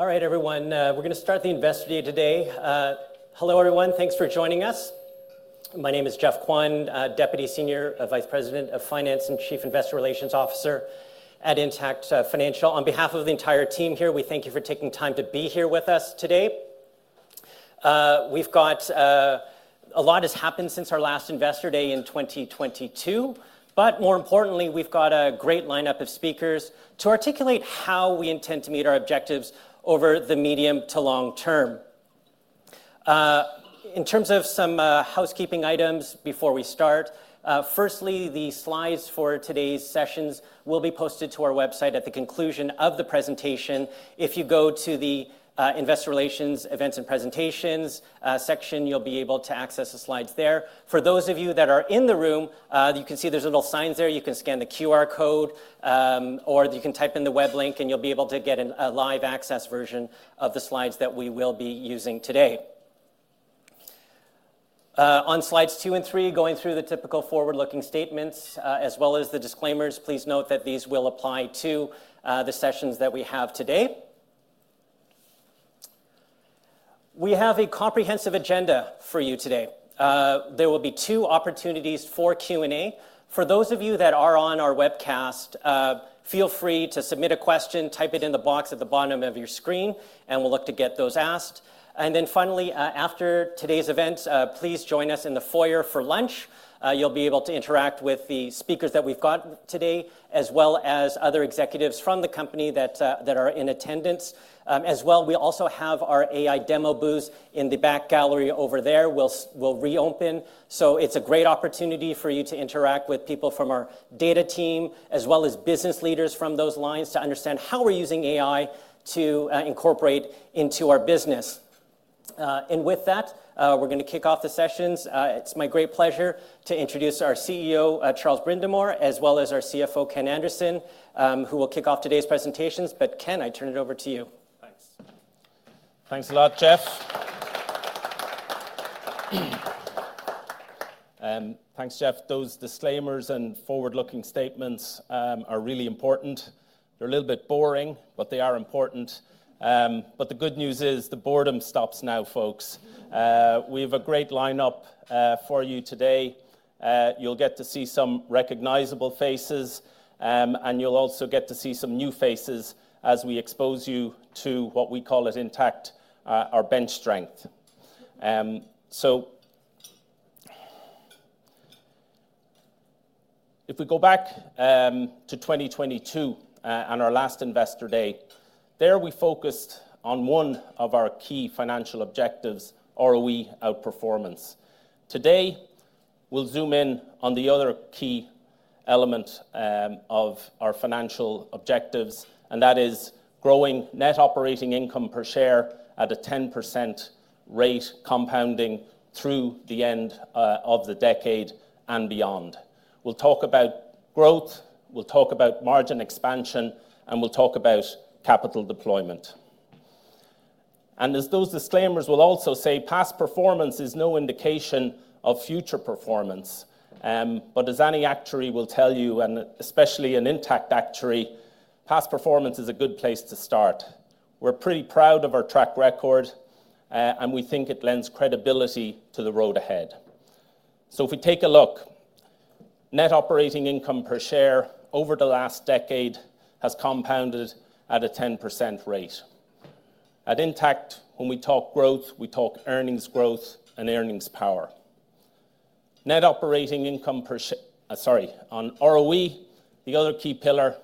All right, everyone. We're going to start the investor day today. Hello, everyone. Thanks for joining us. My name is Geoff Kwan, Deputy Senior Vice President of Finance and Chief Investor Relations Officer at Intact Financial. On behalf of the entire team here, we thank you for taking time to be here with us today. We've got a lot has happened since our last investor day in 2022, but more importantly, we've got a great lineup of speakers to articulate how we intend to meet our objectives over the medium to long term. In terms of some housekeeping items before we start, firstly, the slides for today's sessions will be posted to our website at the conclusion of the presentation. If you go to the Investor Relations Events and Presentations section, you'll be able to access the slides there. For those of you that are in the room, you can see there are little signs there. You can scan the QR code, or you can type in the web link, and you will be able to get a live access version of the slides that we will be using today. On slides two and three, going through the typical forward-looking statements, as well as the disclaimers, please note that these will apply to the sessions that we have today. We have a comprehensive agenda for you today. There will be two opportunities for Q&A. For those of you that are on our webcast, feel free to submit a question, type it in the box at the bottom of your screen, and we will look to get those asked. Finally, after today's events, please join us in the foyer for lunch. You'll be able to interact with the speakers that we've got today, as well as other executives from the company that are in attendance. As well, we also have our AI demo booth in the back gallery over there. We'll reopen. It is a great opportunity for you to interact with people from our data team, as well as business leaders from those lines to understand how we're using AI to incorporate into our business. With that, we're going to kick off the sessions. It is my great pleasure to introduce our CEO, Charles Brindamour, as well as our CFO, Ken Anderson, who will kick off today's presentations. Ken, I turn it over to you. Thanks. Thanks a lot, Geoff. Thanks, Geoff. Those disclaimers and forward-looking statements are really important. They're a little bit boring, but they are important. The good news is the boredom stops now, folks. We have a great lineup for you today. You'll get to see some recognizable faces, and you'll also get to see some new faces as we expose you to what we call at Intact our bench strength. If we go back to 2022 and our last investor day, there we focused on one of our key financial objectives, ROE outperformance. Today, we'll zoom in on the other key element of our financial objectives, and that is growing net operating income per share at a 10% rate compounding through the end of the decade and beyond. We'll talk about growth, we'll talk about margin expansion, and we'll talk about capital deployment. As those disclaimers will also say, past performance is no indication of future performance. But as any actuary will tell you, and especially an Intact actuary, past performance is a good place to start. We're pretty proud of our track record, and we think it lends credibility to the road ahead. If we take a look, net operating income per share over the last decade has compounded at a 10% rate. At Intact, when we talk growth, we talk earnings growth and earnings power. Net operating income per share, sorry, on ROE, the other key pillar,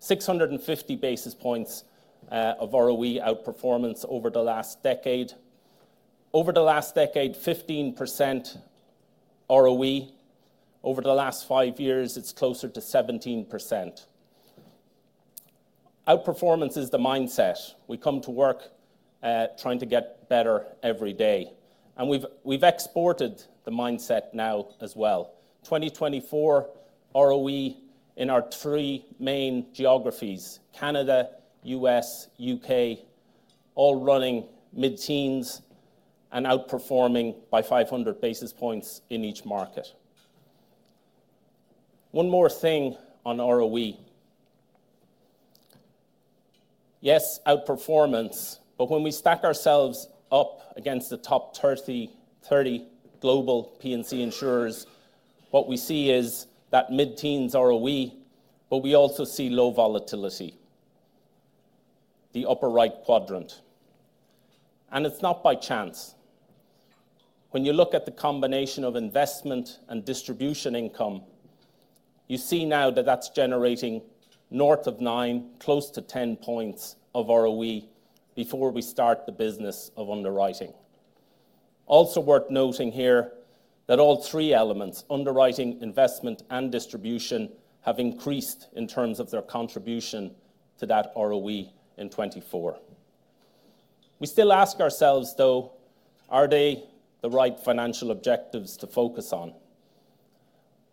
650 basis points of ROE outperformance over the last decade. Over the last decade, 15% ROE. Over the last five years, it's closer to 17%. Outperformance is the mindset. We come to work trying to get better every day. We've exported the mindset now as well. 2024 ROE in our three main geographies, Canada, U.S., U.K., all running mid-teens and outperforming by 500 basis points in each market. One more thing on ROE. Yes, outperformance, but when we stack ourselves up against the top 30 global P&C insurers, what we see is that mid-teens ROE, but we also see low volatility, the upper right quadrant. It is not by chance. When you look at the combination of investment and distribution income, you see now that that is generating north of nine, close to 10 points of ROE before we start the business of underwriting. Also worth noting here that all three elements, underwriting, investment, and distribution, have increased in terms of their contribution to that ROE in 2024. We still ask ourselves, though, are they the right financial objectives to focus on?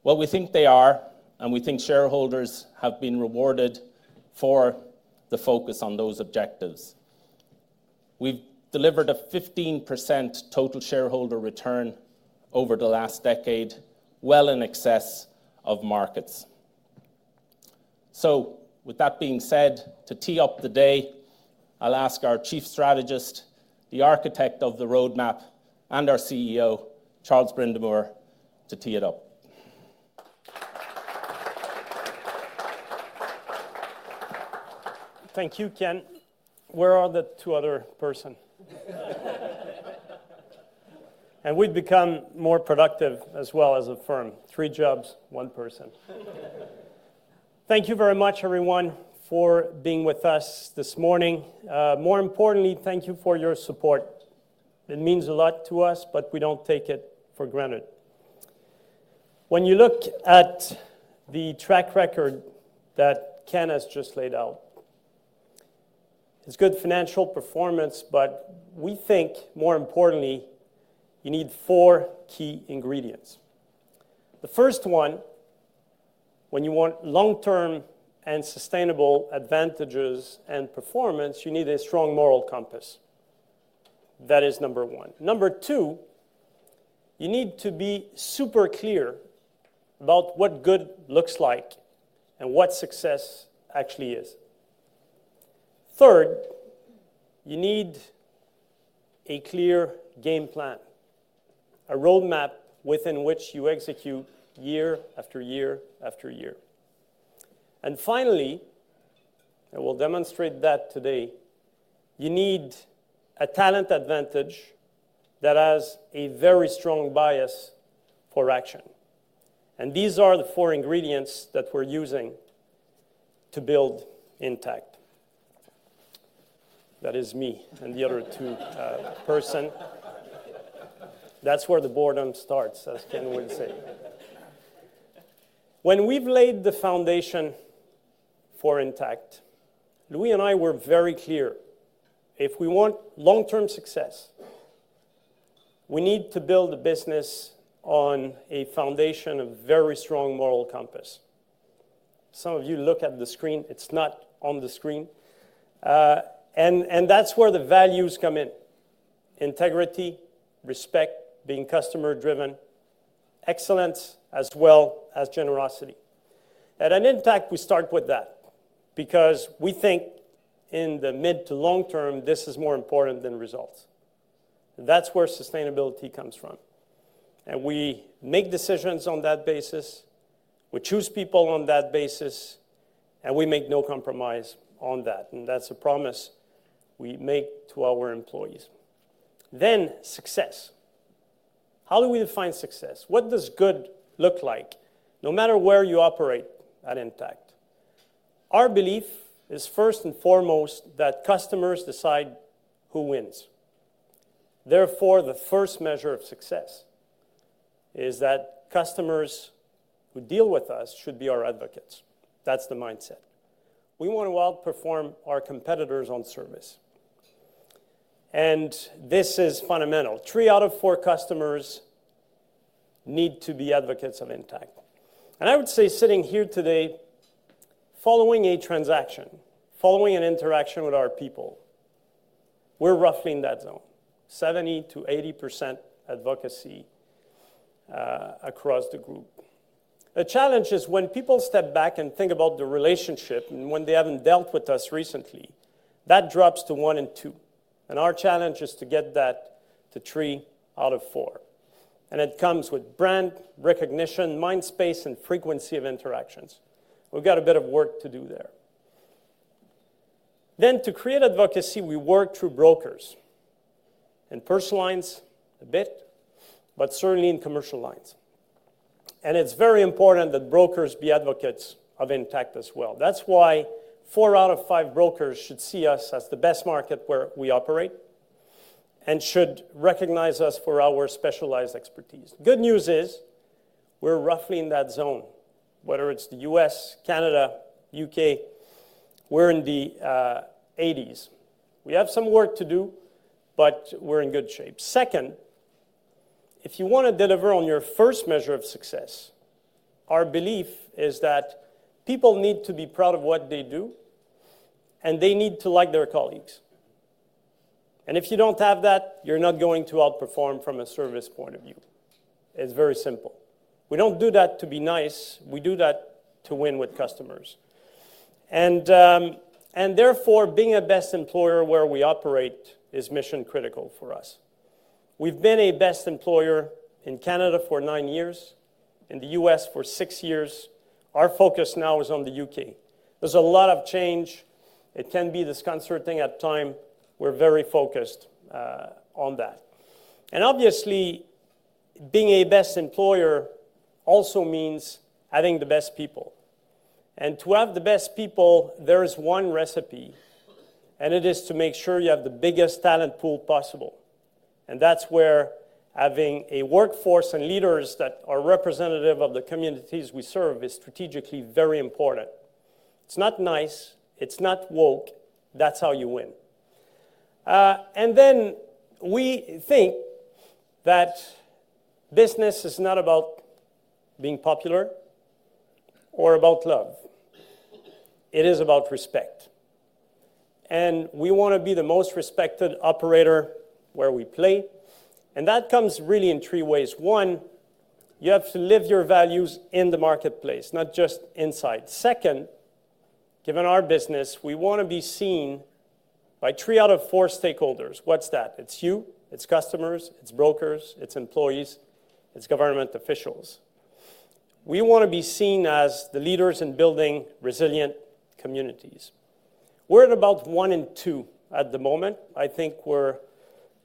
We think they are, and we think shareholders have been rewarded for the focus on those objectives. We have delivered a 15% total shareholder return over the last decade, well in excess of markets. With that being said, to tee up the day, I will ask our Chief Strategist, the architect of the roadmap, and our CEO, Charles Brindamour, to tee it up. Thank you, Ken. Where are the two other person? And we've become more productive as well as a firm. Three jobs, one person. Thank you very much, everyone, for being with us this morning. More importantly, thank you for your support. It means a lot to us, but we do not take it for granted. When you look at the track record that Ken has just laid out, it is good financial performance, but we think, more importantly, you need four key ingredients. The first one, when you want long-term and sustainable advantages and performance, you need a strong moral compass. That is number one. Number two, you need to be super clear about what good looks like and what success actually is. Third, you need a clear game plan, a roadmap within which you execute year after year after year. Finally, and we'll demonstrate that today, you need a talent advantage that has a very strong bias for action. These are the four ingredients that we're using to build Intact. That is me and the other two person. That's where the boredom starts, as Ken would say. When we've laid the foundation for Intact, Louis and I were very clear. If we want long-term success, we need to build a business on a foundation of very strong moral compass. Some of you look at the screen. It's not on the screen. That's where the values come in: integrity, respect, being customer-driven, excellence, as well as generosity. At Intact, we start with that because we think in the mid to long term, this is more important than results. That's where sustainability comes from. We make decisions on that basis. We choose people on that basis, and we make no compromise on that. That is a promise we make to our employees. Success. How do we define success? What does good look like no matter where you operate at Intact? Our belief is first and foremost that customers decide who wins. Therefore, the first measure of success is that customers who deal with us should be our advocates. That is the mindset. We want to outperform our competitors on service. This is fundamental. Three out of four customers need to be advocates of Intact. I would say sitting here today, following a transaction, following an interaction with our people, we are roughly in that zone, 70%-80% advocacy across the group. The challenge is when people step back and think about the relationship and when they have not dealt with us recently, that drops to one in two. Our challenge is to get that to three out of four. It comes with brand recognition, mind space, and frequency of interactions. We have a bit of work to do there. To create advocacy, we work through brokers and personalize a bit, but certainly in commercial lines. It is very important that brokers be advocates of Intact as well. That is why four out of five brokers should see us as the best market where we operate and should recognize us for our specialized expertise. The good news is we are roughly in that zone. Whether it is the US, Canada, or U.K., we are in the 80% range. We have some work to do, but we are in good shape. Second, if you want to deliver on your first measure of success, our belief is that people need to be proud of what they do, and they need to like their colleagues. If you do not have that, you are not going to outperform from a service point of view. It is very simple. We do not do that to be nice. We do that to win with customers. Therefore, being a best employer where we operate is mission-critical for us. We have been a best employer in Canada for nine years, in the US for six years. Our focus now is on the U.K. There is a lot of change. It can be disconcerting at times. We are very focused on that. Obviously, being a best employer also means having the best people. To have the best people, there is one recipe, and it is to make sure you have the biggest talent pool possible. That is where having a workforce and leaders that are representative of the communities we serve is strategically very important. It is not nice. It is not woke. That's how you win. We think that business is not about being popular or about love. It is about respect. We want to be the most respected operator where we play. That comes really in three ways. One, you have to live your values in the marketplace, not just inside. Second, given our business, we want to be seen by three out of four stakeholders. What's that? It's you, it's customers, it's brokers, it's employees, it's government officials. We want to be seen as the leaders in building resilient communities. We're at about one in two at the moment. I think we're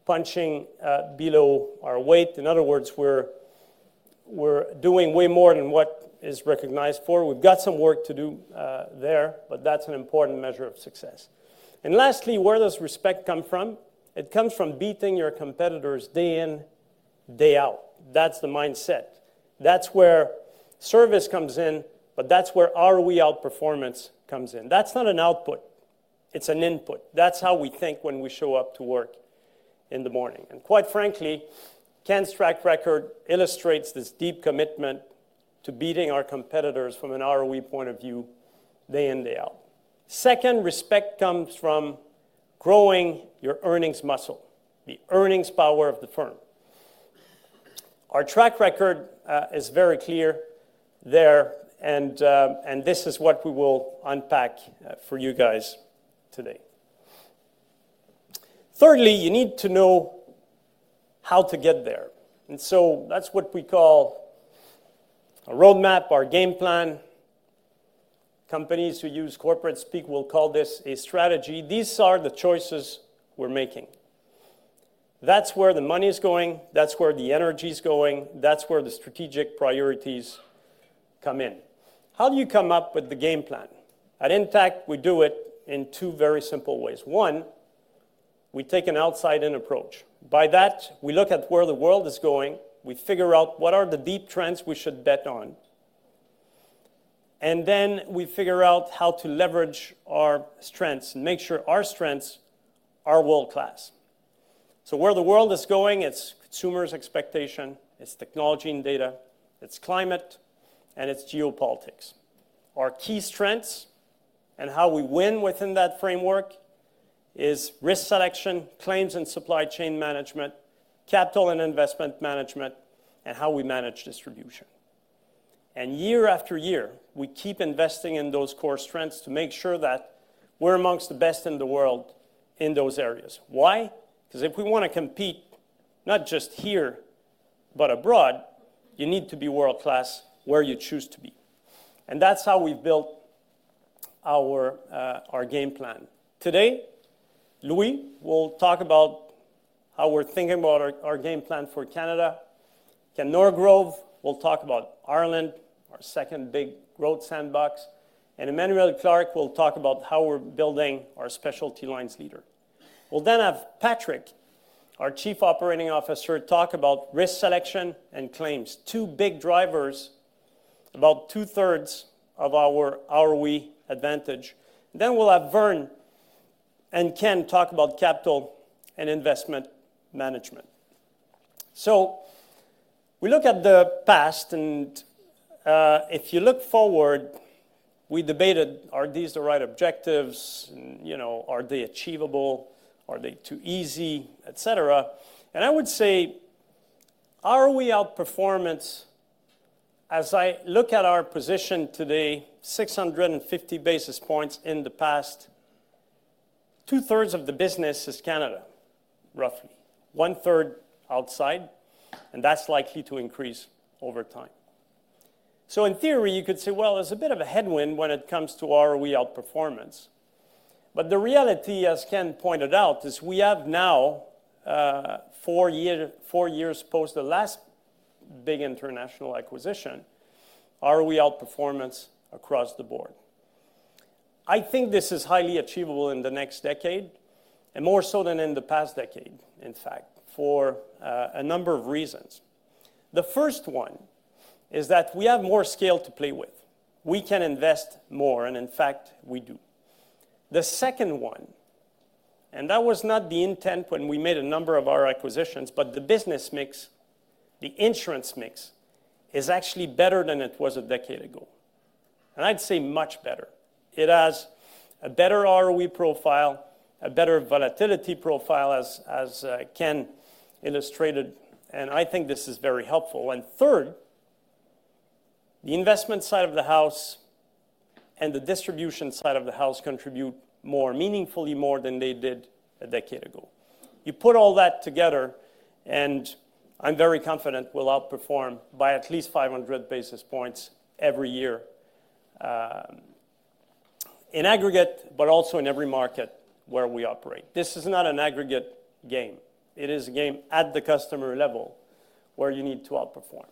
punching below our weight. In other words, we're doing way more than what is recognized for. We've got some work to do there, but that's an important measure of success. Lastly, where does respect come from? It comes from beating your competitors day in, day out. That's the mindset. That's where service comes in, but that's where ROE outperformance comes in. That's not an output. It's an input. That's how we think when we show up to work in the morning. Quite frankly, Ken's track record illustrates this deep commitment to beating our competitors from an ROE point of view day in, day out. Second, respect comes from growing your earnings muscle, the earnings power of the firm. Our track record is very clear there, and this is what we will unpack for you guys today. Thirdly, you need to know how to get there. That's what we call a roadmap, our game plan. Companies who use corporate speak will call this a strategy. These are the choices we're making. That's where the money is going. That's where the energy is going. That's where the strategic priorities come in. How do you come up with the game plan? At Intact, we do it in two very simple ways. One, we take an outside-in approach. By that, we look at where the world is going. We figure out what are the deep trends we should bet on. Then we figure out how to leverage our strengths and make sure our strengths are world-class. Where the world is going, it's consumers' expectation, it's technology and data, it's climate, and it's geopolitics. Our key strengths and how we win within that framework is risk selection, claims and supply chain management, capital and investment management, and how we manage distribution. Year after year, we keep investing in those core strengths to make sure that we're amongst the best in the world in those areas. Why? Because if we want to compete not just here, but abroad, you need to be world-class where you choose to be. That is how we have built our game plan. Today, Louis will talk about how we are thinking about our game plan for Canada. Ken Norgrove will talk about Ireland, our second big growth sandbox. Emmanuel Clarke will talk about how we are building our specialty lines leader. We will then have Patrick, our Chief Operating Officer, talk about risk selection and claims, two big drivers, about two-thirds of our ROE advantage. We will then have Werner and Ken talk about capital and investment management. We look at the past, and if you look forward, we debated, are these the right objectives? Are they achievable? Are they too easy, et cetera? I would say ROE outperformance, as I look at our position today, 650 basis points in the past, two-thirds of the business is Canada, roughly, one-third outside, and that's likely to increase over time. In theory, you could say, well, there's a bit of a headwind when it comes to ROE outperformance. The reality, as Ken pointed out, is we have now four years post the last big international acquisition, ROE outperformance across the board. I think this is highly achievable in the next decade, and more so than in the past decade, in fact, for a number of reasons. The first one is that we have more scale to play with. We can invest more, and in fact, we do. The second one, that was not the intent when we made a number of our acquisitions, but the business mix, the insurance mix, is actually better than it was a decade ago. I'd say much better. It has a better ROE profile, a better volatility profile, as Ken illustrated, and I think this is very helpful. Third, the investment side of the house and the distribution side of the house contribute more meaningfully more than they did a decade ago. You put all that together, and I'm very confident we'll outperform by at least 500 basis points every year in aggregate, but also in every market where we operate. This is not an aggregate game. It is a game at the customer level where you need to outperform.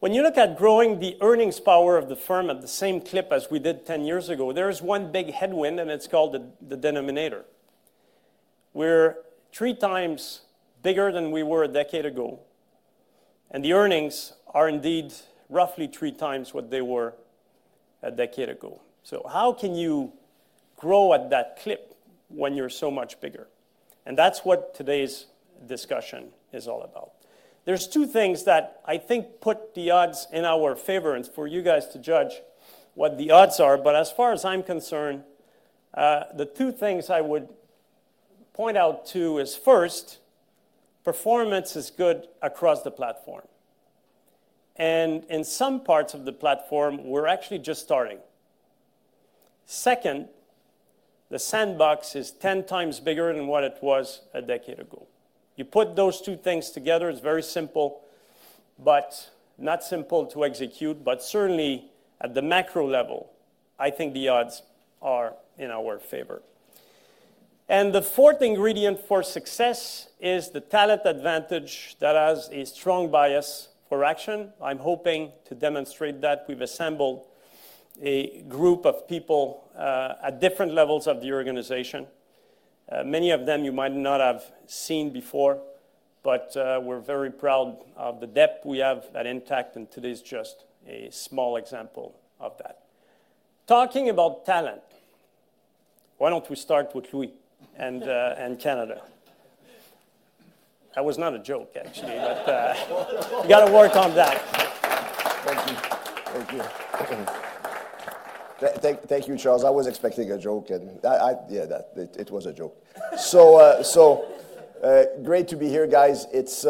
When you look at growing the earnings power of the firm at the same clip as we did 10 years ago, there is one big headwind, and it's called the denominator. We're three times bigger than we were a decade ago, and the earnings are indeed roughly three times what they were a decade ago. How can you grow at that clip when you're so much bigger? That is what today's discussion is all about. There are two things that I think put the odds in our favor and for you guys to judge what the odds are. As far as I'm concerned, the two things I would point out to is first, performance is good across the platform. In some parts of the platform, we're actually just starting. Second, the sandbox is 10 times bigger than what it was a decade ago. You put those two things together, it's very simple, but not simple to execute. Certainly, at the macro level, I think the odds are in our favor. The fourth ingredient for success is the talent advantage that has a strong bias for action. I'm hoping to demonstrate that. We've assembled a group of people at different levels of the organization. Many of them you might not have seen before, but we're very proud of the depth we have at Intact, and today is just a small example of that. Talking about talent, why don't we start with Louis and Canada? That was not a joke, actually, but we got to work on that. Thank you, Charles. I was expecting a joke, and yeah, it was a joke. Great to be here, guys. It's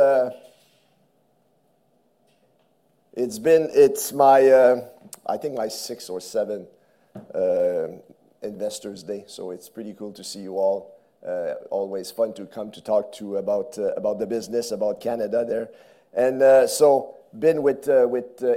my, I think, my sixth or seventh Investors' Day, so it's pretty cool to see you all. Always fun to come to talk to about the business, about Canada there. Been with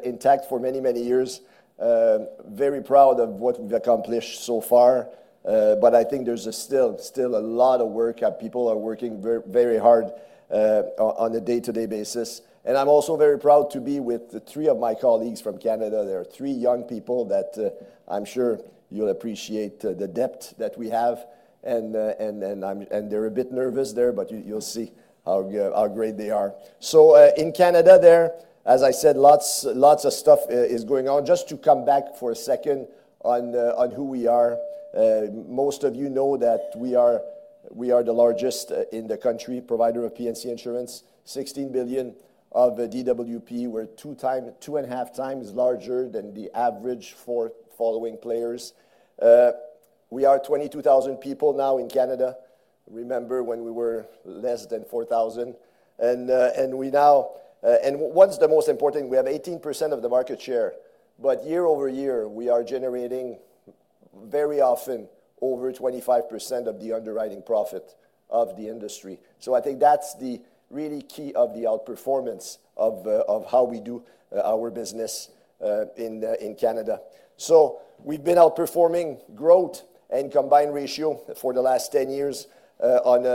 Intact for many, many years. Very proud of what we've accomplished so far, but I think there's still a lot of work. People are working very hard on a day-to-day basis. I'm also very proud to be with three of my colleagues from Canada. There are three young people that I'm sure you'll appreciate the depth that we have. They're a bit nervous there, but you'll see how great they are. In Canada there, as I said, lots of stuff is going on. Just to come back for a second on who we are, most of you know that we are the largest in the country provider of P&C insurance, 16 billion of DWP. We're two and a half times larger than the average four following players. We are 22,000 people now in Canada. Remember when we were less than 4,000? What's the most important? We have 18% of the market share. Year over year, we are generating very often over 25% of the underwriting profit of the industry. I think that's the really key of the outperformance of how we do our business in Canada. We've been outperforming growth and combined ratio for the last 10 years on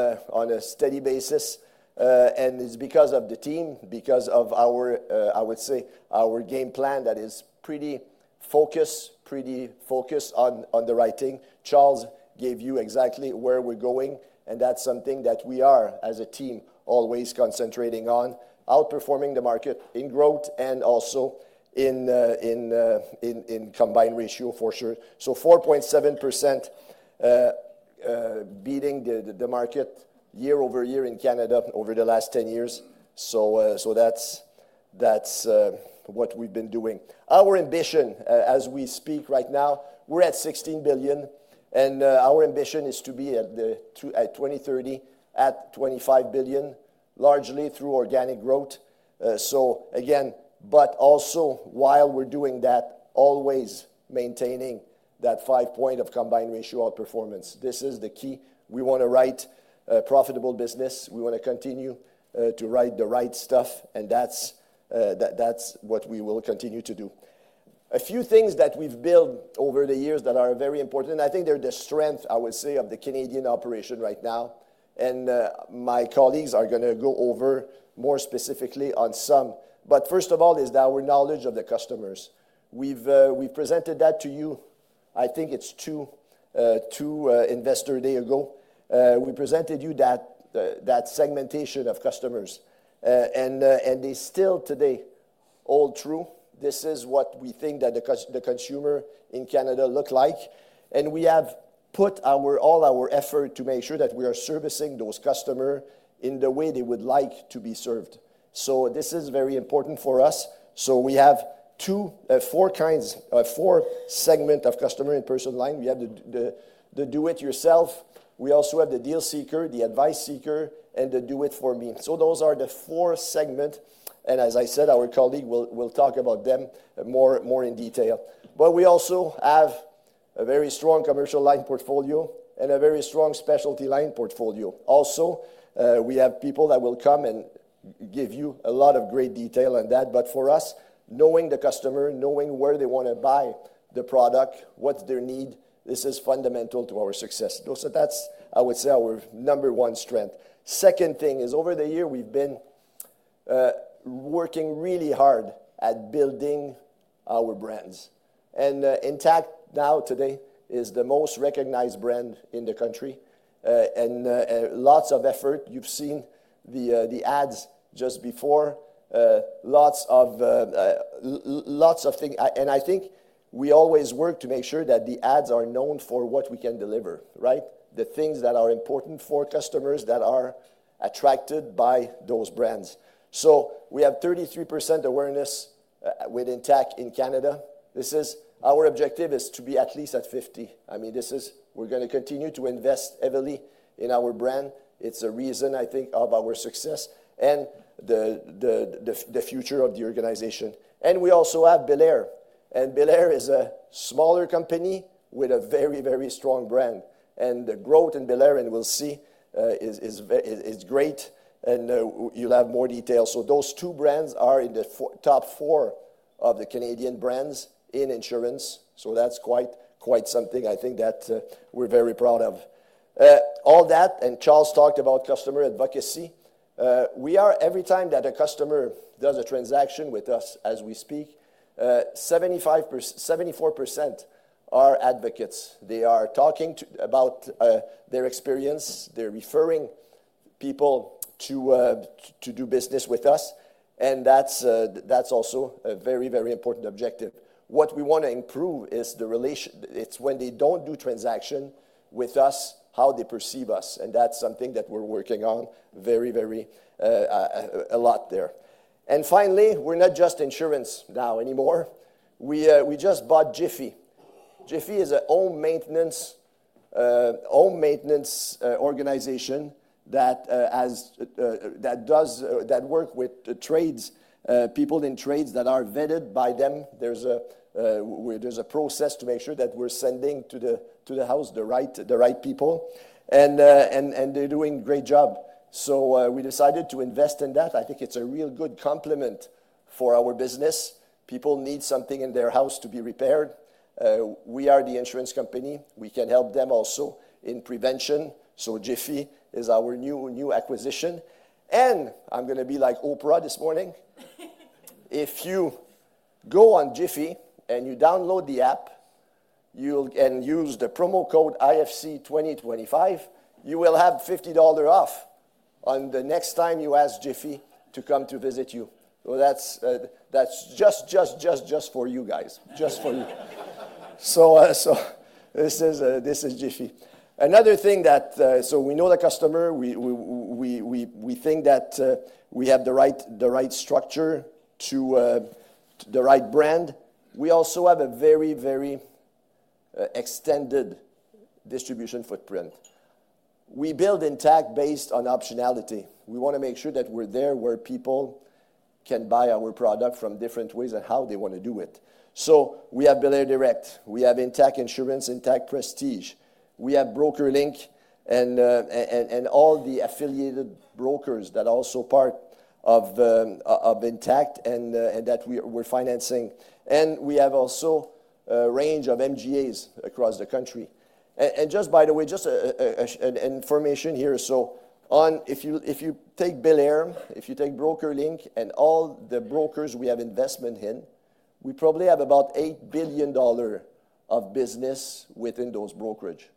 a steady basis. It's because of the team, because of, I would say, our game plan that is pretty focused, pretty focused on the right thing. Charles gave you exactly where we're going, and that's something that we are as a team always concentrating on, outperforming the market in growth and also in combined ratio for sure. 4.7% beating the market year over year in Canada over the last 10 years. That's what we've been doing. Our ambition as we speak right now, we're at 16 billion, and our ambition is to be at 2030 at 25 billion, largely through organic growth. Again, but also while we're doing that, always maintaining that five-point of combined ratio outperformance. This is the key. We want a right profitable business. We want to continue to write the right stuff, and that's what we will continue to do. A few things that we've built over the years that are very important, and I think they're the strength, I would say, of the Canadian operation right now. My colleagues are going to go over more specifically on some. First of all is our knowledge of the customers. We have presented that to you. I think it is two Investors' Days ago. We presented you that segmentation of customers, and they still today hold true. This is what we think that the consumer in Canada looks like, and we have put all our effort to make sure that we are servicing those customers in the way they would like to be served. This is very important for us. We have four segments of customer in personal lines. We have the do-it-yourself. We also have the deal seeker, the advice seeker, and the do-it-for-me. Those are the four segments. As I said, our colleague will talk about them more in detail. But we also have a very strong commercial line portfolio and a very strong specialty line portfolio. Also, we have people that will come and give you a lot of great detail on that. For us, knowing the customer, knowing where they want to buy the product, what's their need, this is fundamental to our success. That's, I would say, our number one strength. The second thing is over the year, we've been working really hard at building our brands. Intact now today is the most recognized brand in the country. Lots of effort. You've seen the ads just before. Lots of things. I think we always work to make sure that the ads are known for what we can deliver, right? The things that are important for customers that are attracted by those brands. We have 33% awareness with Intact in Canada. Our objective is to be at least at 50. I mean, we're going to continue to invest heavily in our brand. It's a reason, I think, of our success and the future of the organization. We also have Belairdirect. Belairdirect is a smaller company with a very, very strong brand. The growth in Belairdirect, and we'll see, is great. You'll have more details. Those two brands are in the top four of the Canadian brands in insurance. That is quite something, I think, that we're very proud of. All that, and Charles talked about customer advocacy. Every time that a customer does a transaction with us as we speak, 74% are advocates. They are talking about their experience. They're referring people to do business with us. That is also a very, very important objective. What we want to improve is the relationship. It's when they don't do transactions with us, how they perceive us. That's something that we're working on very, very a lot there. Finally, we're not just insurance now anymore. We just bought Jiffy. Jiffy is a home maintenance organization that does that work with trades, people in trades that are vetted by them. There's a process to make sure that we're sending to the house the right people. They're doing a great job. We decided to invest in that. I think it's a real good complement for our business. People need something in their house to be repaired. We are the insurance company. We can help them also in prevention. Jiffy is our new acquisition. I'm going to be like Oprah this morning. If you go on Jiffy and you download the app and use the promo code IFC2025, you will have 50 dollar off on the next time you ask Jiffy to come to visit you. That's just for you guys, just for you. This is Jiffy. Another thing that, so we know the customer. We think that we have the right structure to the right brand. We also have a very, very extended distribution footprint. We build Intact based on optionality. We want to make sure that we're there where people can buy our product from different ways and how they want to do it. We have Belair Direct. We have Intact Insurance, Intact Prestige. We have BrokerLink and all the affiliated brokers that are also part of Intact and that we're financing. We have also a range of MGAs across the country. Just by the way, just information here. If you take Belair, if you take BrokerLink and all the brokers we have investment in, we probably have about 8 billion dollar of business within those brokerage.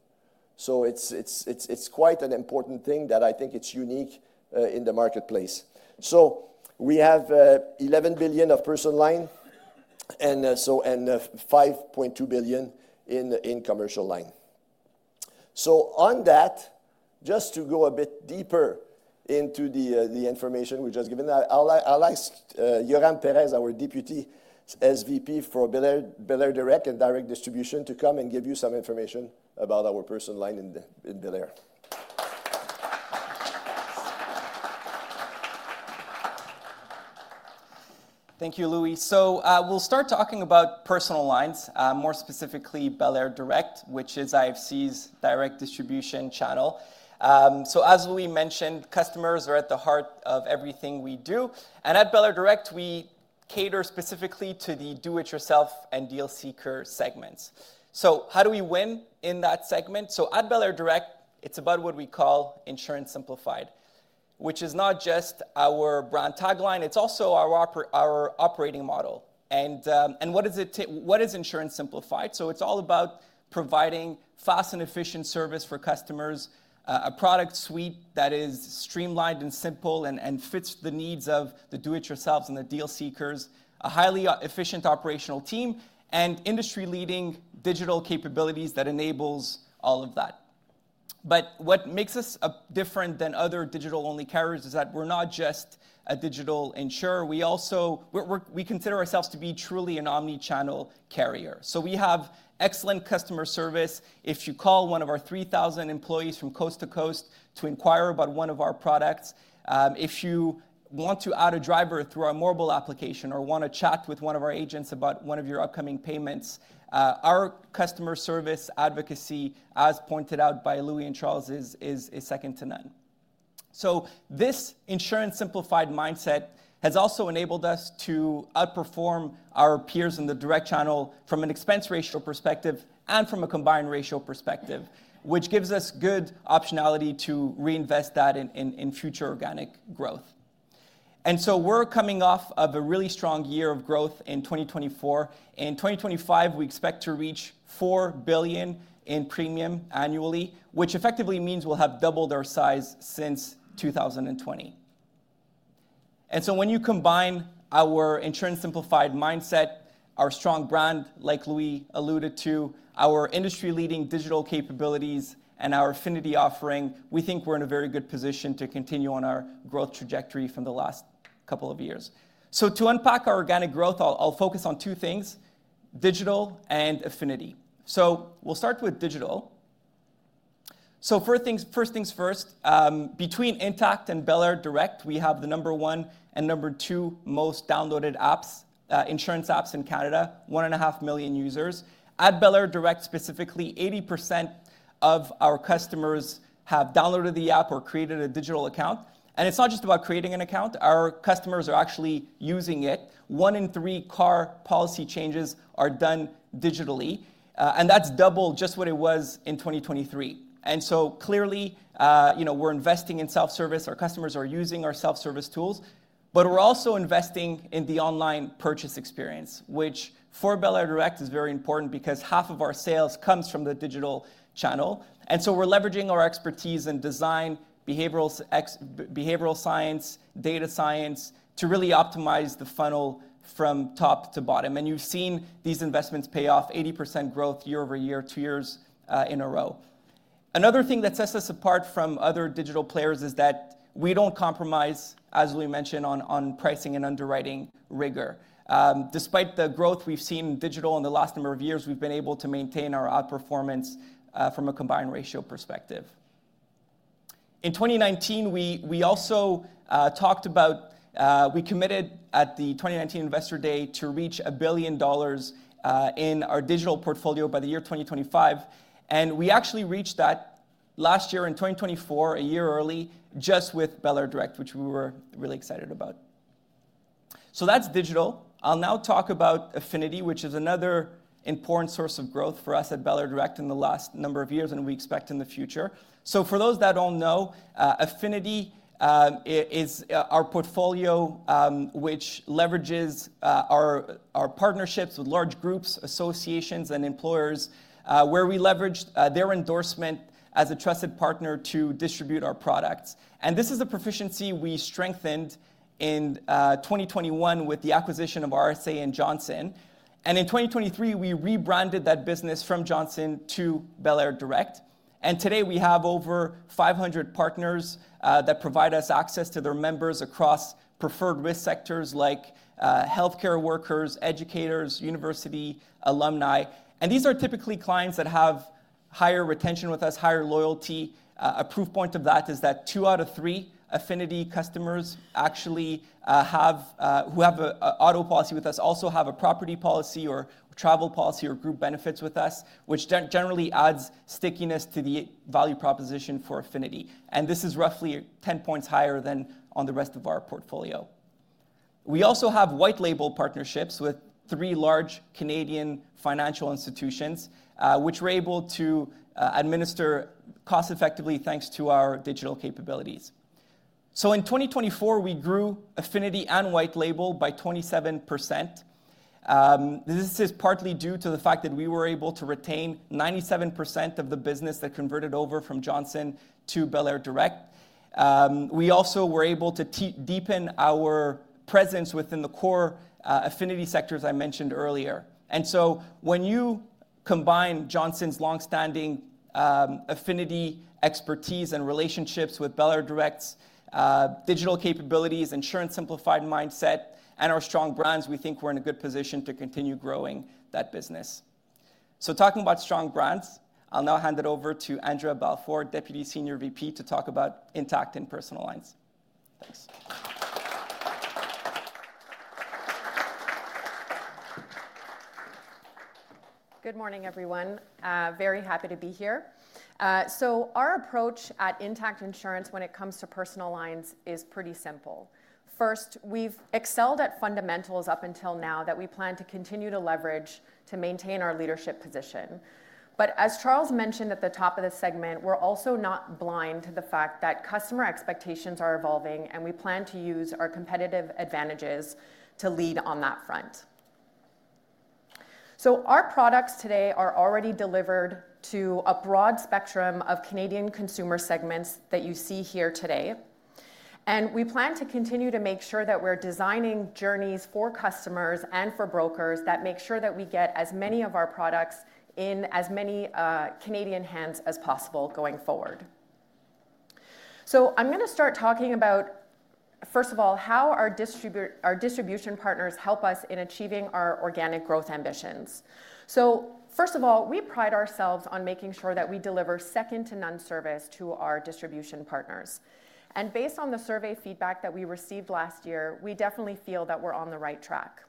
It is quite an important thing that I think is unique in the marketplace. We have 11 billion of personal line and 5.2 billion in commercial line. On that, just to go a bit deeper into the information we've just given, I'll ask Yoram Perez, our Deputy SVP for Belair Direct and direct distribution, to come and give you some information about our personal line in Belair. Thank you, Louis. We will start talking about personal lines, more specifically Belair Direct, which is IFC's direct distribution channel. As Louis mentioned, customers are at the heart of everything we do. At Belairdirect, we cater specifically to the do-it-yourself and deal seeker segments. How do we win in that segment? At Belairdirect, it is about what we call insurance simplified, which is not just our brand tagline. It is also our operating model. What is insurance simplified? It is all about providing fast and efficient service for customers, a product suite that is streamlined and simple and fits the needs of the do-it-yourselves and the deal seekers, a highly efficient operational team, and industry-leading digital capabilities that enable all of that. What makes us different than other digital-only carriers is that we are not just a digital insurer. We consider ourselves to be truly an omnichannel carrier. We have excellent customer service. If you call one of our 3,000 employees from coast to coast to inquire about one of our products, if you want to add a driver through our mobile application or want to chat with one of our agents about one of your upcoming payments, our customer service advocacy, as pointed out by Louis and Charles, is second to none. This insurance simplified mindset has also enabled us to outperform our peers in the direct channel from an expense ratio perspective and from a combined ratio perspective, which gives us good optionality to reinvest that in future organic growth. We are coming off of a really strong year of growth in 2024. In 2025, we expect to reach 4 billion in premium annually, which effectively means we will have doubled our size since 2020. When you combine our insurance simplified mindset, our strong brand, like Louis alluded to, our industry-leading digital capabilities, and our affinity offering, we think we are in a very good position to continue on our growth trajectory from the last couple of years. To unpack our organic growth, I will focus on two things: digital and affinity. We will start with digital. First things first, between Intact and Belairdirect, we have the number one and number two most downloaded insurance apps in Canada, 1.5 million users. At Belairdirect, specifically, 80% of our customers have downloaded the app or created a digital account. It is not just about creating an account. Our customers are actually using it. One in three car policy changes are done digitally. That is double what it was in 2023. Clearly, we are investing in self-service. Our customers are using our self-service tools. We are also investing in the online purchase experience, which for Belairdirect is very important because half of our sales comes from the digital channel. We are leveraging our expertise in design, behavioral science, data science to really optimize the funnel from top to bottom. You have seen these investments pay off: 80% growth year over year, two years in a row. Another thing that sets us apart from other digital players is that we do not compromise, as Louis mentioned, on pricing and underwriting rigor. Despite the growth we have seen in digital in the last number of years, we have been able to maintain our outperformance from a combined ratio perspective. In 2019, we also talked about we committed at the 2019 Investor Day to reach 1 billion dollars in our digital portfolio by the year 2025. We actually reached that last year in 2024, a year early, just with Belairdirect, which we were really excited about. That is digital. I'll now talk about affinity, which is another important source of growth for us at Belairdirect in the last number of years and we expect in the future. For those that do not know, affinity is our portfolio, which leverages our partnerships with large groups, associations, and employers, where we leverage their endorsement as a trusted partner to distribute our products. This is a proficiency we strengthened in 2021 with the acquisition of RSA and Johnson. In 2023, we rebranded that business from Johnson to Belairdirect. Today, we have over 500 partners that provide us access to their members across preferred risk sectors like healthcare workers, educators, university alumni. These are typically clients that have higher retention with us, higher loyalty. A proof point of that is that two out of three affinity customers who have an auto policy with us also have a property policy or travel policy or group benefits with us, which generally adds stickiness to the value proposition for affinity. This is roughly 10 percentage points higher than on the rest of our portfolio. We also have white-label partnerships with three large Canadian financial institutions, which we are able to administer cost-effectively thanks to our digital capabilities. In 2024, we grew affinity and white-label by 27%. This is partly due to the fact that we were able to retain 97% of the business that converted over from Johnson to Belair Direct. We also were able to deepen our presence within the core affinity sectors I mentioned earlier. When you combine Johnson's longstanding affinity, expertise, and relationships with Belair Direct's digital capabilities, insurance simplified mindset, and our strong brands, we think we're in a good position to continue growing that business. Talking about strong brands, I'll now hand it over to Andrea Balfour, Deputy Senior VP, to talk about Intact and personal lines. Thanks. Good morning, everyone. Very happy to be here. Our approach at Intact Insurance when it comes to personal lines is pretty simple. First, we've excelled at fundamentals up until now that we plan to continue to leverage to maintain our leadership position. As Charles mentioned at the top of the segment, we're also not blind to the fact that customer expectations are evolving, and we plan to use our competitive advantages to lead on that front. Our products today are already delivered to a broad spectrum of Canadian consumer segments that you see here today. We plan to continue to make sure that we're designing journeys for customers and for brokers that make sure that we get as many of our products in as many Canadian hands as possible going forward. I'm going to start talking about, first of all, how our distribution partners help us in achieving our organic growth ambitions. First of all, we pride ourselves on making sure that we deliver second-to-none service to our distribution partners. Based on the survey feedback that we received last year, we definitely feel that we're on the right track.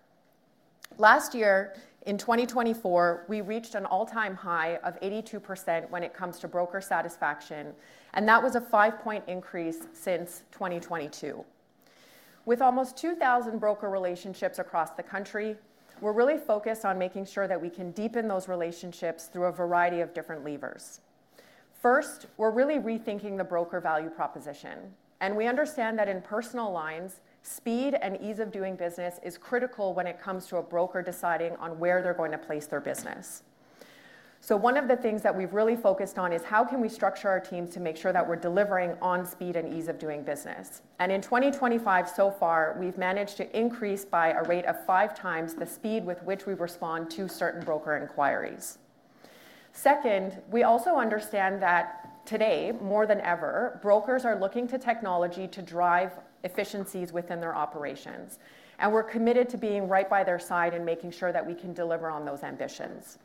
Last year, in 2024, we reached an all-time high of 82% when it comes to broker satisfaction, and that was a five-point increase since 2022. With almost 2,000 broker relationships across the country, we're really focused on making sure that we can deepen those relationships through a variety of different levers. First, we're really rethinking the broker value proposition. We understand that in personal lines, speed and ease of doing business is critical when it comes to a broker deciding on where they're going to place their business. One of the things that we've really focused on is how can we structure our teams to make sure that we're delivering on speed and ease of doing business. In 2025, so far, we've managed to increase by a rate of five times the speed with which we respond to certain broker inquiries. Second, we also understand that today, more than ever, brokers are looking to technology to drive efficiencies within their operations. We are committed to being right by their side and making sure that we can deliver on those ambitions.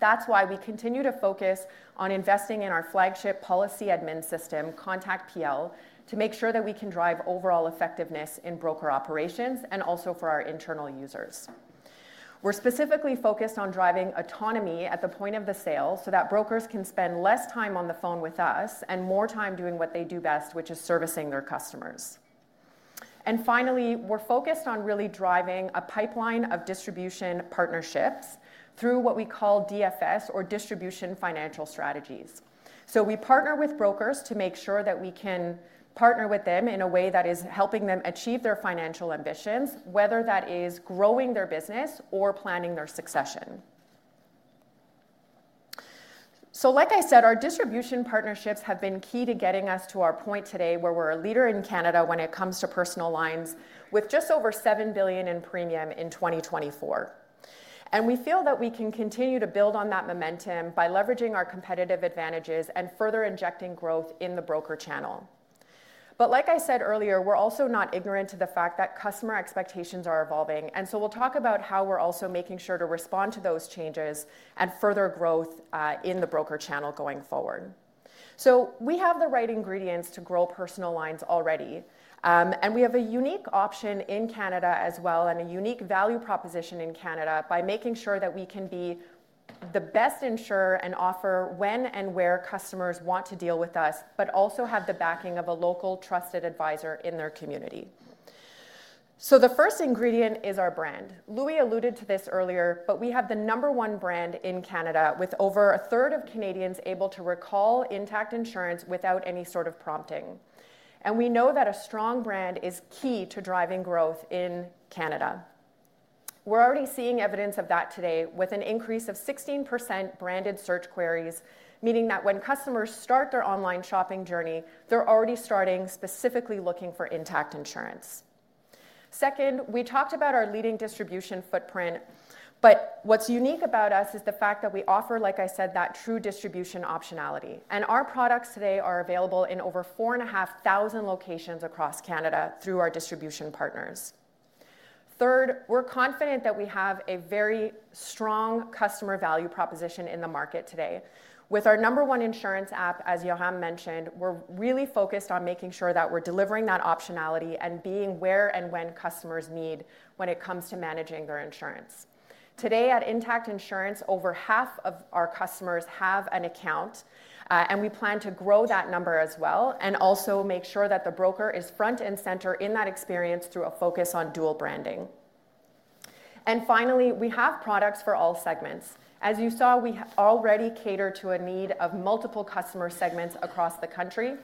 That is why we continue to focus on investing in our flagship policy admin system, Contact PL, to make sure that we can drive overall effectiveness in broker operations and also for our internal users. We are specifically focused on driving autonomy at the point of the sale so that brokers can spend less time on the phone with us and more time doing what they do best, which is servicing their customers. Finally, we are focused on really driving a pipeline of distribution partnerships through what we call DFS or distribution financial strategies. We partner with brokers to make sure that we can partner with them in a way that is helping them achieve their financial ambitions, whether that is growing their business or planning their succession. Like I said, our distribution partnerships have been key to getting us to our point today where we're a leader in Canada when it comes to personal lines with just over 7 billion in premium in 2024. We feel that we can continue to build on that momentum by leveraging our competitive advantages and further injecting growth in the broker channel. Like I said earlier, we're also not ignorant to the fact that customer expectations are evolving. We'll talk about how we're also making sure to respond to those changes and further growth in the broker channel going forward. We have the right ingredients to grow personal lines already. We have a unique option in Canada as well and a unique value proposition in Canada by making sure that we can be the best insurer and offer when and where customers want to deal with us, but also have the backing of a local trusted advisor in their community. The first ingredient is our brand. Louis alluded to this earlier, but we have the number one brand in Canada with over a third of Canadians able to recall Intact Insurance without any sort of prompting. We know that a strong brand is key to driving growth in Canada. We are already seeing evidence of that today with an increase of 16% branded search queries, meaning that when customers start their online shopping journey, they are already starting specifically looking for Intact Insurance. Second, we talked about our leading distribution footprint, but what is unique about us is the fact that we offer, like I said, that true distribution optionality. Our products today are available in over 4,500 locations across Canada through our distribution partners. Third, we are confident that we have a very strong customer value proposition in the market today. With our number one insurance app, as Yohan mentioned, we are really focused on making sure that we are delivering that optionality and being where and when customers need when it comes to managing their insurance. Today, at Intact Insurance, over half of our customers have an account, and we plan to grow that number as well and also make sure that the broker is front and center in that experience through a focus on dual branding. Finally, we have products for all segments. As you saw, we already cater to a need of multiple customer segments across the country.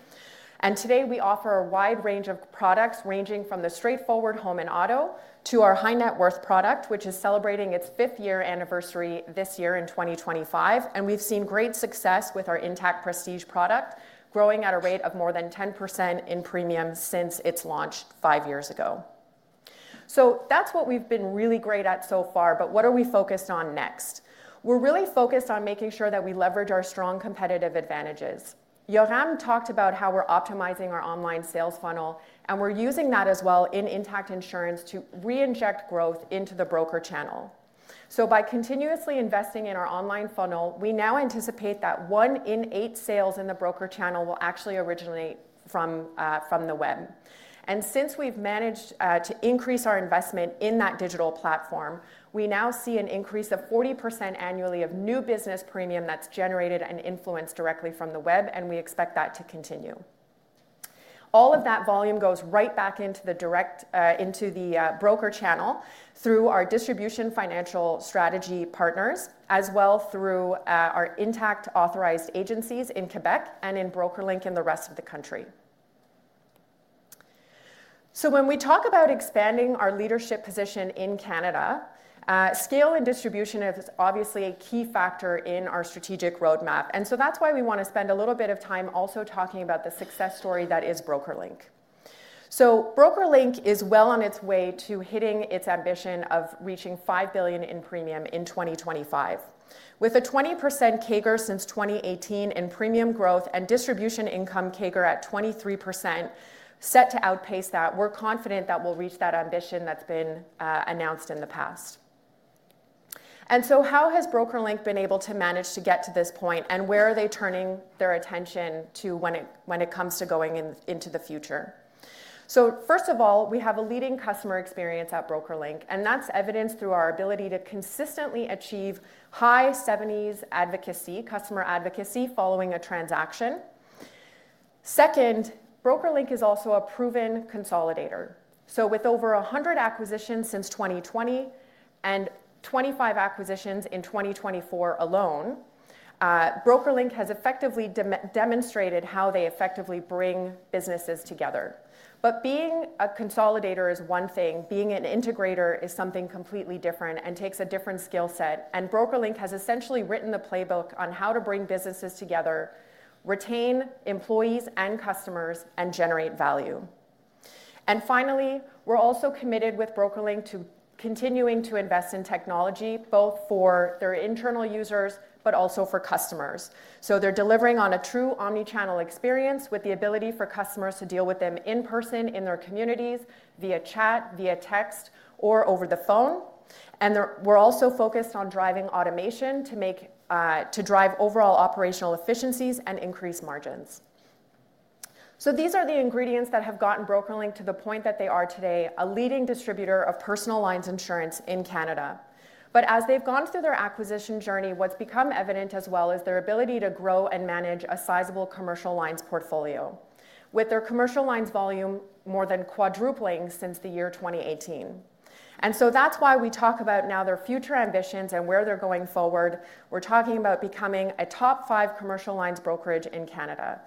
Today, we offer a wide range of products ranging from the straightforward home and auto to our high-net-worth product, which is celebrating its fifth year anniversary this year in 2025. We have seen great success with our Intact Prestige product growing at a rate of more than 10% in premium since its launch five years ago. That is what we have been really great at so far, but what are we focused on next? We are really focused on making sure that we leverage our strong competitive advantages. Yohan talked about how we are optimizing our online sales funnel, and we are using that as well in Intact Insurance to reinject growth into the broker channel. By continuously investing in our online funnel, we now anticipate that one in eight sales in the broker channel will actually originate from the web. Since we have managed to increase our investment in that digital platform, we now see an increase of 40% annually of new business premium that is generated and influenced directly from the web, and we expect that to continue. All of that volume goes right back into the broker channel through our distribution financial strategy partners, as well through our Intact authorized agencies in Quebec and in BrokerLink in the rest of the country. When we talk about expanding our leadership position in Canada, scale and distribution is obviously a key factor in our strategic roadmap. That is why we want to spend a little bit of time also talking about the success story that is BrokerLink. BrokerLink is well on its way to hitting its ambition of reaching 5 billion in premium in 2025. With a 20% CAGR since 2018 in premium growth and distribution income CAGR at 23% set to outpace that, we're confident that we'll reach that ambition that's been announced in the past. How has BrokerLink been able to manage to get to this point, and where are they turning their attention to when it comes to going into the future? First of all, we have a leading customer experience at BrokerLink, and that's evidenced through our ability to consistently achieve high 70s customer advocacy following a transaction. Second, BrokerLink is also a proven consolidator. With over 100 acquisitions since 2020 and 25 acquisitions in 2024 alone, BrokerLink has effectively demonstrated how they effectively bring businesses together. Being a consolidator is one thing; being an integrator is something completely different and takes a different skill set. BrokerLink has essentially written the playbook on how to bring businesses together, retain employees and customers, and generate value. Finally, we are also committed with BrokerLink to continuing to invest in technology both for their internal users but also for customers. They are delivering on a true omnichannel experience with the ability for customers to deal with them in person, in their communities, via chat, via text, or over the phone. We are also focused on driving automation to drive overall operational efficiencies and increase margins. These are the ingredients that have gotten BrokerLink to the point that they are today, a leading distributor of personal lines insurance in Canada. As they've gone through their acquisition journey, what's become evident as well is their ability to grow and manage a sizable commercial lines portfolio, with their commercial lines volume more than quadrupling since the year 2018. That is why we talk about now their future ambitions and where they're going forward. We're talking about becoming a top five commercial lines brokerage in Canada.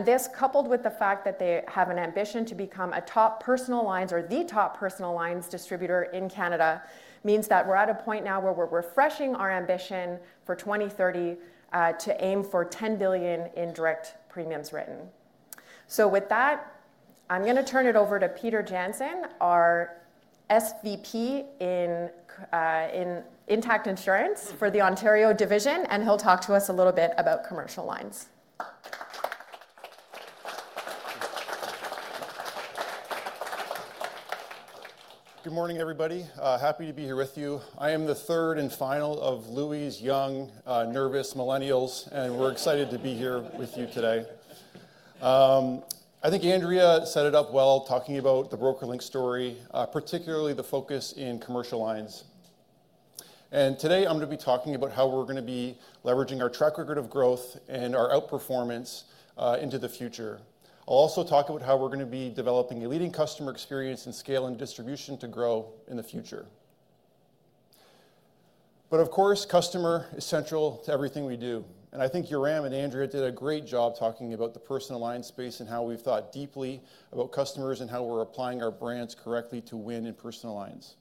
This, coupled with the fact that they have an ambition to become a top personal lines or the top personal lines distributor in Canada, means that we're at a point now where we're refreshing our ambition for 2030 to aim for 10 billion in direct premiums written. With that, I'm going to turn it over to Peter Janzen, our SVP in Intact Insurance for the Ontario division, and he'll talk to us a little bit about commercial lines. Good morning, everybody. Happy to be here with you. I am the third and final of Louis' young, nervous millennials, and we're excited to be here with you today. I think Andrea set it up well talking about the BrokerLink story, particularly the focus in commercial lines. Today, I'm going to be talking about how we're going to be leveraging our track record of growth and our outperformance into the future. I'll also talk about how we're going to be developing a leading customer experience and scale and distribution to grow in the future. Of course, customer is central to everything we do. I think Yoram and Andrea did a great job talking about the personal lines space and how we've thought deeply about customers and how we're applying our brands correctly to win in personal lines.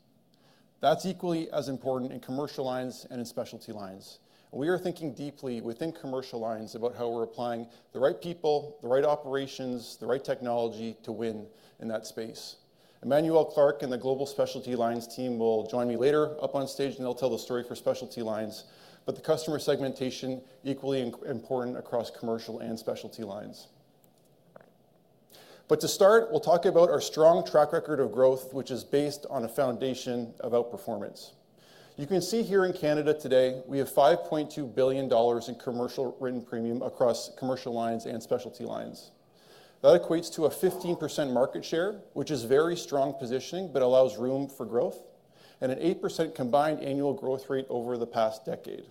That's equally as important in commercial lines and in specialty lines. We are thinking deeply within commercial lines about how we're applying the right people, the right operations, the right technology to win in that space. Emmanuel Clarke and the global specialty lines team will join me later up on stage, and they'll tell the story for specialty lines, but the customer segmentation is equally important across commercial and specialty lines. To start, we'll talk about our strong track record of growth, which is based on a foundation of outperformance. You can see here in Canada today, we have 5.2 billion dollars in commercial written premium across commercial lines and specialty lines. That equates to a 15% market share, which is very strong positioning, but allows room for growth, and an 8% combined annual growth rate over the past decade.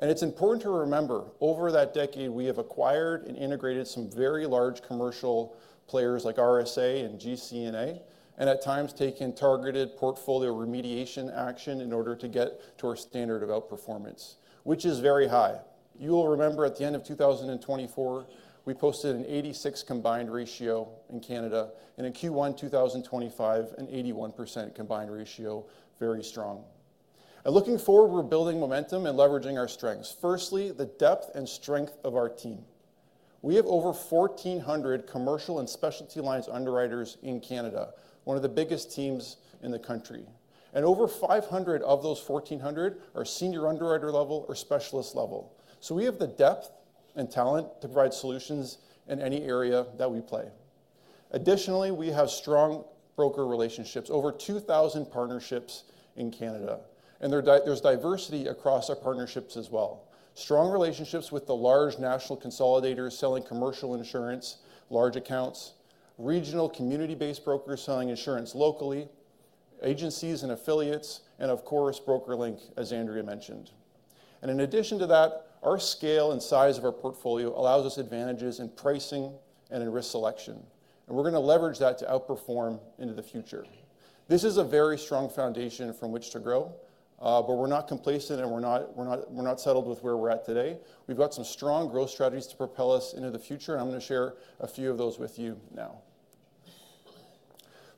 It is important to remember, over that decade, we have acquired and integrated some very large commercial players like RSA and GCNA, and at times taken targeted portfolio remediation action in order to get to our standard of outperformance, which is very high. You will remember at the end of 2024, we posted an 86% combined ratio in Canada, and in Q1 2025, an 81% combined ratio, very strong. Looking forward, we are building momentum and leveraging our strengths. Firstly, the depth and strength of our team. We have over 1,400 commercial and specialty lines underwriters in Canada, one of the biggest teams in the country. Over 500 of those 1,400 are senior underwriter level or specialist level. We have the depth and talent to provide solutions in any area that we play. Additionally, we have strong broker relationships, over 2,000 partnerships in Canada. There is diversity across our partnerships as well. Strong relationships with the large national consolidators selling commercial insurance, large accounts, regional community-based brokers selling insurance locally, agencies and affiliates, and of course, BrokerLink, as Andrea mentioned. In addition to that, our scale and size of our portfolio allows us advantages in pricing and in risk selection. We are going to leverage that to outperform into the future. This is a very strong foundation from which to grow, but we are not complacent and we are not settled with where we are at today. We have some strong growth strategies to propel us into the future, and I am going to share a few of those with you now.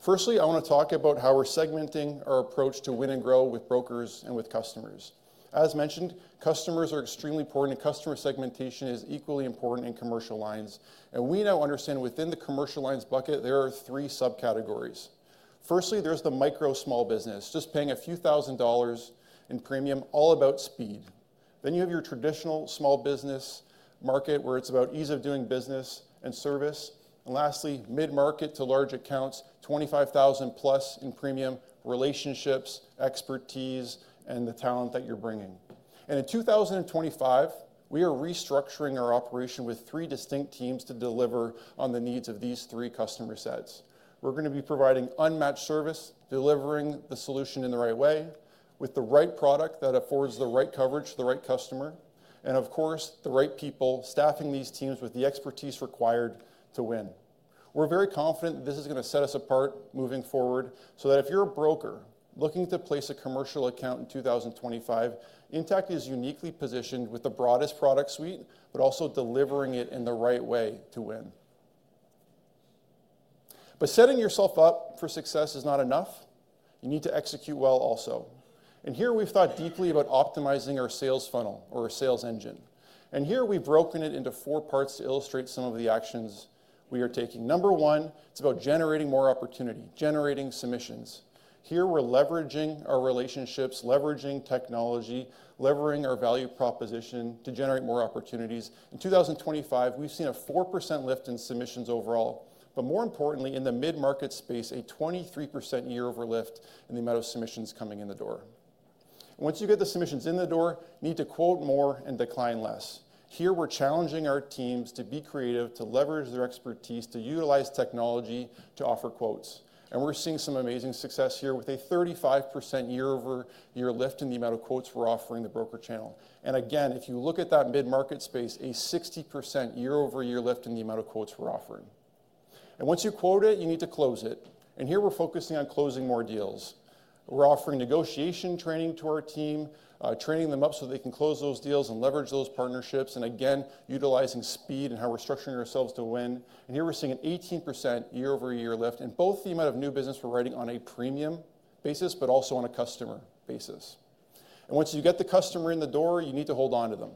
Firstly, I want to talk about how we are segmenting our approach to win and grow with brokers and with customers. As mentioned, customers are extremely important, and customer segmentation is equally important in commercial lines. We now understand within the commercial lines bucket, there are three subcategories. Firstly, there is the micro small business, just paying a few thousand dollars in premium, all about speed. You have your traditional small business market, where it is about ease of doing business and service. Lastly, mid-market to large accounts, $25,000 plus in premium, relationships, expertise, and the talent that you are bringing. In 2025, we are restructuring our operation with three distinct teams to deliver on the needs of these three customer sets. We are going to be providing unmatched service, delivering the solution in the right way, with the right product that affords the right coverage to the right customer, and of course, the right people staffing these teams with the expertise required to win. We're very confident that this is going to set us apart moving forward so that if you're a broker looking to place a commercial account in 2025, Intact is uniquely positioned with the broadest product suite, but also delivering it in the right way to win. Setting yourself up for success is not enough. You need to execute well also. Here we've thought deeply about optimizing our sales funnel or our sales engine. Here we've broken it into four parts to illustrate some of the actions we are taking. Number one, it's about generating more opportunity, generating submissions. Here we're leveraging our relationships, leveraging technology, leveraging our value proposition to generate more opportunities. In 2025, we've seen a 4% lift in submissions overall, but more importantly, in the mid-market space, a 23% year-over lift in the amount of submissions coming in the door. Once you get the submissions in the door, you need to quote more and decline less. Here we are challenging our teams to be creative, to leverage their expertise, to utilize technology to offer quotes. We are seeing some amazing success here with a 35% year-over-year lift in the amount of quotes we are offering the broker channel. If you look at that mid-market space, a 60% year-over-year lift in the amount of quotes we are offering. Once you quote it, you need to close it. Here we are focusing on closing more deals. We are offering negotiation training to our team, training them up so they can close those deals and leverage those partnerships, utilizing speed and how we are structuring ourselves to win. Here we're seeing an 18% year-over-year lift in both the amount of new business we're writing on a premium basis, but also on a customer basis. Once you get the customer in the door, you need to hold on to them.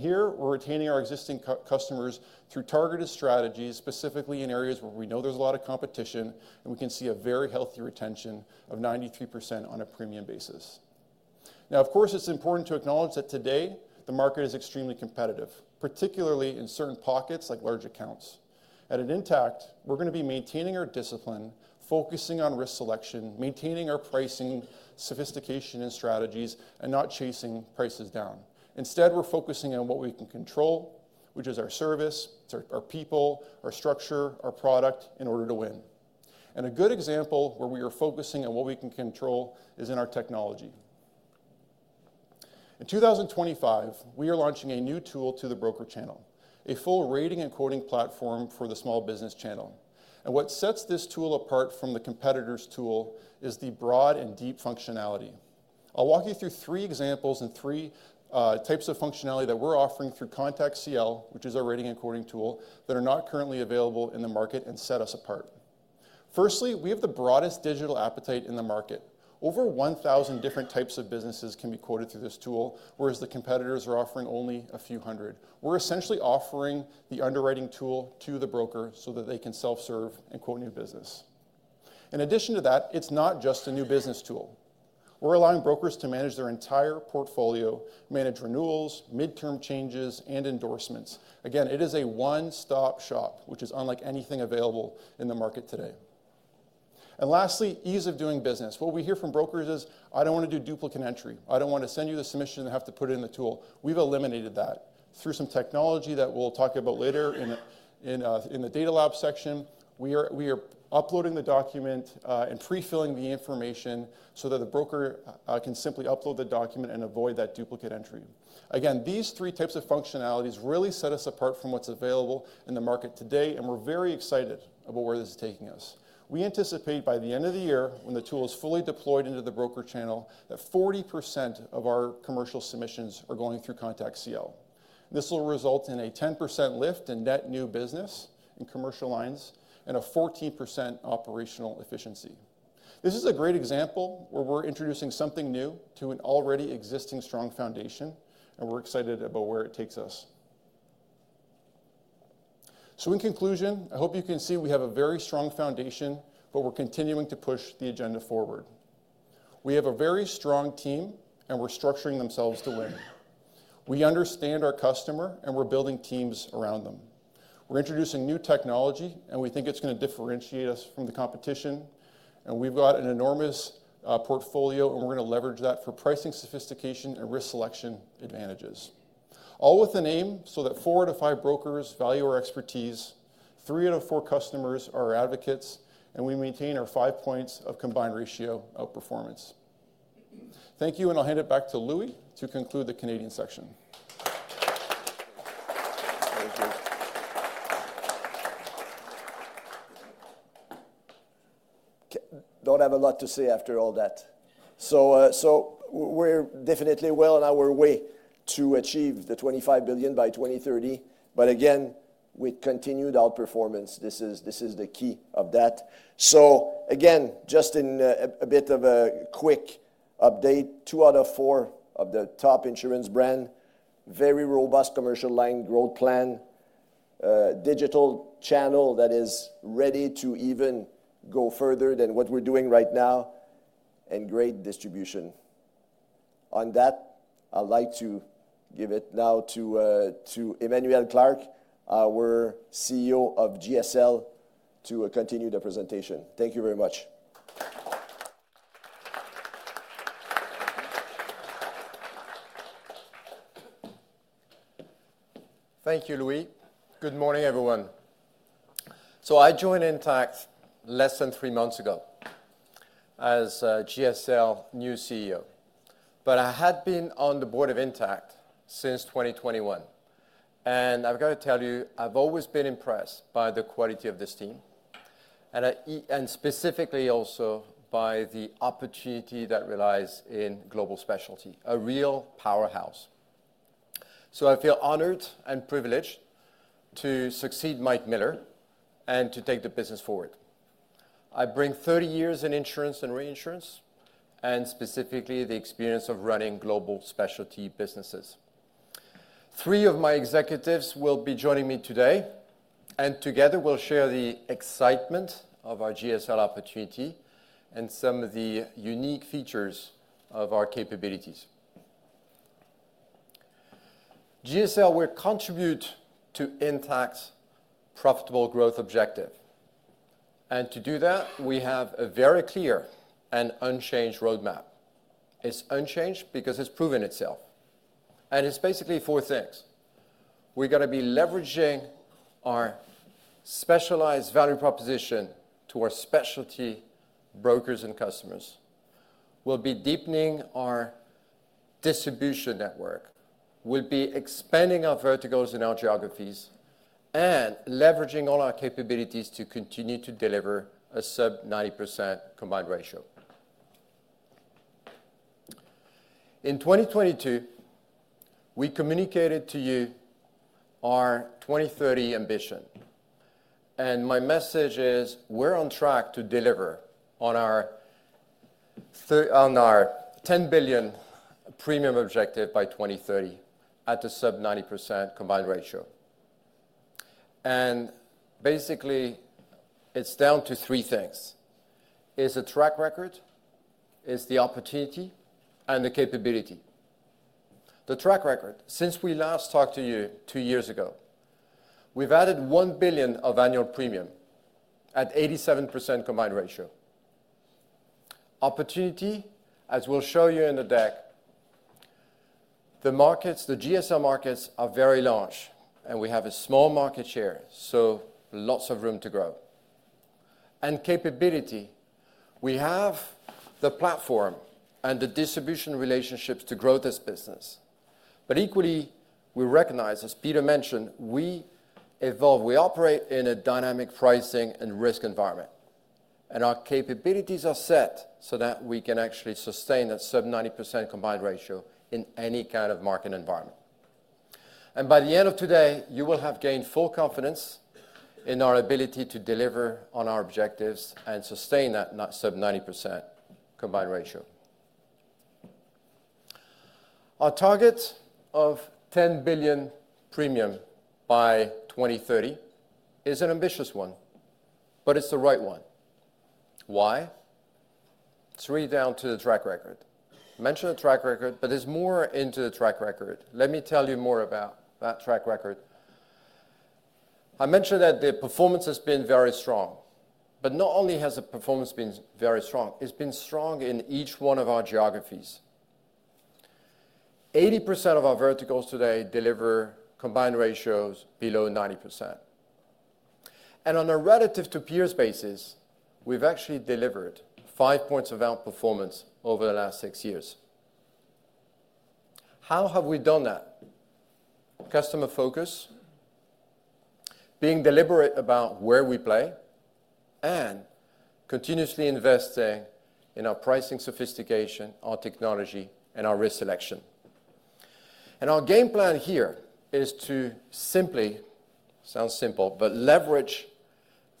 Here we're retaining our existing customers through targeted strategies, specifically in areas where we know there's a lot of competition, and we can see a very healthy retention of 93% on a premium basis. Of course, it's important to acknowledge that today the market is extremely competitive, particularly in certain pockets like large accounts. At Intact, we're going to be maintaining our discipline, focusing on risk selection, maintaining our pricing sophistication and strategies, and not chasing prices down. Instead, we're focusing on what we can control, which is our service, our people, our structure, our product in order to win. A good example where we are focusing on what we can control is in our technology. In 2025, we are launching a new tool to the broker channel, a full rating and quoting platform for the small business channel. What sets this tool apart from the competitor's tool is the broad and deep functionality. I'll walk you through three examples and three types of functionality that we're offering through ContactCL, which is our rating and quoting tool that are not currently available in the market and set us apart. Firstly, we have the broadest digital appetite in the market. Over 1,000 different types of businesses can be quoted through this tool, whereas the competitors are offering only a few hundred. We're essentially offering the underwriting tool to the broker so that they can self-serve and quote new business. In addition to that, it is not just a new business tool. We are allowing brokers to manage their entire portfolio, manage renewals, midterm changes, and endorsements. Again, it is a one-stop shop, which is unlike anything available in the market today. Lastly, ease of doing business. What we hear from brokers is, "I do not want to do duplicate entry. I do not want to send you the submission and have to put it in the tool." We have eliminated that through some technology that we will talk about later in the data lab section. We are uploading the document and prefilling the information so that the broker can simply upload the document and avoid that duplicate entry. Again, these three types of functionalities really set us apart from what is available in the market today, and we are very excited about where this is taking us. We anticipate by the end of the year, when the tool is fully deployed into the broker channel, that 40% of our commercial submissions are going through ContactCL. This will result in a 10% lift in net new business in commercial lines and a 14% operational efficiency. This is a great example where we're introducing something new to an already existing strong foundation, and we're excited about where it takes us. In conclusion, I hope you can see we have a very strong foundation, but we're continuing to push the agenda forward. We have a very strong team, and we're structuring themselves to win. We understand our customer, and we're building teams around them. We're introducing new technology, and we think it's going to differentiate us from the competition. We've got an enormous portfolio, and we're going to leverage that for pricing sophistication and risk selection advantages. All with a name so that four out of five brokers value our expertise, three out of four customers are our advocates, and we maintain our five points of combined ratio outperformance. Thank you, and I'll hand it back to Louis to conclude the Canadian section. Thank you. Don't have a lot to say after all that. We are definitely well on our way to achieve the 25 billion by 2030, but again, with continued outperformance, this is the key of that. Again, just in a bit of a quick update, two out of four of the top insurance brand, very robust commercial line growth plan, digital channel that is ready to even go further than what we're doing right now, and great distribution. On that, I'd like to give it now to Emmanuel Clarke, our CEO of GSL, to continue the presentation. Thank you very much. Thank you, Louis. Good morning, everyone. I joined Intact less than three months ago as GSL new CEO, but I had been on the board of Intact since 2021. I have to tell you, I have always been impressed by the quality of this team, and specifically also by the opportunity that relies in global specialty, a real powerhouse. I feel honored and privileged to succeed Mike Miller and to take the business forward. I bring 30 years in insurance and reinsurance, and specifically the experience of running global specialty businesses. Three of my executives will be joining me today, and together we will share the excitement of our GSL opportunity and some of the unique features of our capabilities. GSL will contribute to Intact's profitable growth objective. To do that, we have a very clear and unchanged roadmap. It is unchanged because it has proven itself. It's basically four things. We're going to be leveraging our specialized value proposition to our specialty brokers and customers. We'll be deepening our distribution network. We'll be expanding our verticals and our geographies and leveraging all our capabilities to continue to deliver a sub-90% combined ratio. In 2022, we communicated to you our 2030 ambition. My message is we're on track to deliver on our 10 billion premium objective by 2030 at a sub-90% combined ratio. Basically, it's down to three things. It's the track record, it's the opportunity, and the capability. The track record, since we last talked to you two years ago, we've added 1 billion of annual premium at 87% combined ratio. Opportunity, as we'll show you in the deck, the GSL markets are very large, and we have a small market share, so lots of room to grow. Capability, we have the platform and the distribution relationships to grow this business. Equally, we recognize, as Peter mentioned, we evolve. We operate in a dynamic pricing and risk environment. Our capabilities are set so that we can actually sustain that sub-90% combined ratio in any kind of market environment. By the end of today, you will have gained full confidence in our ability to deliver on our objectives and sustain that sub-90% combined ratio. Our target of 10 billion premium by 2030 is an ambitious one, but it is the right one. Why? Three down to the track record. Mentioned the track record, but there is more into the track record. Let me tell you more about that track record. I mentioned that the performance has been very strong. Not only has the performance been very strong, it has been strong in each one of our geographies. 80% of our verticals today deliver combined ratios below 90%. On a relative-to-peers basis, we've actually delivered five points of outperformance over the last six years. How have we done that? Customer focus, being deliberate about where we play, and continuously investing in our pricing sophistication, our technology, and our risk selection. Our game plan here is to simply, sounds simple, but leverage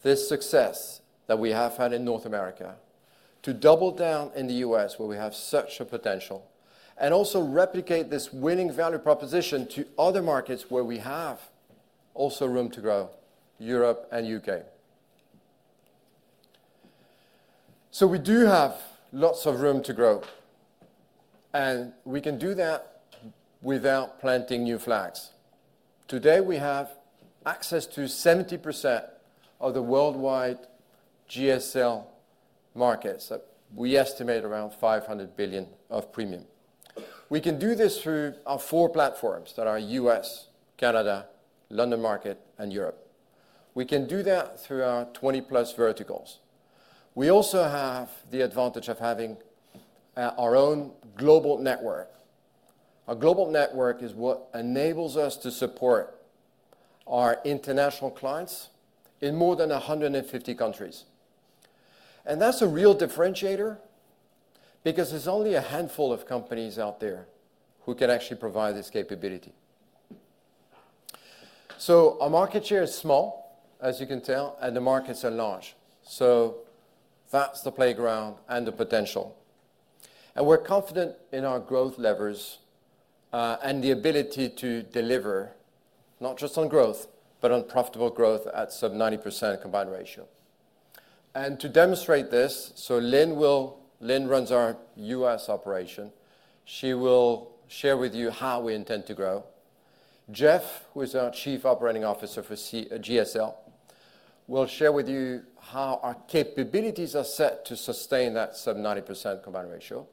this success that we have had in North America to double down in the US, where we have such a potential, and also replicate this winning value proposition to other markets where we have also room to grow, Europe and U.K. We do have lots of room to grow, and we can do that without planting new flags. Today, we have access to 70% of the worldwide GSL market. We estimate around $500 billion of premium. We can do this through our four platforms that are US, Canada, London market, and Europe. We can do that through our 20-plus verticals. We also have the advantage of having our own global network. Our global network is what enables us to support our international clients in more than 150 countries. That is a real differentiator because there is only a handful of companies out there who can actually provide this capability. Our market share is small, as you can tell, and the markets are large. That is the playground and the potential. We are confident in our growth levers and the ability to deliver not just on growth, but on profitable growth at sub-90% combined ratio. To demonstrate this, Lynn runs our US operation. She will share with you how we intend to grow. Jeff, who is our Chief Operating Officer for GSL, will share with you how our capabilities are set to sustain that sub-90% combined ratio.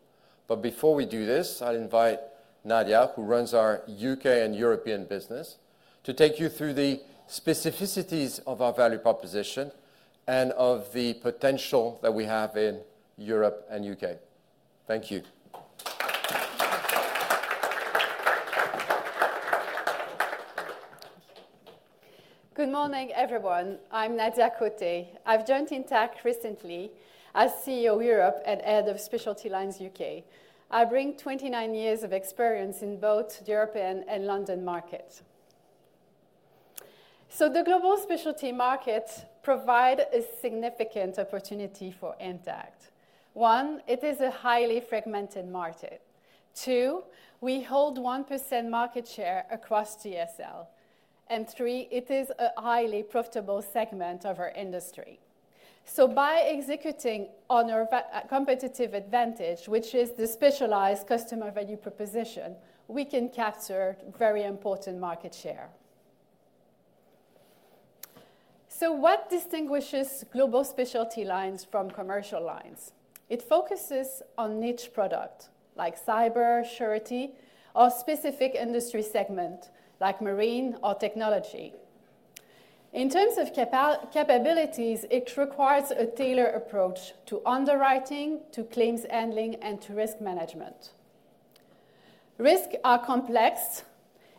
Before we do this, I'd invite Nadia, who runs our U.K. and European business, to take you through the specificities of our value proposition and of the potential that we have in Europe and U.K. Thank you. Good morning, everyone. I'm Nadia Côté. I've joined Intact recently as CEO Europe and head of Specialty Lines U.K. I bring 29 years of experience in both the European and London markets. The global specialty markets provide a significant opportunity for Intact. One, it is a highly fragmented market. Two, we hold 1% market share across GSL. Three, it is a highly profitable segment of our industry. By executing on our competitive advantage, which is the specialized customer value proposition, we can capture very important market share. What distinguishes global specialty lines from commercial lines? It focuses on niche products like cyber, surety, or specific industry segments like marine or technology. In terms of capabilities, it requires a tailored approach to underwriting, to claims handling, and to risk management. Risks are complex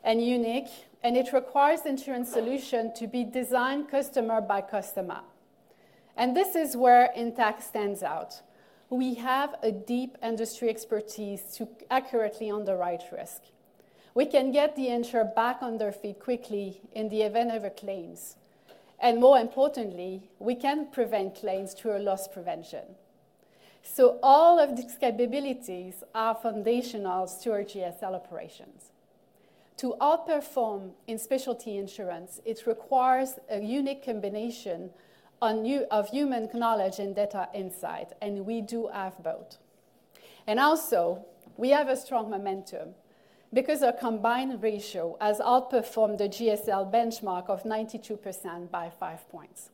and unique, and it requires insurance solutions to be designed customer by customer. This is where Intact stands out. We have a deep industry expertise to accurately underwrite risk. We can get the insurer back on their feet quickly in the event of a claim. More importantly, we can prevent claims through loss prevention. All of these capabilities are foundational to our GSL operations. To outperform in specialty insurance, it requires a unique combination of human knowledge and data insight, and we do have both. We also have a strong momentum because our combined ratio has outperformed the GSL benchmark of 92% by five points.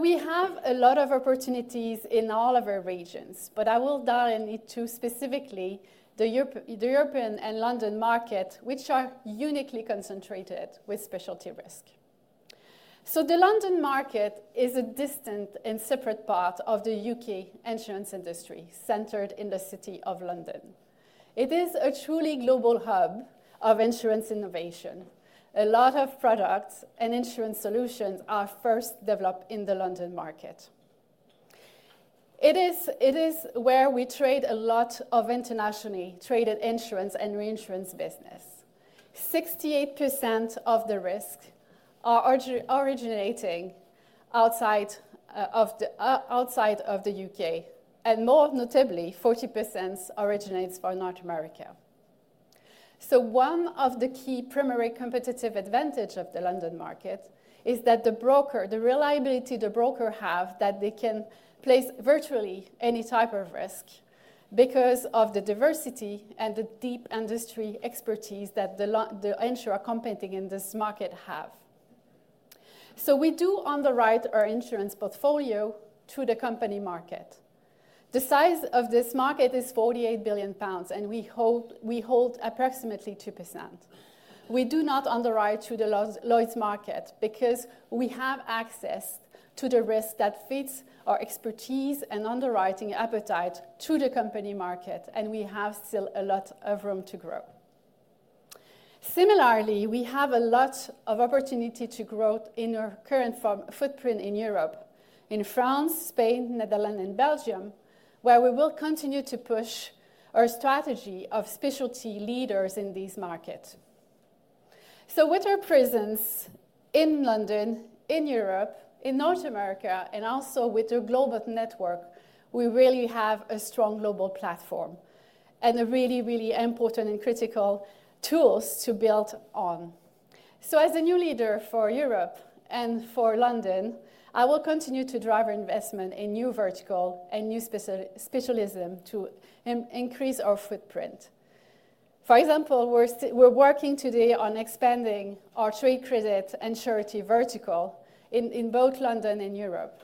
We have a lot of opportunities in all of our regions, but I will dive into specifically the European and London market, which are uniquely concentrated with specialty risk. The London market is a distant and separate part of the U.K. insurance industry centered in the city of London. It is a truly global hub of insurance innovation. A lot of products and insurance solutions are first developed in the London market. It is where we trade a lot of internationally traded insurance and reinsurance business. 68% of the risk are originating outside of the U.K., and more notably, 40% originates from North America. One of the key primary competitive advantages of the London market is that the broker, the reliability the broker has that they can place virtually any type of risk because of the diversity and the deep industry expertise that the insurer competing in this market has. We do underwrite our insurance portfolio to the company market. The size of this market is 48 billion pounds, and we hold approximately 2%. We do not underwrite to the Lloyds market because we have access to the risk that fits our expertise and underwriting appetite to the company market, and we have still a lot of room to grow. Similarly, we have a lot of opportunity to grow in our current footprint in Europe, in France, Spain, Netherlands, and Belgium, where we will continue to push our strategy of specialty leaders in these markets. With our presence in London, in Europe, in North America, and also with the global network, we really have a strong global platform and a really, really important and critical tools to build on. As a new leader for Europe and for London, I will continue to drive our investment in new verticals and new specialisms to increase our footprint. For example, we're working today on expanding our trade credit and surety vertical in both London and Europe.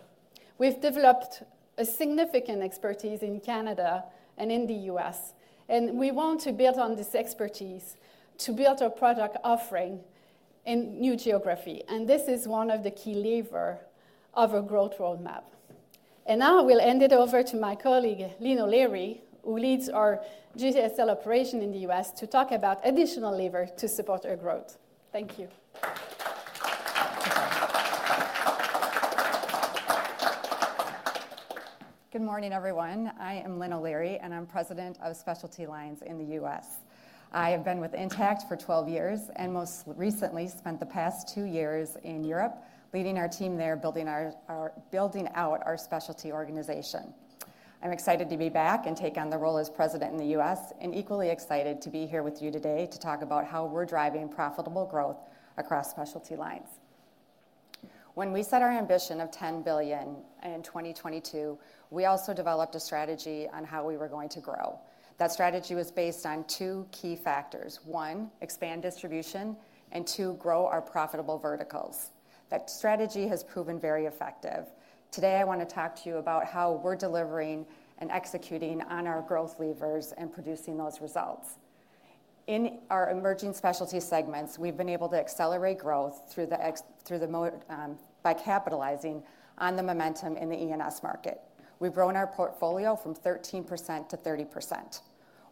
We've developed a significant expertise in Canada and in the US, and we want to build on this expertise to build our product offering in new geography. This is one of the key levers of our growth roadmap. Now I will hand it over to my colleague, Lynn O'Leary, who leads our GSL operation in the US to talk about additional levers to support our growth. Thank you. Good morning, everyone. I am Lynn O'Leary, and I'm President of Specialty Lines in the US. I have been with Intact for 12 years and most recently spent the past two years in Europe leading our team there, building out our specialty organization. I'm excited to be back and take on the role as President in the US and equally excited to be here with you today to talk about how we're driving profitable growth across specialty lines. When we set our ambition of $10 billion in 2022, we also developed a strategy on how we were going to grow. That strategy was based on two key factors: one, expand distribution, and two, grow our profitable verticals. That strategy has proven very effective. Today, I want to talk to you about how we're delivering and executing on our growth levers and producing those results. In our emerging specialty segments, we've been able to accelerate growth by capitalizing on the momentum in the E&S market. We've grown our portfolio from 13% to 30%.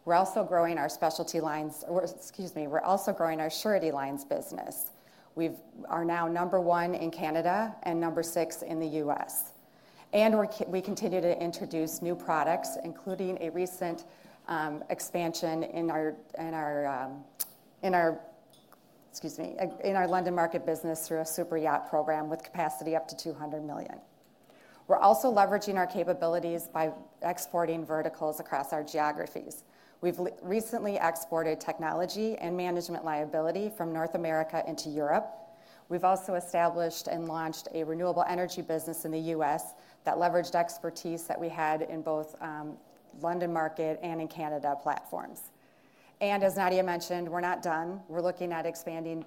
We're also growing our specialty lines—excuse me—we're also growing our surety lines business. We are now number one in Canada and number six in the US. We continue to introduce new products, including a recent expansion in our—excuse me—in our London market business through a super yacht program with capacity up to $200 million. We're also leveraging our capabilities by exporting verticals across our geographies. We've recently exported technology and management liability from North America into Europe. We've also established and launched a renewable energy business in the US that leveraged expertise that we had in both London market and in Canada platforms. As Nadia mentioned, we're not done. We're looking at expanding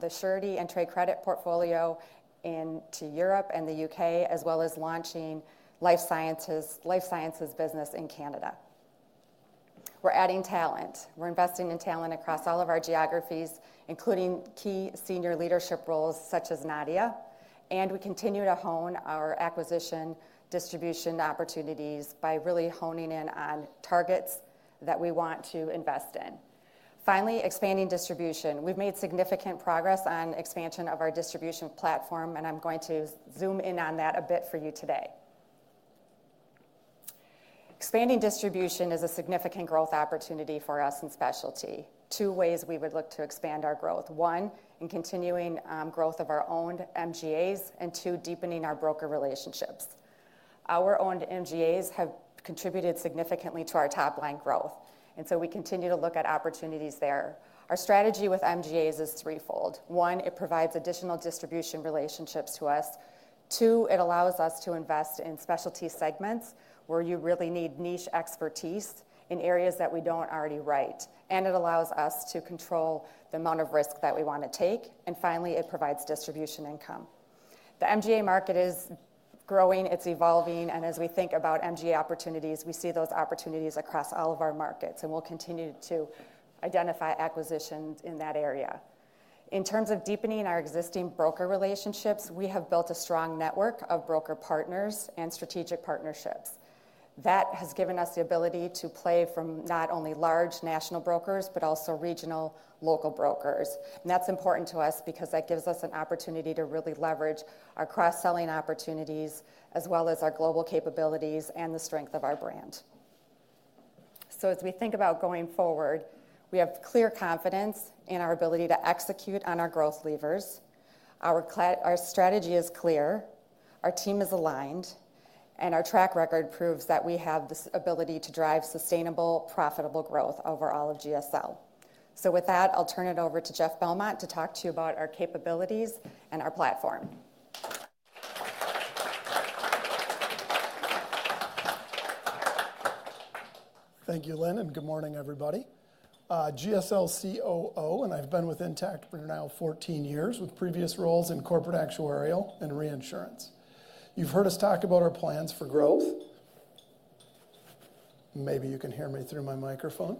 the surety and trade credit portfolio into Europe and the U.K., as well as launching life sciences business in Canada. We're adding talent. We're investing in talent across all of our geographies, including key senior leadership roles such as Nadia. We continue to hone our acquisition distribution opportunities by really honing in on targets that we want to invest in. Finally, expanding distribution. We've made significant progress on the expansion of our distribution platform, and I'm going to zoom in on that a bit for you today. Expanding distribution is a significant growth opportunity for us in specialty. Two ways we would look to expand our growth: one, in continuing growth of our owned MGAs, and two, deepening our broker relationships. Our owned MGAs have contributed significantly to our top-line growth, and we continue to look at opportunities there. Our strategy with MGAs is threefold. One, it provides additional distribution relationships to us. Two, it allows us to invest in specialty segments where you really need niche expertise in areas that we do not already write. It allows us to control the amount of risk that we want to take. Finally, it provides distribution income. The MGA market is growing. It is evolving. As we think about MGA opportunities, we see those opportunities across all of our markets, and we will continue to identify acquisitions in that area. In terms of deepening our existing broker relationships, we have built a strong network of broker partners and strategic partnerships. That has given us the ability to play from not only large national brokers, but also regional local brokers. That is important to us because that gives us an opportunity to really leverage our cross-selling opportunities as well as our global capabilities and the strength of our brand. As we think about going forward, we have clear confidence in our ability to execute on our growth levers. Our strategy is clear. Our team is aligned, and our track record proves that we have this ability to drive sustainable, profitable growth over all of GSL. With that, I'll turn it over to Jeff Bellmont to talk to you about our capabilities and our platform. Thank you, Lynn, and good morning, everybody. GSL COO, and I've been with Intact for now 14 years with previous roles in corporate actuarial and reinsurance. You've heard us talk about our plans for growth. Maybe you can hear me through my microphone.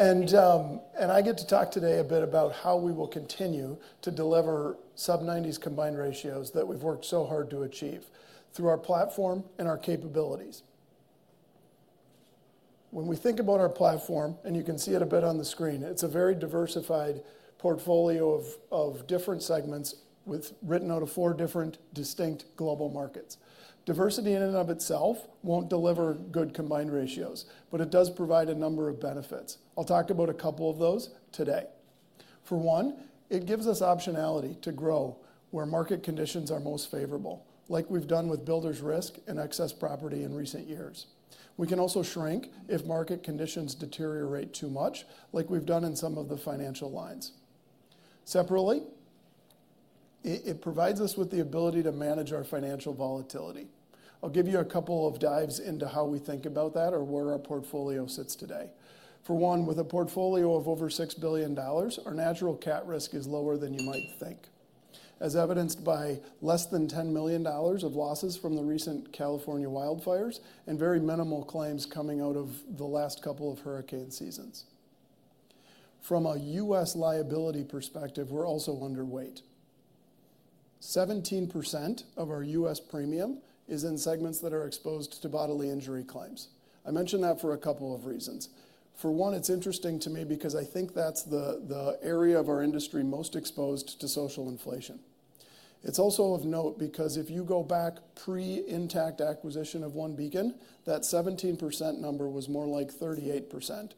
I get to talk today a bit about how we will continue to deliver sub-90% combined ratios that we've worked so hard to achieve through our platform and our capabilities. When we think about our platform, and you can see it a bit on the screen, it's a very diversified portfolio of different segments written out of four different distinct global markets. Diversity in and of itself won't deliver good combined ratios, but it does provide a number of benefits. I'll talk about a couple of those today. For one, it gives us optionality to grow where market conditions are most favorable, like we've done with builders' risk and excess property in recent years. We can also shrink if market conditions deteriorate too much, like we've done in some of the financial lines. Separately, it provides us with the ability to manage our financial volatility. I'll give you a couple of dives into how we think about that or where our portfolio sits today. For one, with a portfolio of over 6 billion dollars, our natural CAT risk is lower than you might think, as evidenced by less than $10 million of losses from the recent California wildfires and very minimal claims coming out of the last couple of hurricane seasons. From a US liability perspective, we're also underweight. 17% of our US premium is in segments that are exposed to bodily injury claims. I mention that for a couple of reasons. For one, it's interesting to me because I think that's the area of our industry most exposed to social inflation. It's also of note because if you go back pre-Intact acquisition of OneBeacon, that 17% number was more like 38%.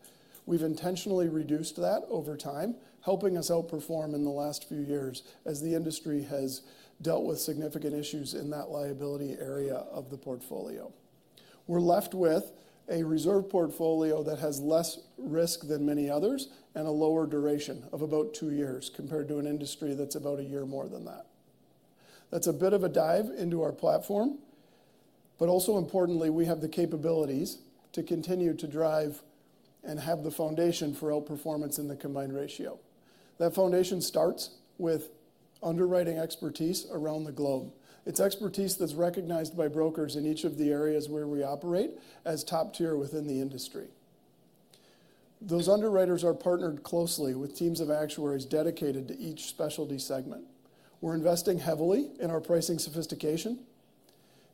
We've intentionally reduced that over time, helping us outperform in the last few years as the industry has dealt with significant issues in that liability area of the portfolio. We're left with a reserve portfolio that has less risk than many others and a lower duration of about two years compared to an industry that's about a year more than that. That's a bit of a dive into our platform, but also importantly, we have the capabilities to continue to drive and have the foundation for outperformance in the combined ratio. That foundation starts with underwriting expertise around the globe. It's expertise that's recognized by brokers in each of the areas where we operate as top tier within the industry. Those underwriters are partnered closely with teams of actuaries dedicated to each specialty segment. We're investing heavily in our pricing sophistication.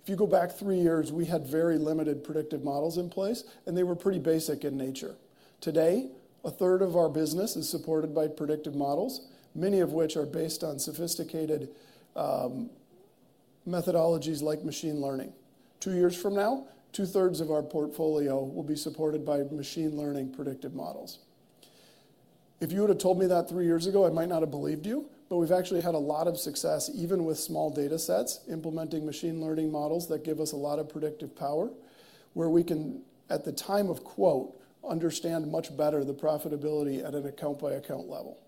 If you go back three years, we had very limited predictive models in place, and they were pretty basic in nature. Today, a third of our business is supported by predictive models, many of which are based on sophisticated methodologies like machine learning. Two years from now, two-thirds of our portfolio will be supported by machine learning predictive models. If you would have told me that three years ago, I might not have believed you, but we've actually had a lot of success even with small data sets implementing machine learning models that give us a lot of predictive power where we can, at the time of quote, understand much better the profitability at an account-by-account level.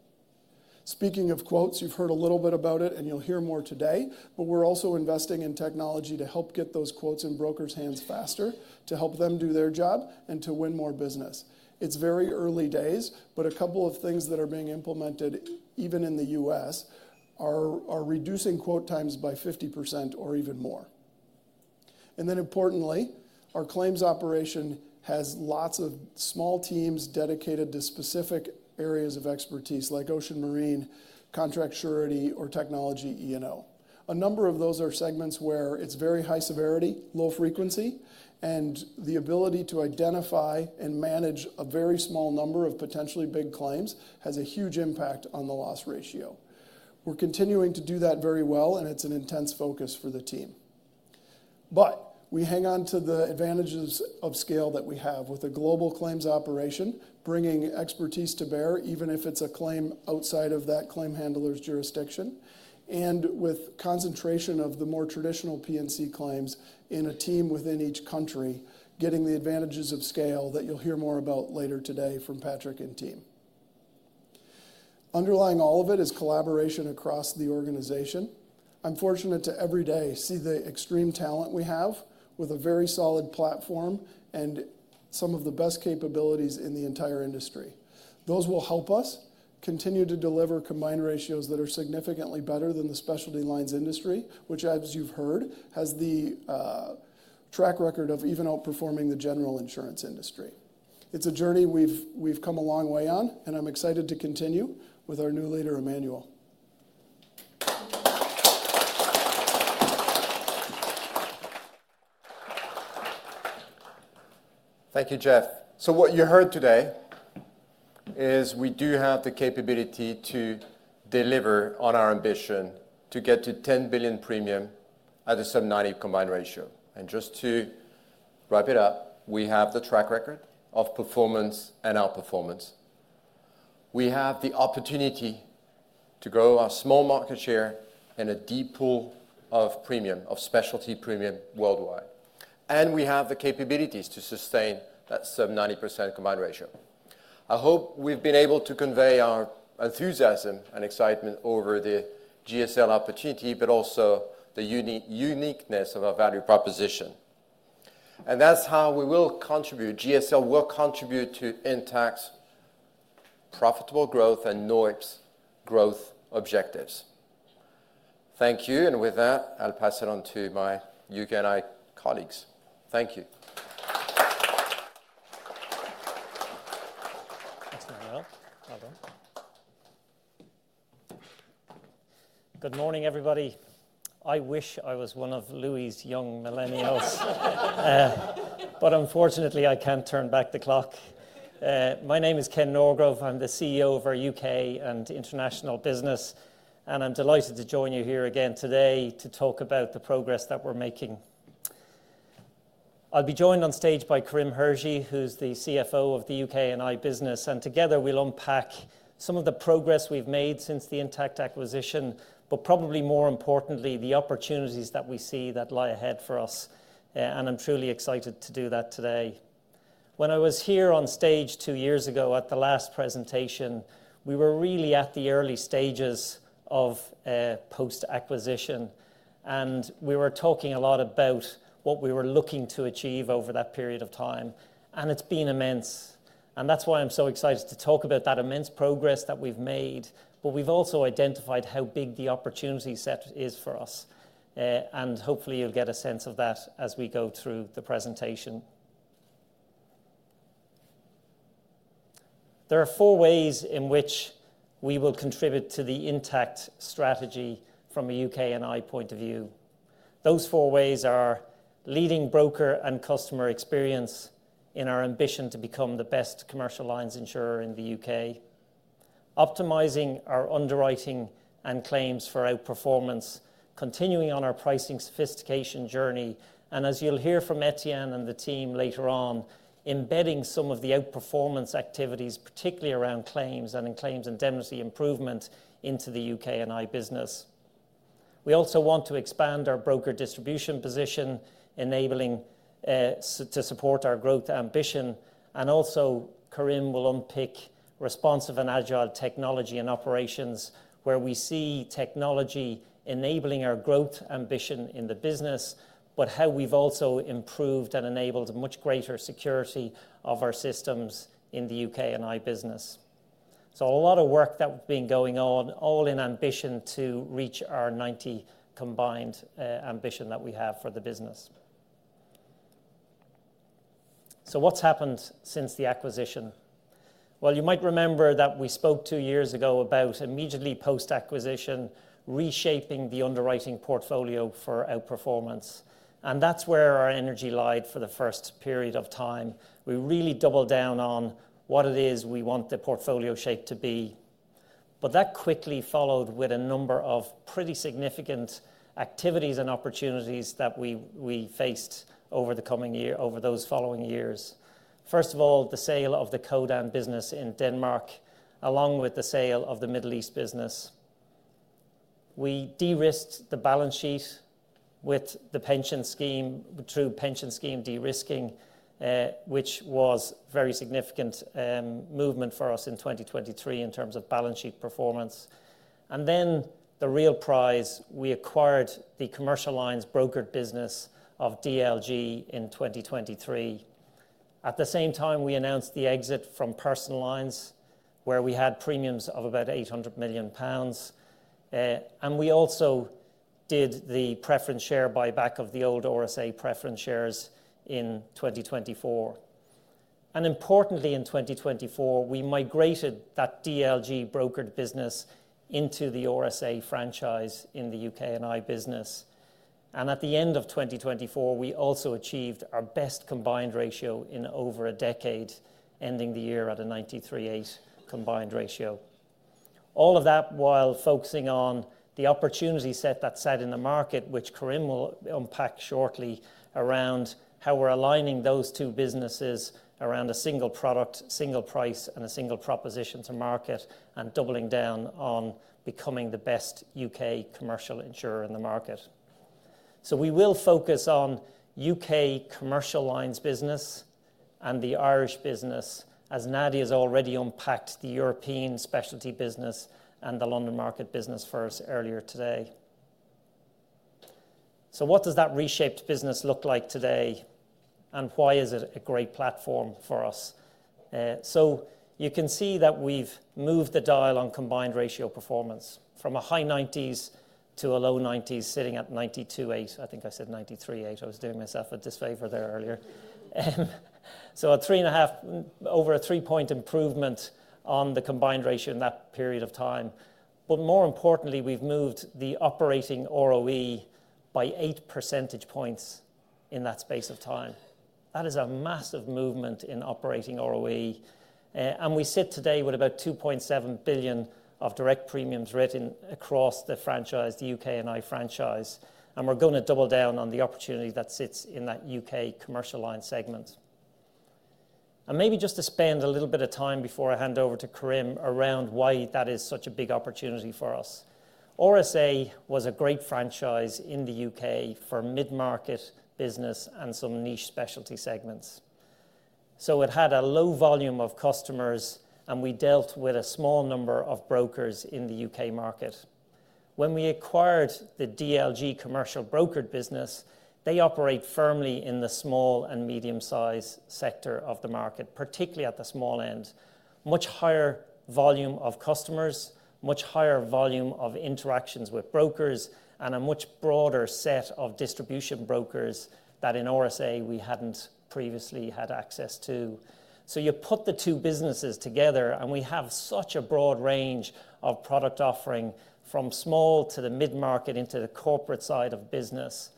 Speaking of quotes, you've heard a little bit about it, and you'll hear more today, but we're also investing in technology to help get those quotes in brokers' hands faster, to help them do their job, and to win more business. It's very early days, but a couple of things that are being implemented, even in the US, are reducing quote times by 50% or even more. Importantly, our claims operation has lots of small teams dedicated to specific areas of expertise like ocean marine, contract surety, or technology E&O. A number of those are segments where it's very high severity, low frequency, and the ability to identify and manage a very small number of potentially big claims has a huge impact on the loss ratio. We're continuing to do that very well, and it's an intense focus for the team. We hang on to the advantages of scale that we have with a global claims operation, bringing expertise to bear even if it's a claim outside of that claim handler's jurisdiction, and with concentration of the more traditional P&C claims in a team within each country, getting the advantages of scale that you'll hear more about later today from Patrick and team. Underlying all of it is collaboration across the organization. I'm fortunate to every day see the extreme talent we have with a very solid platform and some of the best capabilities in the entire industry. Those will help us continue to deliver combined ratios that are significantly better than the specialty lines industry, which, as you've heard, has the track record of even outperforming the general insurance industry. It's a journey we've come a long way on, and I'm excited to continue with our new leader, Emmanuel. Thank you, Jeff. What you heard today is we do have the capability to deliver on our ambition to get to 10 billion premium at a sub-90% combined ratio. Just to wrap it up, we have the track record of performance and outperformance. We have the opportunity to grow our small market share and a deep pool of premium, of specialty premium worldwide. We have the capabilities to sustain that sub-90% combined ratio. I hope we've been able to convey our enthusiasm and excitement over the GSL opportunity, but also the uniqueness of our value proposition. That is how we will contribute. GSL will contribute to Intact's profitable growth and NOIPS growth objectives. Thank you. With that, I'll pass it on to my UK&I colleagues. Thank you. Thanks, Emmanuel. Good morning, everybody. I wish I was one of Louis's young millennials, but unfortunately, I can't turn back the clock. My name is Ken Norgrove; I'm the CEO of our U.K. and international business, and I'm delighted to join you here again today to talk about the progress that we're making. I'll be joined on stage by Karim Hirshi, who's the CFO of the U.K.&I. business, and together we'll unpack some of the progress we've made since the Intact acquisition, but probably more importantly, the opportunities that we see that lie ahead for us. I'm truly excited to do that today. When I was here on stage two years ago at the last presentation, we were really at the early stages of post-acquisition, and we were talking a lot about what we were looking to achieve over that period of time. It's been immense. That is why I'm so excited to talk about that immense progress that we've made, but we've also identified how big the opportunity set is for us. Hopefully, you'll get a sense of that as we go through the presentation. There are four ways in which we will contribute to the Intact strategy from a UK&I point of view. Those four ways are leading broker and customer experience in our ambition to become the best commercial lines insurer in the U.K., optimizing our underwriting and claims for outperformance, continuing on our pricing sophistication journey, and as you'll hear from Etienne and the team later on, embedding some of the outperformance activities, particularly around claims and claims indemnity improvement into the UK&I business. We also want to expand our broker distribution position, enabling to support our growth ambition. Karim will unpick responsive and agile technology and operations where we see technology enabling our growth ambition in the business, but how we've also improved and enabled a much greater security of our systems in the UK&I business. A lot of work has been going on, all in ambition to reach our 90% combined ambition that we have for the business. What has happened since the acquisition? You might remember that we spoke two years ago about immediately post-acquisition reshaping the underwriting portfolio for outperformance. That is where our energy lay for the first period of time. We really doubled down on what it is we want the portfolio shape to be. That quickly followed with a number of pretty significant activities and opportunities that we faced over the coming year, over those following years. First of all, the sale of the Kodan business in Denmark, along with the sale of the Middle East business. We de-risked the balance sheet with the pension scheme, through pension scheme de-risking, which was a very significant movement for us in 2023 in terms of balance sheet performance. The real prize, we acquired the commercial lines brokered business of DLG in 2023. At the same time, we announced the exit from personal lines where we had premiums of about 800 million pounds. We also did the preference share buyback of the old RSA preference shares in 2024. Importantly, in 2024, we migrated that DLG brokered business into the RSA franchise in the UK&I business. At the end of 2024, we also achieved our best combined ratio in over a decade, ending the year at a 93.8% combined ratio. All of that while focusing on the opportunity set that's set in the market, which Karim will unpack shortly around how we're aligning those two businesses around a single product, single price, and a single proposition to market, and doubling down on becoming the best U.K. commercial insurer in the market. We will focus on U.K. commercial lines business and the Irish business, as Nadia has already unpacked the European specialty business and the London market business for us earlier today. What does that reshaped business look like today, and why is it a great platform for us? You can see that we've moved the dial on combined ratio performance from a high 90s to a low 90s, sitting at 92.8%. I think I said 93.8%. I was doing myself a disfavor there earlier. A three and a half, over a three-point improvement on the combined ratio in that period of time. More importantly, we've moved the operating ROE by eight percentage points in that space of time. That is a massive movement in operating ROE. We sit today with about 2.7 billion of direct premiums written across the franchise, the UK&I franchise. We're going to double down on the opportunity that sits in that UK commercial line segment. Maybe just to spend a little bit of time before I hand over to Karim around why that is such a big opportunity for us. RSA was a great franchise in the UK for mid-market business and some niche specialty segments. It had a low volume of customers, and we dealt with a small number of brokers in the UK market. When we acquired the DLG commercial brokered business, they operate firmly in the small and medium-sized sector of the market, particularly at the small end. Much higher volume of customers, much higher volume of interactions with brokers, and a much broader set of distribution brokers that in RSA we hadn't previously had access to. You put the two businesses together, and we have such a broad range of product offering from small to the mid-market into the corporate side of business.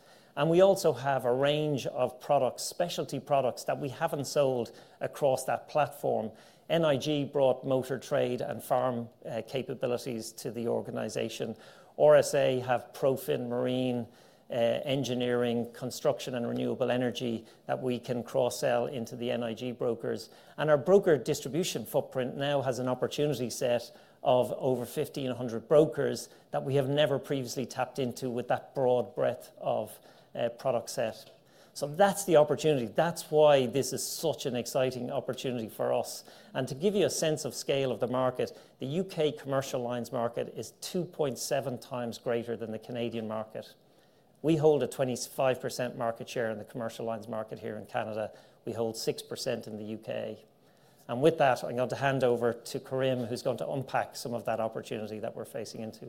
We also have a range of products, specialty products that we haven't sold across that platform. NIG brought motor trade and farm capabilities to the organization. RSA have profane marine engineering, construction, and renewable energy that we can cross-sell into the NIG brokers. Our broker distribution footprint now has an opportunity set of over 1,500 brokers that we have never previously tapped into with that broad breadth of product set. That is the opportunity. That is why this is such an exciting opportunity for us. To give you a sense of scale of the market, the U.K. commercial lines market is 2.7 times greater than the Canadian market. We hold a 25% market share in the commercial lines market here in Canada. We hold 6% in the U.K. With that, I'm going to hand over to Karim, who's going to unpack some of that opportunity that we're facing into.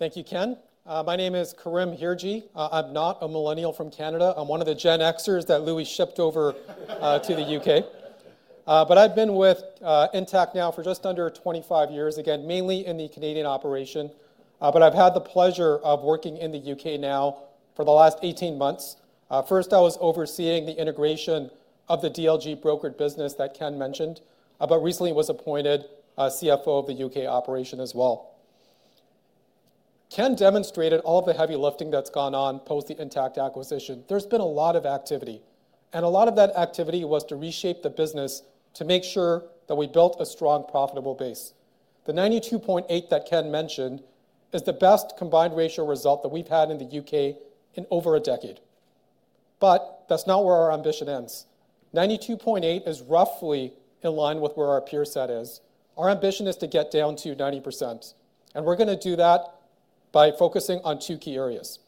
Thank you, Ken. My name is Karim Hirji. I'm not a millennial from Canada. I'm one of the Gen Xers that Louis shipped over to the U.K. I've been with Intact now for just under 25 years, again, mainly in the Canadian operation. I've had the pleasure of working in the U.K. now for the last 18 months. First, I was overseeing the integration of the DLG brokered business that Ken mentioned, but recently was appointed CFO of the U.K. operation as well. Ken demonstrated all of the heavy lifting that's gone on post the Intact acquisition. There's been a lot of activity. A lot of that activity was to reshape the business to make sure that we built a strong, profitable base. The 92.8% that Ken mentioned is the best combined ratio result that we've had in the U.K. in over a decade. That's not where our ambition ends. 92.8% is roughly in line with where our peer set is. Our ambition is to get down to 90%. We are going to do that by focusing on two key areas.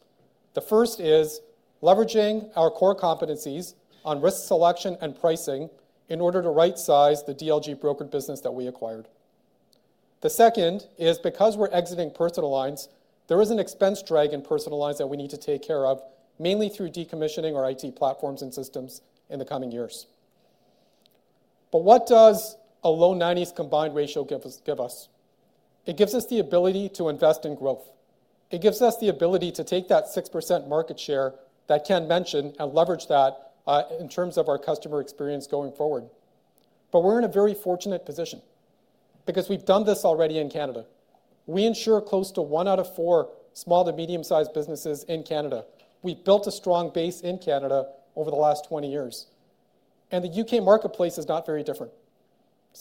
The first is leveraging our core competencies on risk selection and pricing in order to right-size the DLG brokered business that we acquired. The second is because we are exiting personal lines, there is an expense drag in personal lines that we need to take care of, mainly through decommissioning our IT platforms and systems in the coming years. What does a low 90s combined ratio give us? It gives us the ability to invest in growth. It gives us the ability to take that 6% market share that Ken mentioned and leverage that in terms of our customer experience going forward. We are in a very fortunate position because we have done this already in Canada. We insure close to one out of four small to medium-sized businesses in Canada. We've built a strong base in Canada over the last 20 years. The U.K. marketplace is not very different.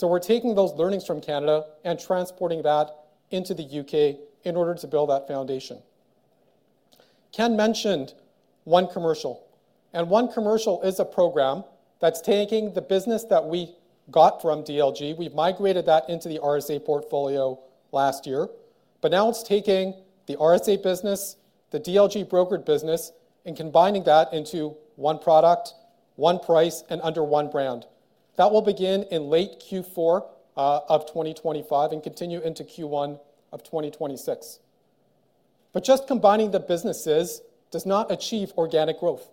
We're taking those learnings from Canada and transporting that into the U.K. in order to build that foundation. Ken mentioned one commercial. One commercial is a program that's taking the business that we got from DLG. We've migrated that into the RSA portfolio last year. Now it's taking the RSA business, the DLG brokered business, and combining that into one product, one price, and under one brand. That will begin in late Q4 of 2025 and continue into Q1 of 2026. Just combining the businesses does not achieve organic growth.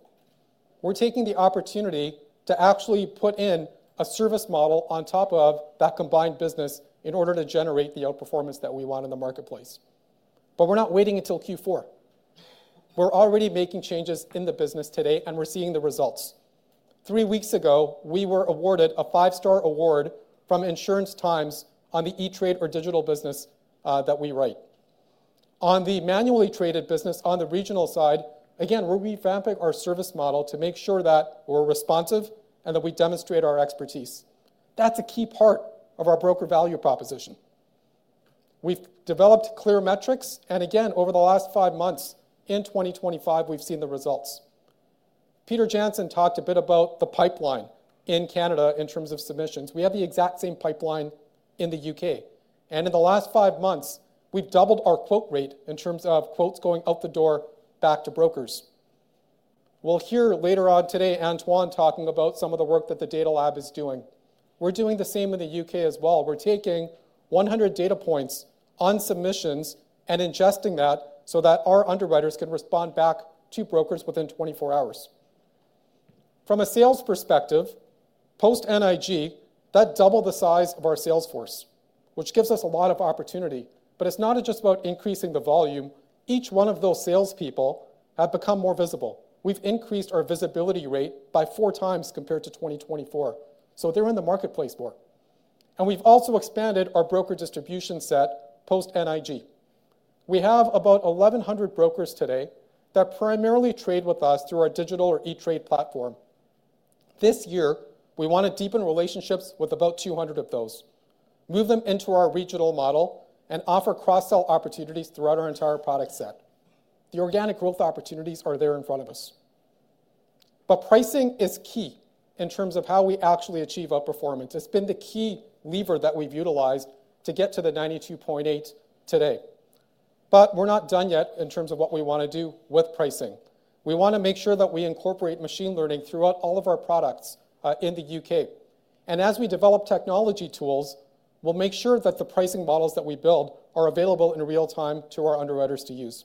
We're taking the opportunity to actually put in a service model on top of that combined business in order to generate the outperformance that we want in the marketplace. We're not waiting until Q4. We're already making changes in the business today, and we're seeing the results. Three weeks ago, we were awarded a five-star award from Insurance Times on the e-trade or digital business that we write. On the manually traded business on the regional side, again, we're revamping our service model to make sure that we're responsive and that we demonstrate our expertise. That's a key part of our broker value proposition. We've developed clear metrics. Again, over the last five months, in 2025, we've seen the results. Peter Jansen talked a bit about the pipeline in Canada in terms of submissions. We have the exact same pipeline in the U.K. In the last five months, we've doubled our quote rate in terms of quotes going out the door back to brokers. We'll hear later on today Antoine talking about some of the work that the Data Lab is doing. We're doing the same in the U.K. as well. We're taking 100 data points on submissions and ingesting that so that our underwriters can respond back to brokers within 24 hours. From a sales perspective, post-NIG, that doubled the size of our sales force, which gives us a lot of opportunity. It is not just about increasing the volume. Each one of those salespeople has become more visible. We've increased our visibility rate by four times compared to 2024. They are in the marketplace more. We have also expanded our broker distribution set post-NIG. We have about 1,100 brokers today that primarily trade with us through our digital or e-trade platform. This year, we want to deepen relationships with about 200 of those, move them into our regional model, and offer cross-sell opportunities throughout our entire product set. The organic growth opportunities are there in front of us. Pricing is key in terms of how we actually achieve outperformance. It's been the key lever that we've utilized to get to the 92.8% today. We're not done yet in terms of what we want to do with pricing. We want to make sure that we incorporate machine learning throughout all of our products in the U.K. As we develop technology tools, we'll make sure that the pricing models that we build are available in real time to our underwriters to use.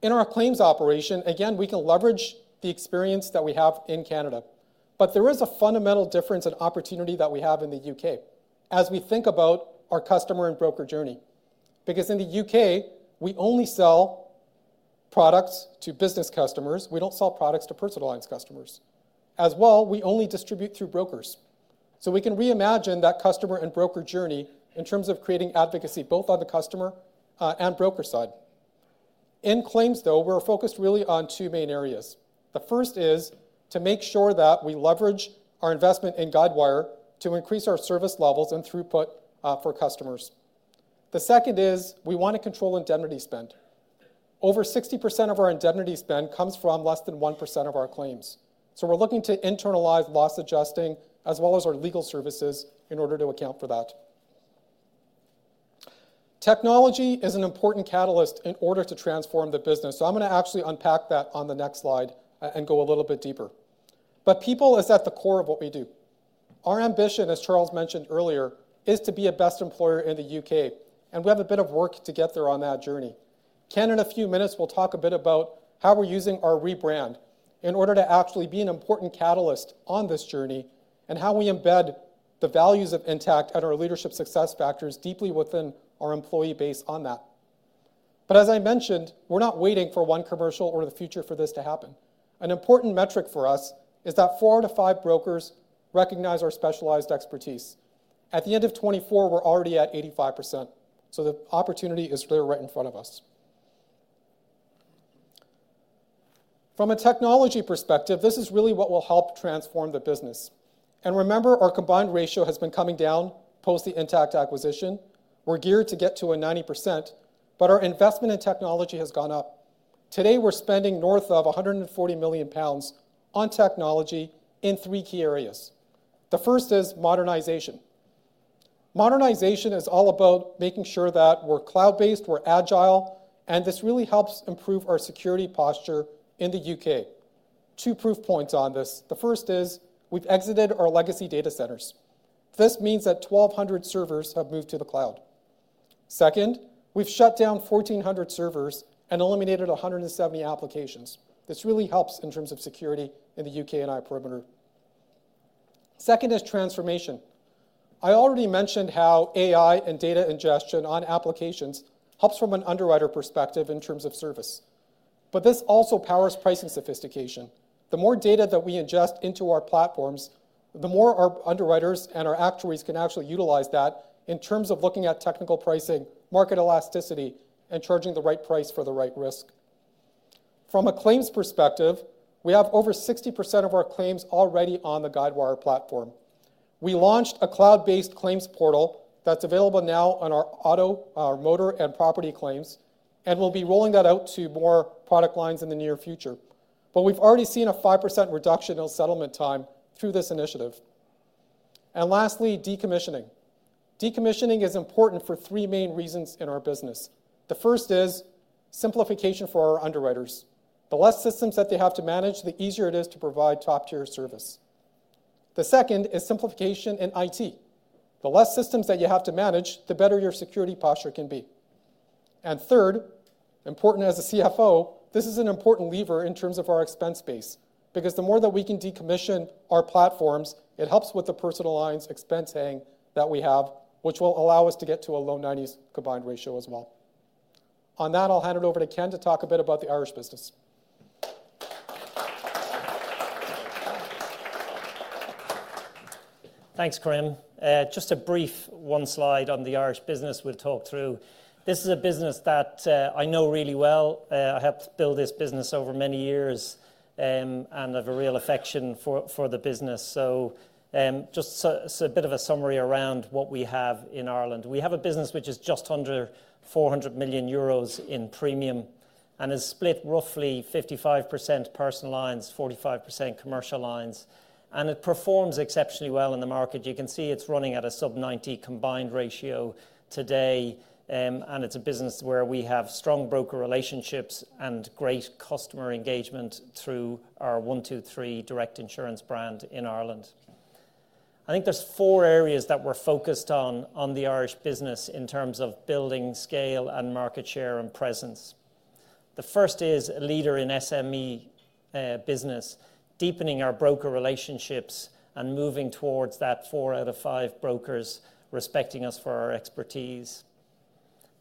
In our claims operation, again, we can leverage the experience that we have in Canada. There is a fundamental difference in opportunity that we have in the U.K. as we think about our customer and broker journey. In the U.K., we only sell products to business customers. We don't sell products to personal lines customers. As well, we only distribute through brokers. We can reimagine that customer and broker journey in terms of creating advocacy both on the customer and broker side. In claims, though, we're focused really on two main areas. The first is to make sure that we leverage our investment in Guidewire to increase our service levels and throughput for customers. The second is we want to control indemnity spend. Over 60% of our indemnity spend comes from less than 1% of our claims. We're looking to internalize loss adjusting as well as our legal services in order to account for that. Technology is an important catalyst in order to transform the business. I'm going to actually unpack that on the next slide and go a little bit deeper. People is at the core of what we do. Our ambition, as Charles mentioned earlier, is to be a best employer in the U.K. We have a bit of work to get there on that journey. Ken, in a few minutes, will talk a bit about how we're using our rebrand in order to actually be an important catalyst on this journey and how we embed the values of Intact and our leadership success factors deeply within our employee base on that. As I mentioned, we're not waiting for one commercial or the future for this to happen. An important metric for us is that four out of five brokers recognize our specialized expertise. At the end of 2024, we're already at 85%. The opportunity is right in front of us. From a technology perspective, this is really what will help transform the business. Remember, our combined ratio has been coming down post the Intact acquisition. We're geared to get to a 90%, but our investment in technology has gone up. Today, we're spending north of 140 million pounds on technology in three key areas. The first is modernization. Modernization is all about making sure that we're cloud-based, we're agile, and this really helps improve our security posture in the U.K. Two proof points on this. The first is we've exited our legacy data centers. This means that 1,200 servers have moved to the cloud. Second, we've shut down 1,400 servers and eliminated 170 applications. This really helps in terms of security in the U.K. and I perimeter. Second is transformation. I already mentioned how AI and data ingestion on applications helps from an underwriter perspective in terms of service. But this also powers pricing sophistication. The more data that we ingest into our platforms, the more our underwriters and our actuaries can actually utilize that in terms of looking at technical pricing, market elasticity, and charging the right price for the right risk. From a claims perspective, we have over 60% of our claims already on the Guidewire platform. We launched a cloud-based claims portal that's available now on our auto, our motor, and property claims, and we will be rolling that out to more product lines in the near future. We have already seen a 5% reduction in settlement time through this initiative. Lastly, decommissioning. Decommissioning is important for three main reasons in our business. The first is simplification for our underwriters. The fewer systems that they have to manage, the easier it is to provide top-tier service. The second is simplification in IT. The fewer systems that you have to manage, the better your security posture can be. Third, important as a CFO, this is an important lever in terms of our expense base. The more that we can decommission our platforms, it helps with the personal lines expense hang that we have, which will allow us to get to a low 90s combined ratio as well. On that, I'll hand it over to Ken to talk a bit about the Irish business. Thanks, Karim. Just a brief one slide on the Irish business we'll talk through. This is a business that I know really well. I helped build this business over many years and have a real affection for the business. Just a bit of a summary around what we have in Ireland. We have a business which is just under 400 million euros in premium and is split roughly 55% personal lines, 45% commercial lines. It performs exceptionally well in the market. You can see it's running at a sub-90% combined ratio today. It is a business where we have strong broker relationships and great customer engagement through our 123 direct insurance brand in Ireland. I think there are four areas that we're focused on in the Irish business in terms of building scale and market share and presence. The first is a leader in SME business, deepening our broker relationships and moving towards that four out of five brokers respecting us for our expertise.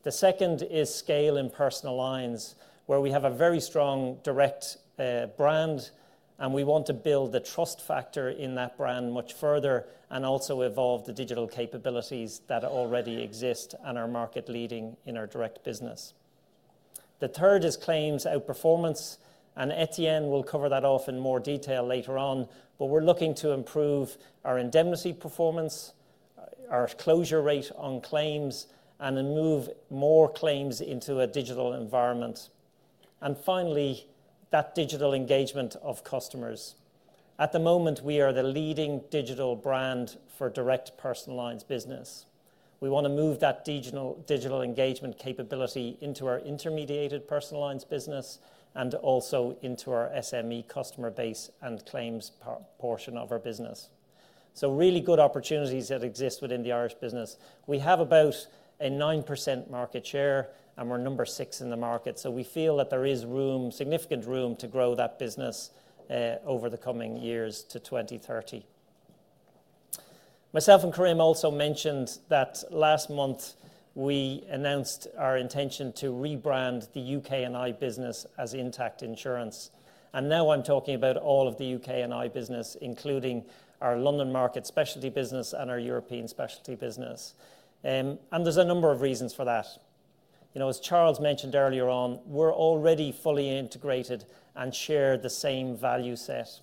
The second is scale in personal lines, where we have a very strong direct brand, and we want to build the trust factor in that brand much further and also evolve the digital capabilities that already exist and are market-leading in our direct business. The third is claims outperformance. Etienne will cover that off in more detail later on. We are looking to improve our indemnity performance, our closure rate on claims, and move more claims into a digital environment. Finally, that digital engagement of customers. At the moment, we are the leading digital brand for direct personal lines business. We want to move that digital engagement capability into our intermediated personal lines business and also into our SME customer base and claims portion of our business. Really good opportunities exist within the Irish business. We have about a 9% market share, and we're number six in the market. We feel that there is room, significant room to grow that business over the coming years to 2030. Myself and Karim also mentioned that last month we announced our intention to rebrand the U.K. and I business as Intact Insurance. I am talking about all of the U.K. and I business, including our London market specialty business and our European specialty business. There are a number of reasons for that. As Charles mentioned earlier on, we're already fully integrated and share the same value set.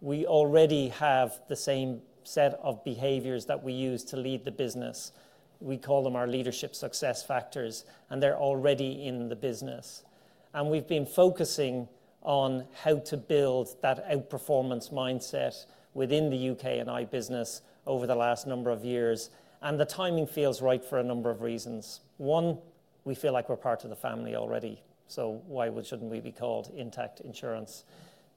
We already have the same set of behaviors that we use to lead the business. We call them our leadership success factors, and they're already in the business. We have been focusing on how to build that outperformance mindset within the U.K. and I business over the last number of years. The timing feels right for a number of reasons. One, we feel like we are part of the family already. Why should we not be called Intact Insurance?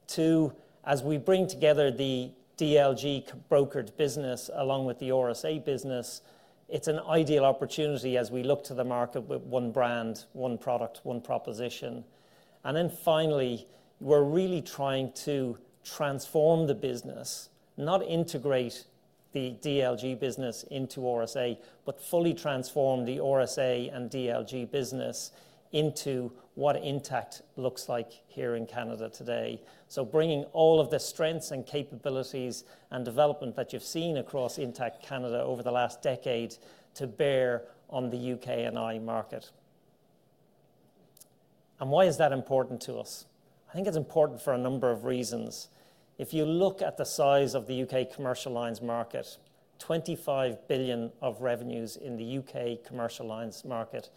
Two, as we bring together the DLG brokered business along with the RSA business, it is an ideal opportunity as we look to the market with one brand, one product, one proposition. Finally, we are really trying to transform the business, not integrate the DLG business into RSA, but fully transform the RSA and DLG business into what Intact looks like here in Canada today. Bringing all of the strengths and capabilities and development that you have seen across Intact Canada over the last decade to bear on the U.K. and I market. Why is that important to us? I think it's important for a number of reasons. If you look at the size of the U.K. commercial lines market, 25 billion of revenues in the U.K. commercial lines market,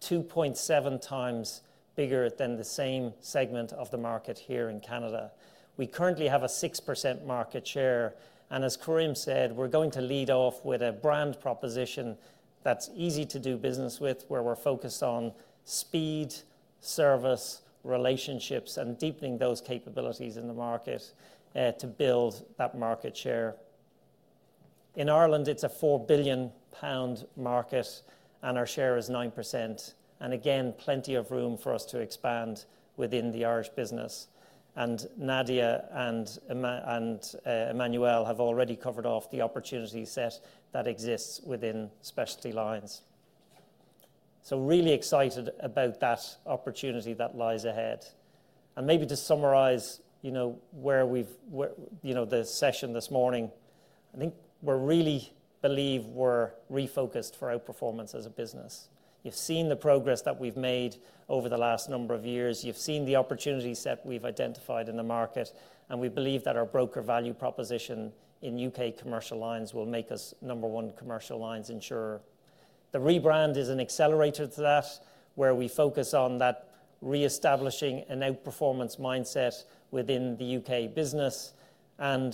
2.7 times bigger than the same segment of the market here in Canada. We currently have a 6% market share. As Karim said, we're going to lead off with a brand proposition that's easy to do business with, where we're focused on speed, service, relationships, and deepening those capabilities in the market to build that market share. In Ireland, it's a EUR 4 billion market, and our share is 9%. Again, plenty of room for us to expand within the Irish business. Nadia and Emmanuel have already covered off the opportunity set that exists within specialty lines. Really excited about that opportunity that lies ahead. Maybe to summarize where we've the session this morning, I think we really believe we're refocused for outperformance as a business. You've seen the progress that we've made over the last number of years. You've seen the opportunity set we've identified in the market. We believe that our broker value proposition in U.K. commercial lines will make us number one commercial lines insurer. The rebrand is an accelerator to that, where we focus on that reestablishing an outperformance mindset within the U.K. business.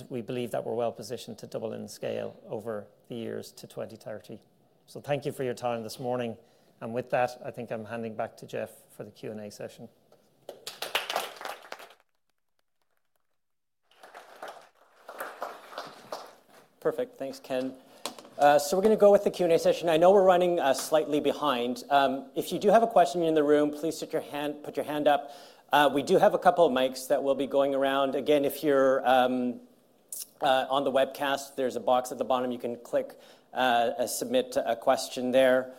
We believe that we're well positioned to double in scale over the years to 2030. Thank you for your time this morning. With that, I think I'm handing back to Geoff for the Q&A session. Perfect. Thanks, Ken. We're going to go with the Q&A session. I know we're running slightly behind. If you do have a question in the room, please put your hand up. We do have a couple of mics that will be going around. Again, if you're on the webcast, there's a box at the bottom you can click, submit a question there.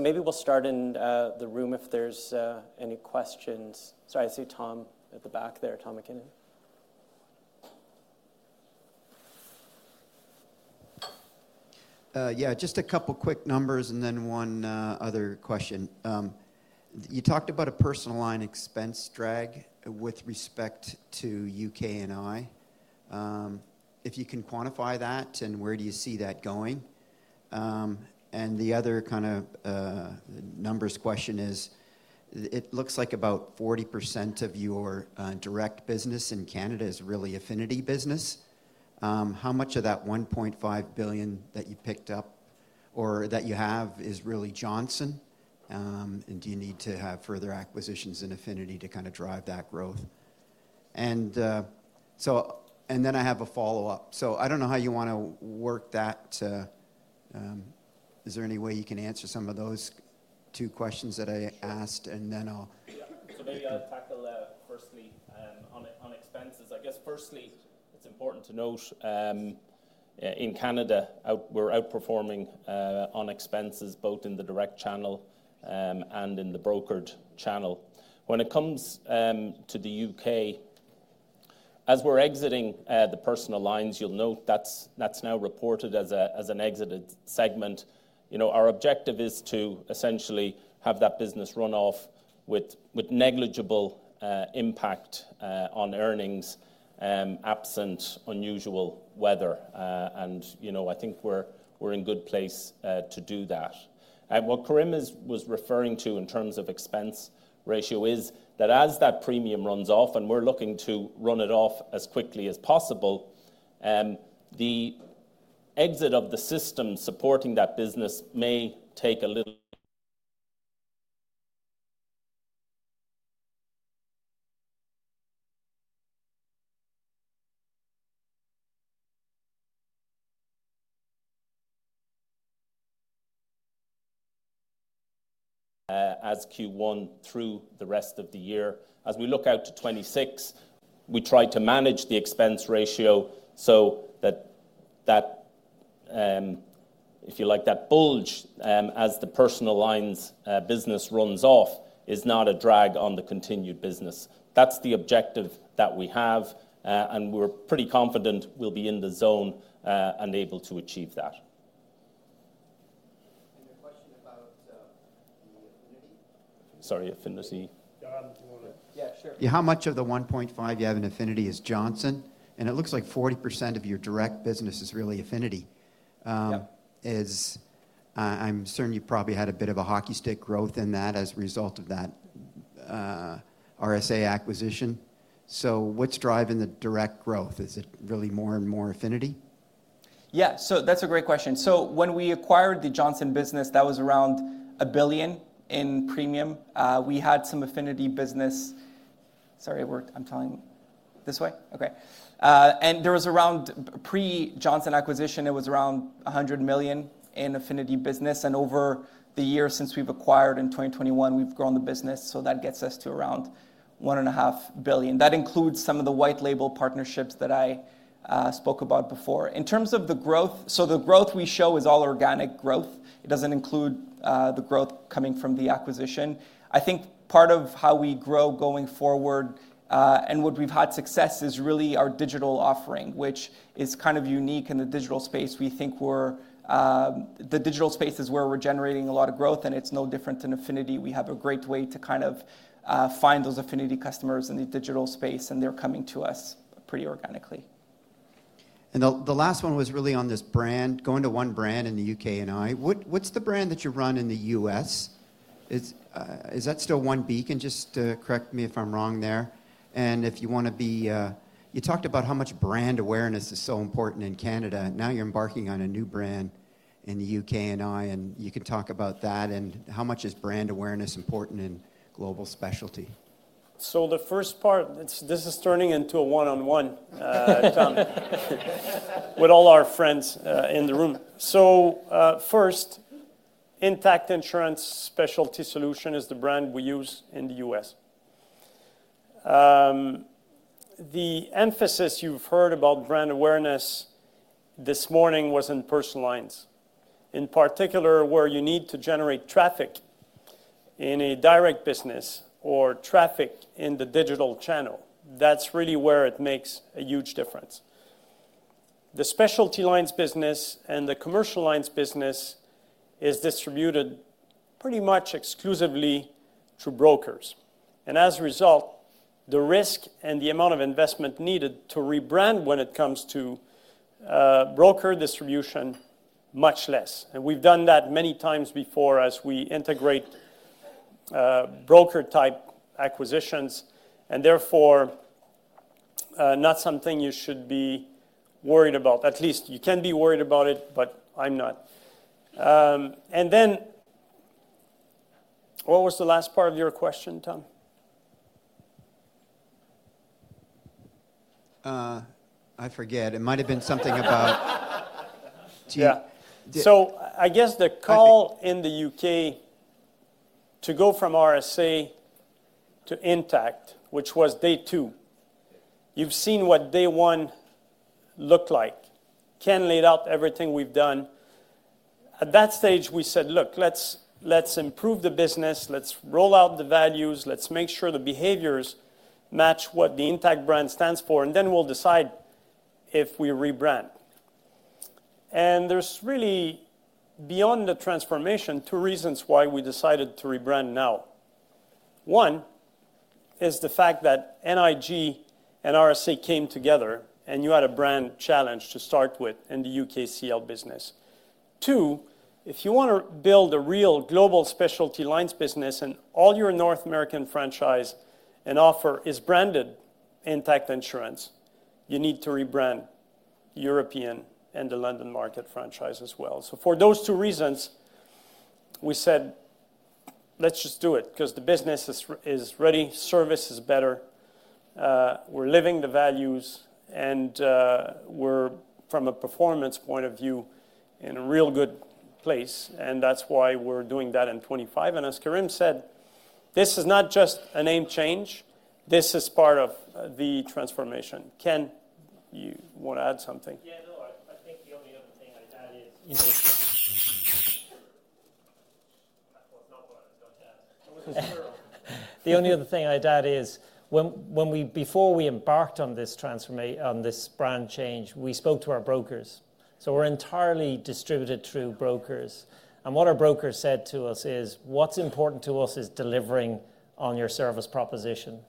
Maybe we'll start in the room if there's any questions. Sorry, I see Tom at the back there, Tom MacKinnon. Yeah, just a couple of quick numbers and then one other question. You talked about a personal line expense drag with respect to U.K. and I. If you can quantify that and where do you see that going. The other kind of numbers question is it looks like about 40% of your direct business in Canada is really affinity business. How much of that 1.5 billion that you picked up or that you have is really Johnson? Do you need to have further acquisitions in affinity to kind of drive that growth? I have a follow-up. I do not know how you want to work that. Is there any way you can answer some of those two questions that I asked? Maybe I will tackle that firstly on expenses. I guess firstly, it is important to note in Canada, we are outperforming on expenses both in the direct channel and in the brokered channel. When it comes to the U.K., as we are exiting the personal lines, you will note that is now reported as an exited segment. Our objective is to essentially have that business run off with negligible impact on earnings absent unusual weather. I think we are in a good place to do that. What Karim was referring to in terms of expense ratio is that as that premium runs off, and we're looking to run it off as quickly as possible, the exit of the system supporting that business may take a little. As Q1 through the rest of the year. As we look out to 2026, we try to manage the expense ratio so that, if you like, that bulge as the personal lines business runs off is not a drag on the continued business. That is the objective that we have. We are pretty confident we will be in the zone and able to achieve that. The question about the affinity. Sorry, affinity. Yeah, sure. How much of the 1.5 you have in affinity is Johnson? It looks like 40% of your direct business is really affinity. I'm certain you probably had a bit of a hockey stick growth in that as a result of that RSA acquisition. What's driving the direct growth? Is it really more and more affinity? Yeah, that's a great question. When we acquired the Johnson business, that was around 1 billion in premium. We had some affinity business. Sorry, I'm talking this way. There was around pre-Johnson acquisition, it was around 100 million in affinity business. Over the years since we acquired in 2021, we've grown the business. That gets us to around 1.5 billion. That includes some of the white label partnerships that I spoke about before. In terms of the growth, the growth we show is all organic growth. It doesn't include the growth coming from the acquisition. I think part of how we grow going forward and what we've had success is really our digital offering, which is kind of unique in the digital space. We think the digital space is where we're generating a lot of growth, and it's no different than affinity. We have a great way to kind of find those affinity customers in the digital space, and they're coming to us pretty organically. The last one was really on this brand, going to one brand in the U.K. and I. What's the brand that you run in the U.S.? Is that still One Beacon? Just correct me if I'm wrong there. If you want to be, you talked about how much brand awareness is so important in Canada. Now you're embarking on a new brand in the U.K. and I. You can talk about that. How much is brand awareness important in global specialty? The first part, this is turning into a one-on-one, Tom, with all our friends in the room. First, Intact Insurance Specialty Solutions is the brand we use in the US. The emphasis you have heard about brand awareness this morning was in personal lines, in particular where you need to generate traffic in a direct business or traffic in the digital channel. That is really where it makes a huge difference. The specialty lines business and the commercial lines business is distributed pretty much exclusively to brokers. As a result, the risk and the amount of investment needed to rebrand when it comes to broker distribution is much less. We have done that many times before as we integrate broker-type acquisitions. Therefore, not something you should be worried about. At least you can be worried about it, but I'm not. And then what was the last part of your question, Tom? I forget. It might have been something about. Yeah. I guess the call in the U.K. to go from RSA to Intact, which was day two. You have seen what day one looked like. Ken laid out everything we have done. At that stage, we said, "Look, let's improve the business. Let's roll out the values. Let's make sure the behaviors match what the Intact brand stands for. And then we will decide if we rebrand." There are really, beyond the transformation, two reasons why we decided to rebrand now. One is the fact that NIG and RSA came together, and you had a brand challenge to start with in the U.K. CL business. Two, if you want to build a real global specialty lines business and all your North American franchise and offer is branded Intact Insurance, you need to rebrand the European and the London market franchise as well. For those two reasons, we said, "Let's just do it because the business is ready. Service is better. We're living the values. We're, from a performance point of view, in a real good place." That's why we're doing that in 2025. As Karim said, this is not just a name change. This is part of the transformation. Ken, you want to add something? Yeah, no, I think the only other thing I'd add is, it's not what I was going to ask. The only other thing I'd add is, before we embarked on this brand change, we spoke to our brokers. We're entirely distributed through brokers. What our brokers said to us is, "What's important to us is delivering on your service proposition.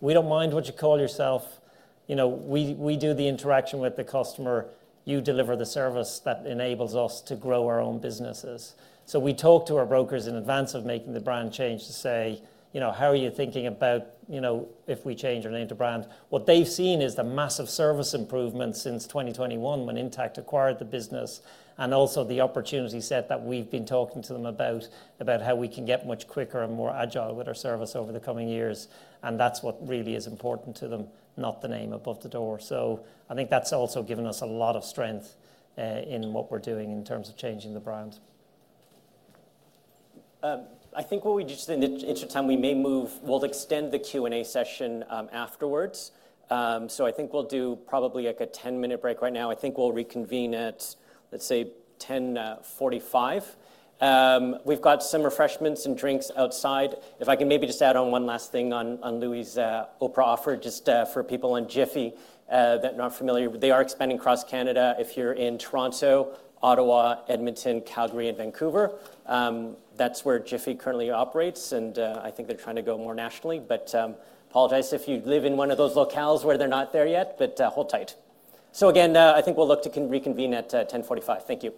We don't mind what you call yourself. We do the interaction with the customer. You deliver the service that enables us to grow our own businesses." We talked to our brokers in advance of making the brand change to say, "How are you thinking about if we change our name to brand?" What they have seen is the massive service improvement since 2021 when Intact acquired the business and also the opportunity set that we have been talking to them about, about how we can get much quicker and more agile with our service over the coming years. That is what really is important to them, not the name above the door. I think that has also given us a lot of strength in what we are doing in terms of changing the brand. I think what we just did in the intertime, we may move, we'll extend the Q&A session afterwards. I think we'll do probably like a 10-minute break right now. I think we'll reconvene at, let's say, 10:45. We've got some refreshments and drinks outside. If I can maybe just add on one last thing on Louis' Oprah offer, just for people on Jiffy that are not familiar, they are expanding across Canada. If you're in Toronto, Ottawa, Edmonton, Calgary, and Vancouver, that's where Jiffy currently operates. I think they're trying to go more nationally. Apologize if you live in one of those locales where they're not there yet, but hold tight. Again, I think we'll look to reconvene at 10:45. Thank you.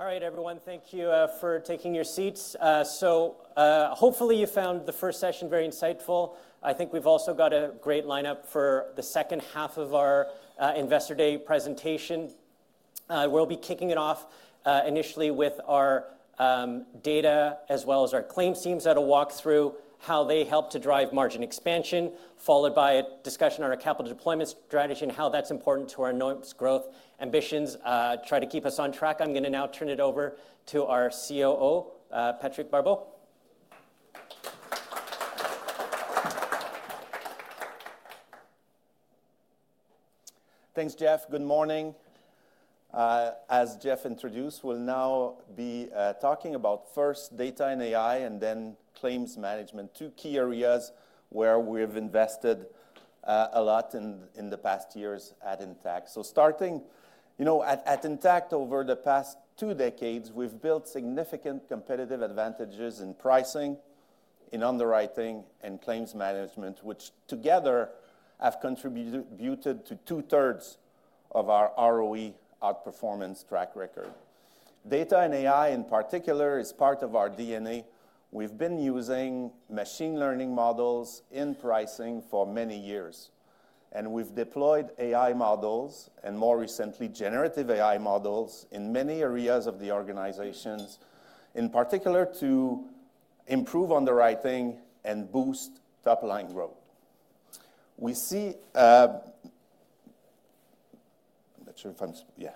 All right, everyone, thank you for taking your seats. Hopefully you found the first session very insightful. I think we've also got a great lineup for the second half of our Investor Day presentation. We'll be kicking it off initially with our data as well as our claims teams that'll walk through how they help to drive margin expansion, followed by a discussion on our capital deployment strategy and how that's important to our announced growth ambitions. Try to keep us on track. I'm going to now turn it over to our COO, Patrick Barbeau. Thanks, Geoff. Good morning. As Geoff introduced, we'll now be talking about first data and AI and then claims management, two key areas where we've invested a lot in the past years at Intact, so starting, you know, at Intact over the past two decades, we've built significant competitive advantages in pricing, in underwriting, and claims management, which together have contributed to two-thirds of our ROE outperformance track record. Data and AI in particular is part of our DNA. We've been using machine learning models in pricing for many years, and we've deployed AI models and more recently generative AI models in many areas of the organizations, in particular to improve underwriting and boost top-line growth. We see—I’m not sure if I'm—yeah,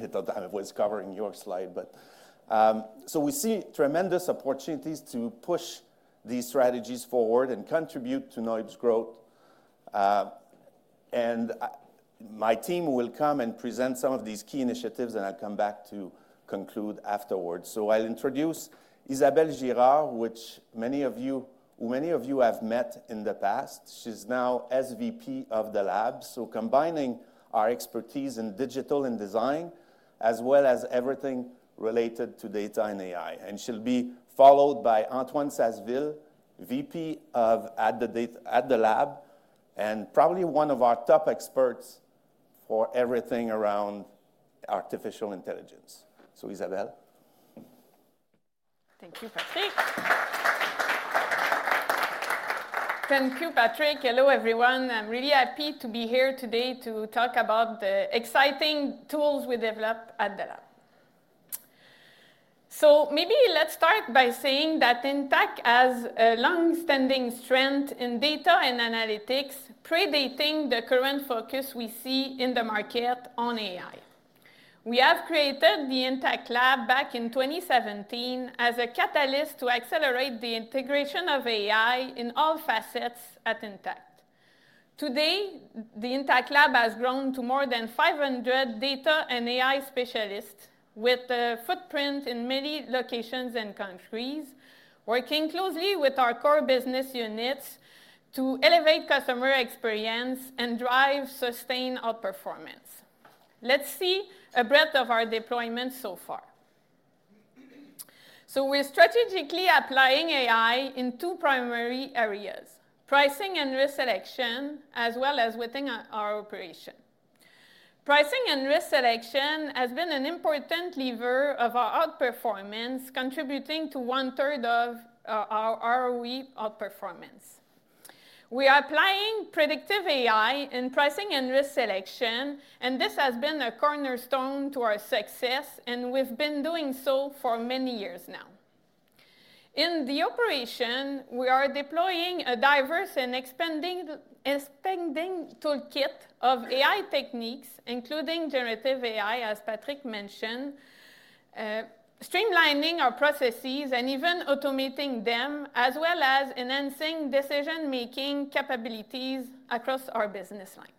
I thought I was covering your slide, but we see tremendous opportunities to push these strategies forward and contribute to knowledge growth. My team will come and present some of these key initiatives, and I'll come back to conclude afterwards. I'll introduce Isabelle Girard, who many of you have met in the past. She's now SVP of the Lab, combining our expertise in digital and design as well as everything related to data and AI. She'll be followed by Antoine Sazeville, VP at the Lab and probably one of our top experts for everything around artificial intelligence. Isabelle. Thank you, Patrick. Hello, everyone. I'm really happy to be here today to talk about the exciting tools we develop at the Lab. Maybe let's start by saying that Intact has a long-standing strength in data and analytics, predating the current focus we see in the market on AI. We created the Intact Lab back in 2017 as a catalyst to accelerate the integration of AI in all facets at Intact. Today, the Intact Lab has grown to more than 500 data and AI specialists with a footprint in many locations and countries, working closely with our core business units to elevate customer experience and drive sustained outperformance. Let's see a breadth of our deployment so far. We're strategically applying AI in two primary areas: pricing and risk selection, as well as within our operation. Pricing and risk selection has been an important lever of our outperformance, contributing to one-third of our ROE outperformance. We are applying predictive AI in pricing and risk selection, and this has been a cornerstone to our success, and we've been doing so for many years now. In the operation, we are deploying a diverse and expanding toolkit of AI techniques, including generative AI, as Patrick mentioned, streamlining our processes and even automating them, as well as enhancing decision-making capabilities across our business lines.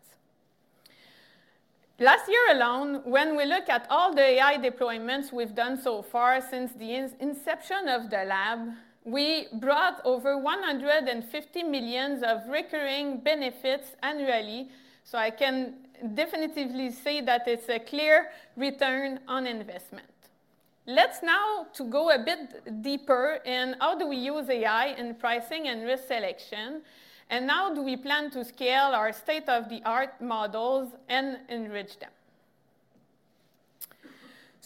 Last year alone, when we look at all the AI deployments we've done so far since the inception of the Lab, we brought over 150 million of recurring benefits annually. I can definitively say that it's a clear return on investment. Let's now go a bit deeper in how do we use AI in pricing and risk selection, and how do we plan to scale our state-of-the-art models and enrich them?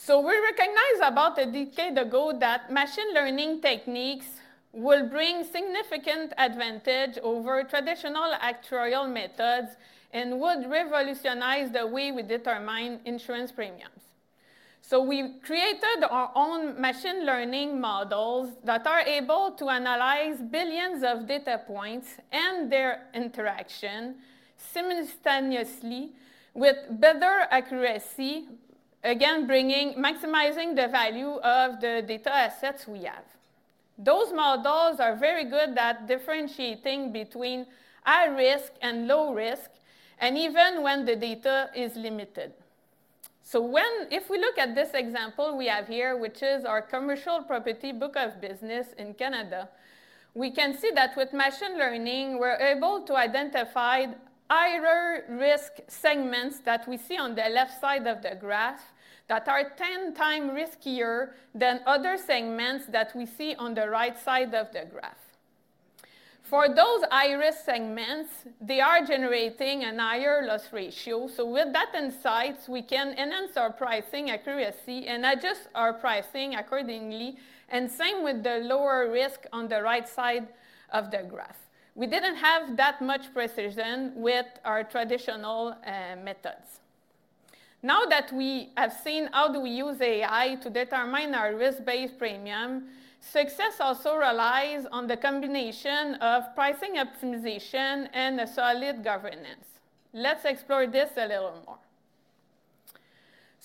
We recognize about a decade ago that machine learning techniques will bring significant advantage over traditional actuarial methods and would revolutionize the way we determine insurance premiums. We created our own machine learning models that are able to analyze billions of data points and their interaction simultaneously with better accuracy, again bringing maximizing the value of the data assets we have. Those models are very good at differentiating between high risk and low risk, and even when the data is limited. When we look at this example we have here, which is our commercial property book of business in Canada, we can see that with machine learning, we're able to identify higher risk segments that we see on the left side of the graph that are 10 times riskier than other segments that we see on the right side of the graph. For those high-risk segments, they are generating a higher loss ratio. With that insight, we can enhance our pricing accuracy and adjust our pricing accordingly. Same with the lower risk on the right side of the graph. We did not have that much precision with our traditional methods. Now that we have seen how we use AI to determine our risk-based premium, success also relies on the combination of pricing optimization and solid governance. Let's explore this a little more.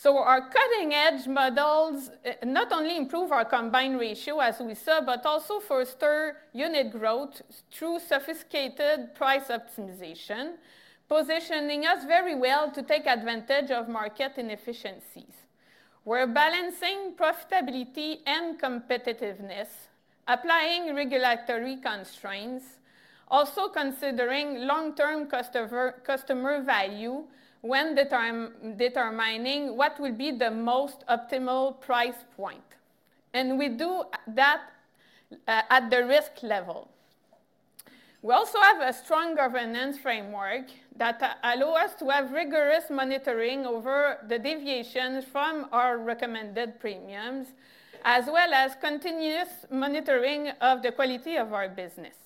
Our cutting-edge models not only improve our combined ratio, as we saw, but also foster unit growth through sophisticated price optimization, positioning us very well to take advantage of market inefficiencies. We're balancing profitability and competitiveness, applying regulatory constraints, also considering long-term customer value when determining what will be the most optimal price point. We do that at the risk level. We also have a strong governance framework that allows us to have rigorous monitoring over the deviation from our recommended premiums, as well as continuous monitoring of the quality of our business.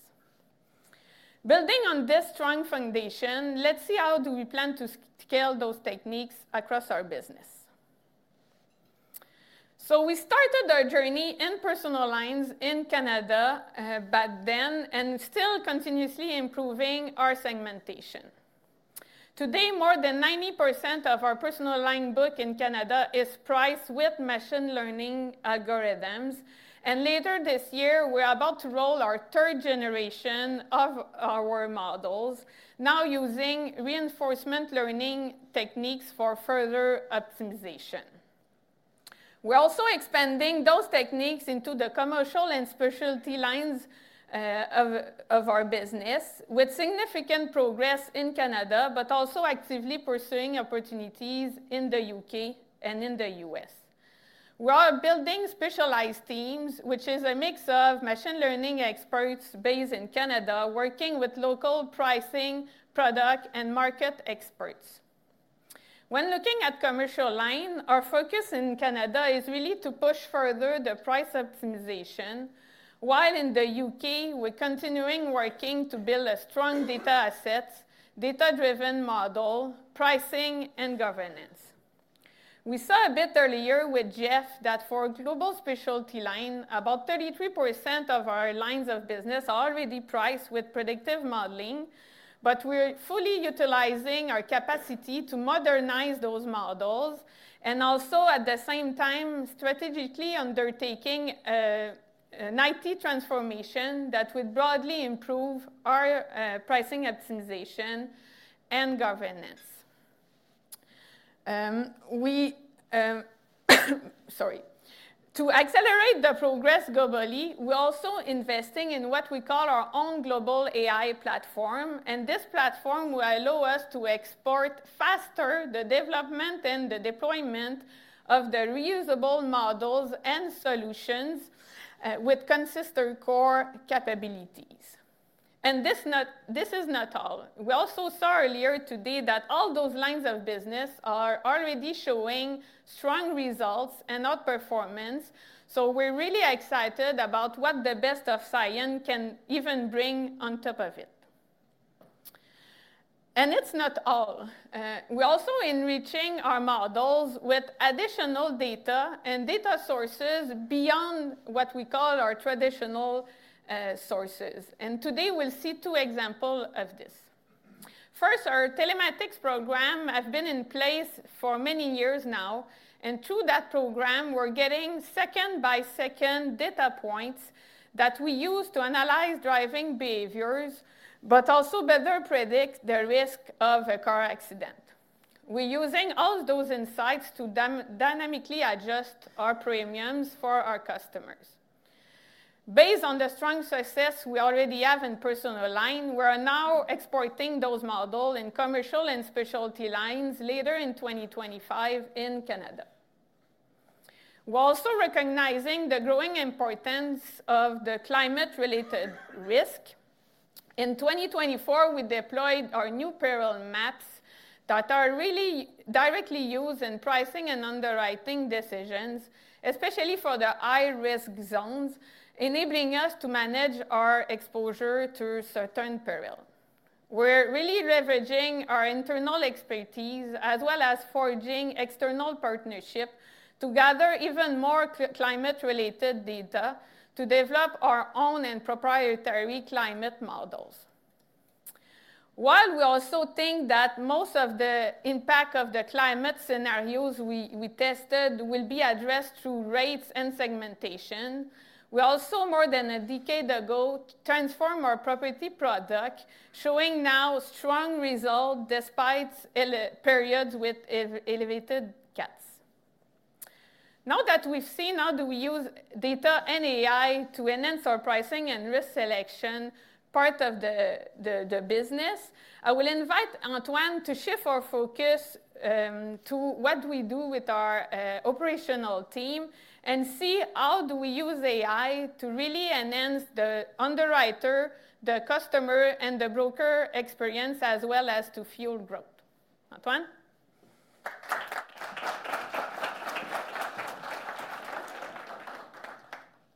Building on this strong foundation, let's see how we plan to scale those techniques across our business. We started our journey in personal lines in Canada back then and are still continuously improving our segmentation. Today, more than 90% of our personal lines book in Canada is priced with machine learning algorithms. Later this year, we're about to roll our third generation of our models, now using reinforcement learning techniques for further optimization. We're also expanding those techniques into the commercial and specialty lines of our business with significant progress in Canada, but also actively pursuing opportunities in the U.K. and in the U.S. We are building specialized teams, which is a mix of machine learning experts based in Canada working with local pricing, product, and market experts. When looking at commercial line, our focus in Canada is really to push further the price optimization, while in the U.K., we're continuing working to build a strong data assets, data-driven model, pricing, and governance. We saw a bit earlier with Jeff that for global specialty line, about 33% of our lines of business are already priced with predictive modeling, but we're fully utilizing our capacity to modernize those models and also, at the same time, strategically undertaking an IT transformation that would broadly improve our pricing optimization and governance. Sorry. To accelerate the progress globally, we're also investing in what we call our own global AI platform. This platform will allow us to export faster the development and the deployment of the reusable models and solutions with consistent core capabilities. This is not all. We also saw earlier today that all those lines of business are already showing strong results and outperformance. We're really excited about what the best of science can even bring on top of it. It is not all. We're also enriching our models with additional data and data sources beyond what we call our traditional sources. Today, we'll see two examples of this. First, our telematics program has been in place for many years now. Through that program, we're getting second-by-second data points that we use to analyze driving behaviors, but also better predict the risk of a car accident. We're using all those insights to dynamically adjust our premiums for our customers. Based on the strong success we already have in personal line, we're now exporting those models in commercial and specialty lines later in 2025 in Canada. We're also recognizing the growing importance of the climate-related risk. In 2024, we deployed our new peril maps that are really directly used in pricing and underwriting decisions, especially for the high-risk zones, enabling us to manage our exposure to certain peril. We're really leveraging our internal expertise as well as forging external partnerships to gather even more climate-related data to develop our own and proprietary climate models. While we also think that most of the impact of the climate scenarios we tested will be addressed through rates and segmentation, we also, more than a decade ago, transformed our property product, showing now strong results despite periods with elevated CATs. Now that we've seen how do we use data and AI to enhance our pricing and risk selection part of the business, I will invite Antoine to shift our focus to what we do with our operational team and see how do we use AI to really enhance the underwriter, the customer, and the broker experience as well as to fuel growth. Antoine?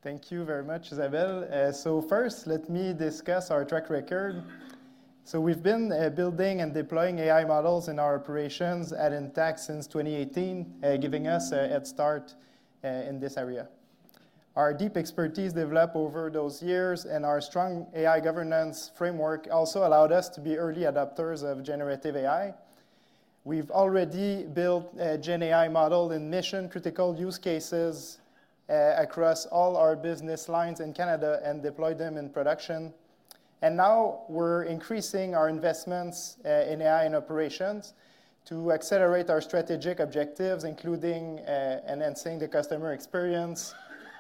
Thank you very much, Isabelle. First, let me discuss our track record. We have been building and deploying AI models in our operations at Intact since 2018, giving us a head start in this area. Our deep expertise developed over those years, and our strong AI governance framework also allowed us to be early adopters of generative AI. We have already built a GenAI model in mission-critical use cases across all our business lines in Canada and deployed them in production. Now we are increasing our investments in AI and operations to accelerate our strategic objectives, including enhancing the customer experience,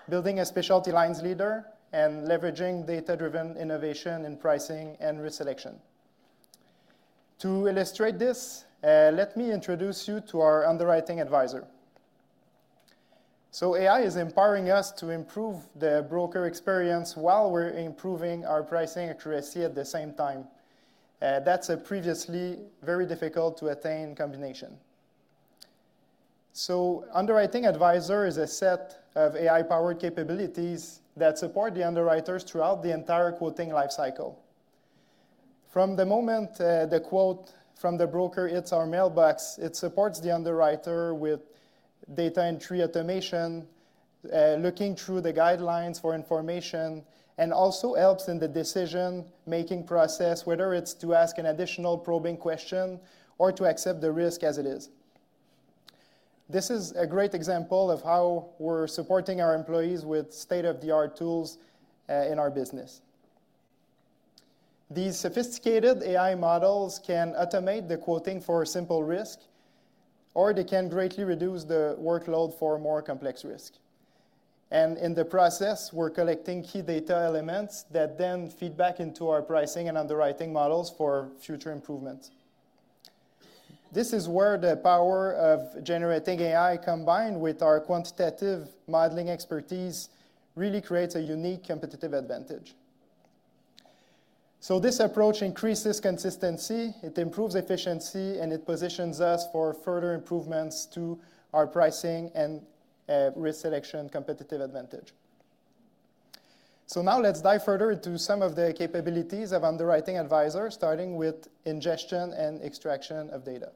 building a specialty lines leader, and leveraging data-driven innovation in pricing and risk selection. To illustrate this, let me introduce you to our underwriting advisor. AI is empowering us to improve the broker experience while we are improving our pricing accuracy at the same time. That is a previously very difficult-to-attain combination. An underwriting advisor is a set of AI-powered capabilities that support the underwriters throughout the entire quoting lifecycle. From the moment the quote from the broker hits our mailbox, it supports the underwriter with data entry automation, looking through the guidelines for information, and also helps in the decision-making process, whether it's to ask an additional probing question or to accept the risk as it is. This is a great example of how we're supporting our employees with state-of-the-art tools in our business. These sophisticated AI models can automate the quoting for simple risk, or they can greatly reduce the workload for more complex risk. In the process, we're collecting key data elements that then feed back into our pricing and underwriting models for future improvements. This is where the power of generative AI combined with our quantitative modeling expertise really creates a unique competitive advantage. This approach increases consistency, it improves efficiency, and it positions us for further improvements to our pricing and risk selection competitive advantage. Now let's dive further into some of the capabilities of underwriting advisors, starting with ingestion and extraction of data.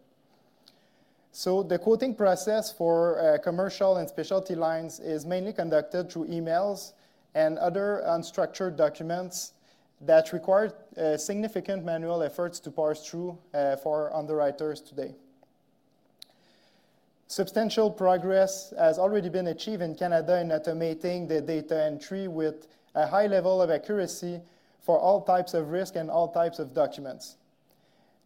The quoting process for commercial and specialty lines is mainly conducted through emails and other unstructured documents that require significant manual efforts to pass through for underwriters today. Substantial progress has already been achieved in Canada in automating the data entry with a high level of accuracy for all types of risk and all types of documents.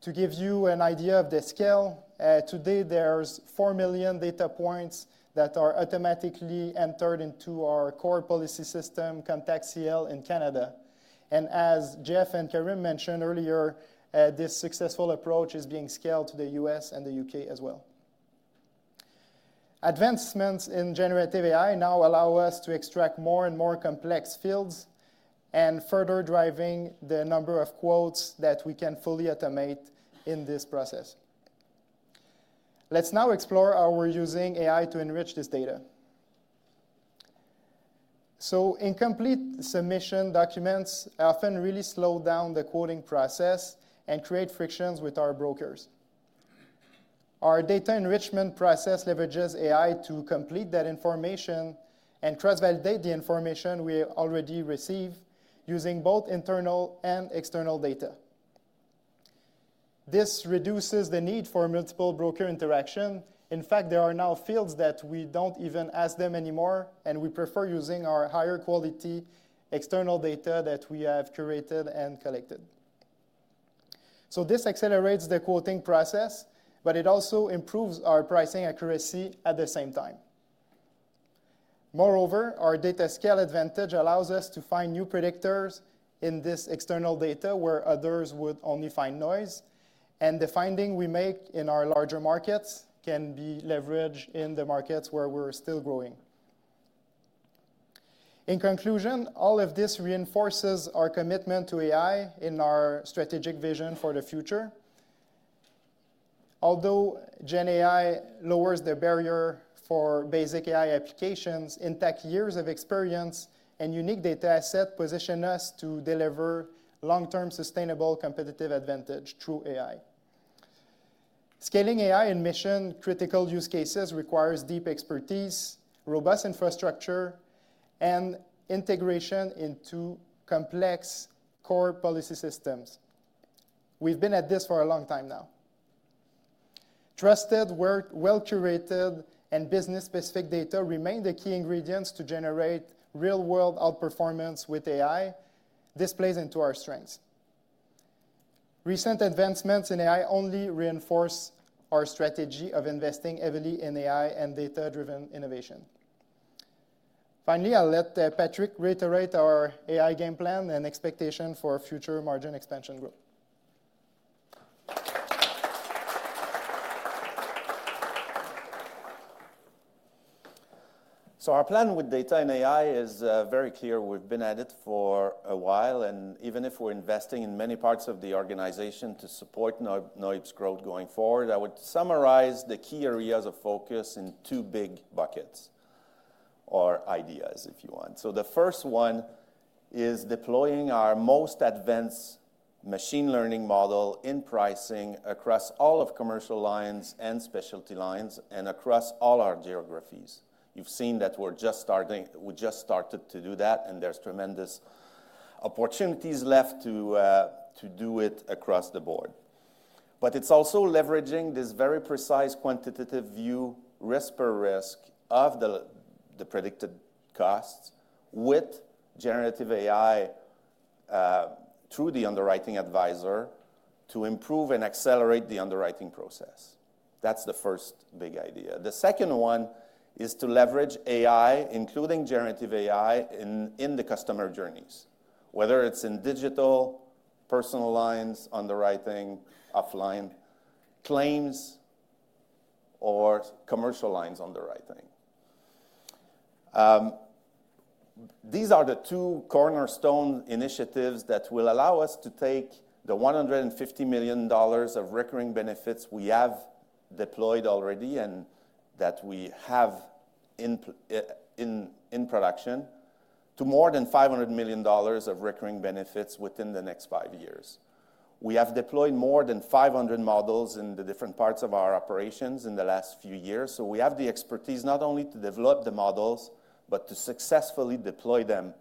To give you an idea of the scale, today, there are 4 million data points that are automatically entered into our core policy system, ContactCL, in Canada. As Jeff and Karim mentioned earlier, this successful approach is being scaled to the US and the U.K. as well. Advancements in generative AI now allow us to extract more and more complex fields and further driving the number of quotes that we can fully automate in this process. Let's now explore how we're using AI to enrich this data. Incomplete submission documents often really slow down the quoting process and create frictions with our brokers. Our data enrichment process leverages AI to complete that information and cross-validate the information we already receive using both internal and external data. This reduces the need for multiple broker interaction. In fact, there are now fields that we do not even ask them anymore, and we prefer using our higher quality external data that we have curated and collected. This accelerates the quoting process, but it also improves our pricing accuracy at the same time. Moreover, our data scale advantage allows us to find new predictors in this external data where others would only find noise. The finding we make in our larger markets can be leveraged in the markets where we're still growing. In conclusion, all of this reinforces our commitment to AI in our strategic vision for the future. Although GenAI lowers the barrier for basic AI applications, Intact's years of experience and unique data asset position us to deliver long-term sustainable competitive advantage through AI. Scaling AI in mission-critical use cases requires deep expertise, robust infrastructure, and integration into complex core policy systems. We've been at this for a long time now. Trusted, well-curated, and business-specific data remain the key ingredients to generate real-world outperformance with AI. This plays into our strengths. Recent advancements in AI only reinforce our strategy of investing heavily in AI and data-driven innovation. Finally, I'll let Patrick reiterate our AI game plan and expectation for future margin expansion growth. Our plan with data and AI is very clear. We've been at it for a while. Even if we're investing in many parts of the organization to support NOIPS growth going forward, I would summarize the key areas of focus in two big buckets or ideas, if you want. The first one is deploying our most advanced machine learning model in pricing across all of commercial lines and specialty lines and across all our geographies. You've seen that we're just starting, we just started to do that, and there's tremendous opportunities left to do it across the board. It's also leveraging this very precise quantitative view, risk per risk of the predicted costs with generative AI through the underwriting advisor to improve and accelerate the underwriting process. That's the first big idea. The second one is to leverage AI, including generative AI, in the customer journeys, whether it's in digital, personal lines, underwriting, offline, claims, or commercial lines underwriting. These are the two cornerstone initiatives that will allow us to take the 150 million dollars of recurring benefits we have deployed already and that we have in production to more than 500 million dollars of recurring benefits within the next five years. We have deployed more than 500 models in the different parts of our operations in the last few years. We have the expertise not only to develop the models, but to successfully deploy them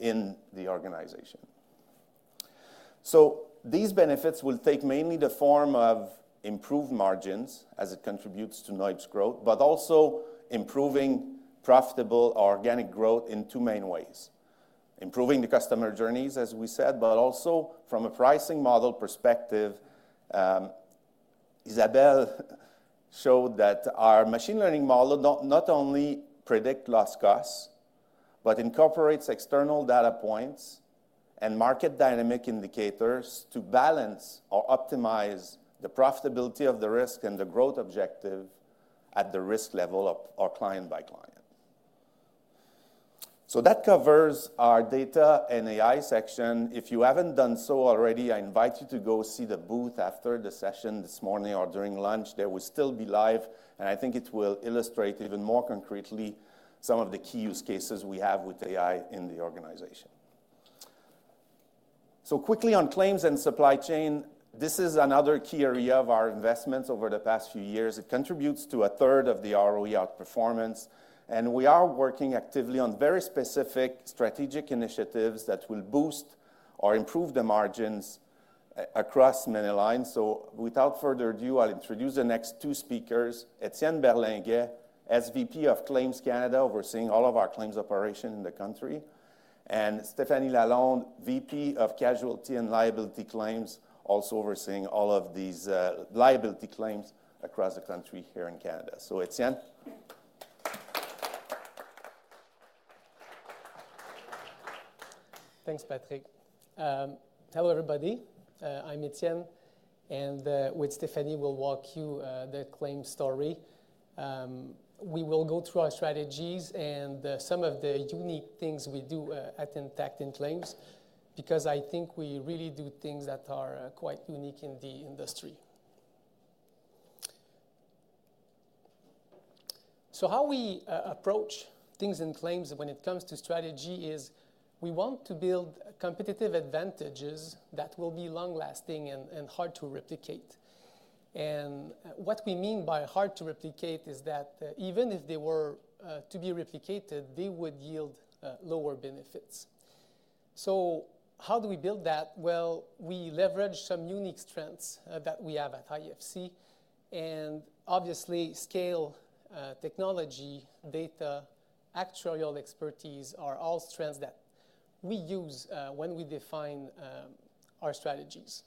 in the organization. These benefits will take mainly the form of improved margins as it contributes to NOIPS growth, but also improving profitable organic growth in two main ways: improving the customer journeys, as we said, but also from a pricing model perspective. Isabelle showed that our machine learning model not only predicts loss costs, but incorporates external data points and market dynamic indicators to balance or optimize the profitability of the risk and the growth objective at the risk level of our client by client. That covers our data and AI section. If you have not done so already, I invite you to go see the booth after the session this morning or during lunch. There will still be live, and I think it will illustrate even more concretely some of the key use cases we have with AI in the organization. Quickly on claims and supply chain, this is another key area of our investments over the past few years. It contributes to a third of the ROE outperformance. We are working actively on very specific strategic initiatives that will boost or improve the margins across many lines. Without further ado, I'll introduce the next two speakers: Etienne Berlinguet, SVP of Claims Canada, overseeing all of our claims operations in the country, and Stéphanie Lalonde, VP of Casualty and Liability Claims, also overseeing all of these liability claims across the country here in Canada. Étienne. Thanks, Patrick. Hello, everybody. I'm Etienne. With Stéphanie, we'll walk you through the claim story. We will go through our strategies and some of the unique things we do at Intact in claims because I think we really do things that are quite unique in the industry. How we approach things in claims when it comes to strategy is we want to build competitive advantages that will be long-lasting and hard to replicate. What we mean by hard to replicate is that even if they were to be replicated, they would yield lower benefits. How do we build that? We leverage some unique strengths that we have at IFC. Obviously, scale, technology, data, actuarial expertise are all strengths that we use when we define our strategies.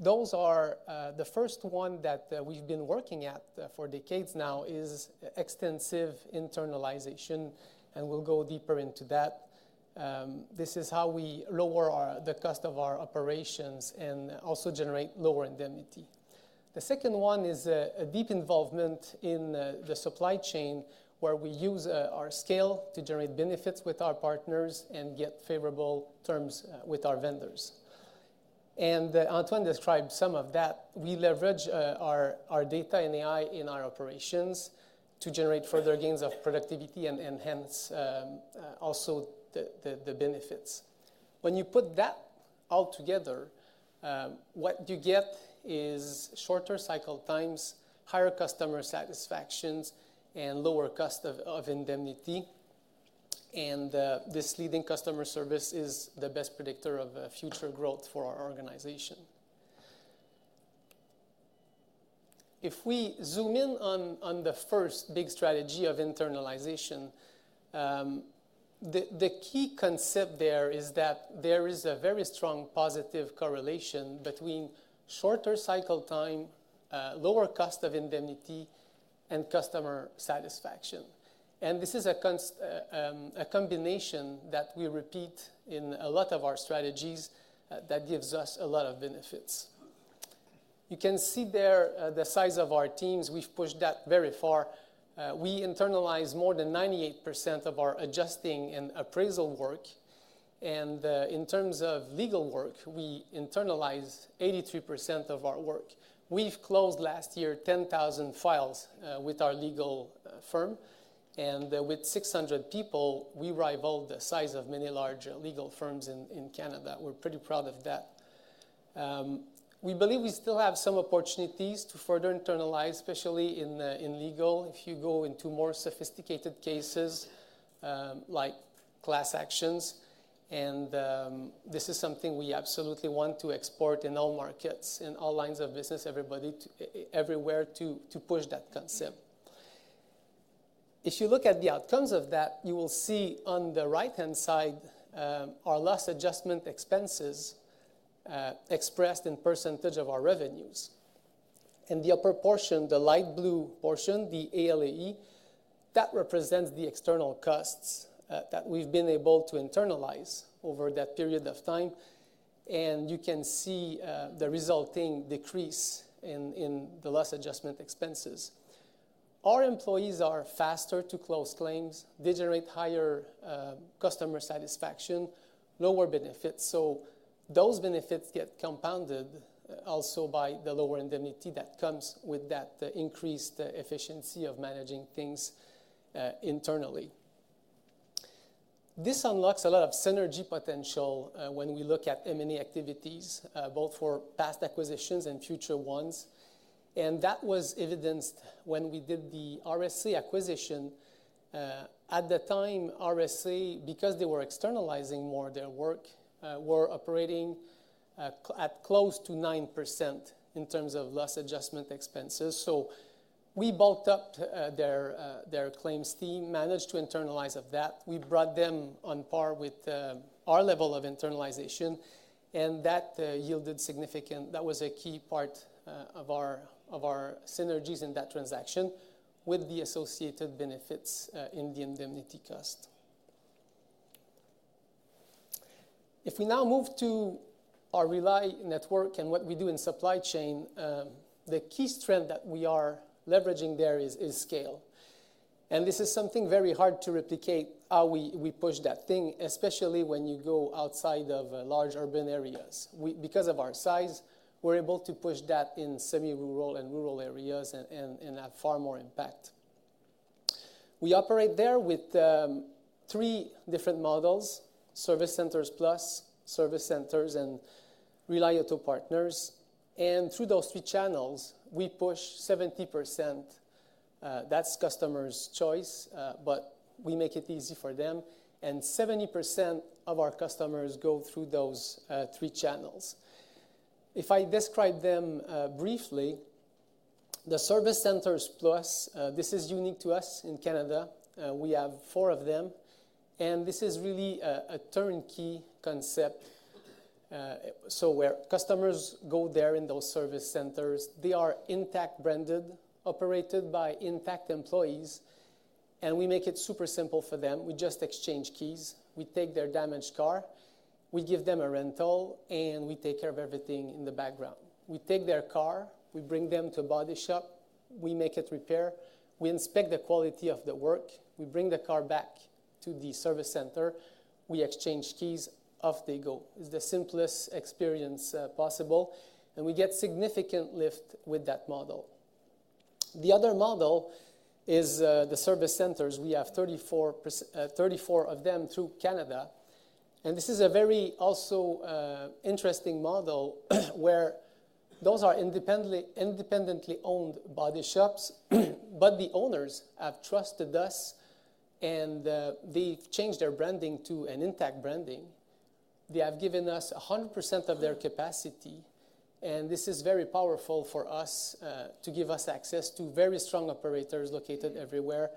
The first one that we've been working at for decades now is extensive internalization. We'll go deeper into that. This is how we lower the cost of our operations and also generate lower indemnity. The second one is a deep involvement in the supply chain where we use our scale to generate benefits with our partners and get favorable terms with our vendors. Antoine described some of that. We leverage our data and AI in our operations to generate further gains of productivity and hence also the benefits. When you put that all together, what you get is shorter cycle times, higher customer satisfaction, and lower cost of indemnity. This leading customer service is the best predictor of future growth for our organization. If we zoom in on the first big strategy of internalization, the key concept there is that there is a very strong positive correlation between shorter cycle time, lower cost of indemnity, and customer satisfaction. This is a combination that we repeat in a lot of our strategies that gives us a lot of benefits. You can see there the size of our teams. We've pushed that very far. We internalize more than 98% of our adjusting and appraisal work. In terms of legal work, we internalize 83% of our work. We closed last year 10,000 files with our legal firm. With 600 people, we rival the size of many large legal firms in Canada. We are pretty proud of that. We believe we still have some opportunities to further internalize, especially in legal. If you go into more sophisticated cases like class actions, this is something we absolutely want to export in all markets, in all lines of business, everywhere to push that concept. If you look at the outcomes of that, you will see on the right-hand side our loss adjustment expenses expressed in percentage of our revenues. The upper portion, the light blue portion, the ALEE, represents the external costs that we have been able to internalize over that period of time. You can see the resulting decrease in the loss adjustment expenses. Our employees are faster to close claims. They generate higher customer satisfaction, lower benefits. Those benefits get compounded also by the lower indemnity that comes with that increased efficiency of managing things internally. This unlocks a lot of synergy potential when we look at M&A activities, both for past acquisitions and future ones. That was evidenced when we did the RSA acquisition. At the time, RSA, because they were externalizing more of their work, were operating at close to 9% in terms of loss adjustment expenses. We bulked up their claims team, managed to internalize that. We brought them on par with our level of internalization. That yielded significant, that was a key part of our synergies in that transaction with the associated benefits in the indemnity cost. If we now move to our relay network and what we do in supply chain, the key strength that we are leveraging there is scale. This is something very hard to replicate, how we push that thing, especially when you go outside of large urban areas. Because of our size, we're able to push that in semi-rural and rural areas and have far more impact. We operate there with three different models: Service Centers Plus, Service Centers, and Reliable Partners. Through those three channels, we push 70%. That's customer's choice, but we make it easy for them. 70% of our customers go through those three channels. If I describe them briefly, the Service Centers Plus, this is unique to us in Canada. We have four of them. This is really a turnkey concept. Where customers go there in those service centers, they are Intact-branded, operated by Intact employees. We make it super simple for them. We just exchange keys. We take their damaged car. We give them a rental, and we take care of everything in the background. We take their car. We bring them to a body shop. We make it repair. We inspect the quality of the work. We bring the car back to the service center. We exchange keys. Off they go. It's the simplest experience possible. We get significant lift with that model. The other model is the service centers. We have 34 of them through Canada. This is a very also interesting model where those are independently owned body shops. The owners have trusted us, and they've changed their branding to an Intact branding. They have given us 100% of their capacity. This is very powerful for us to give us access to very strong operators located everywhere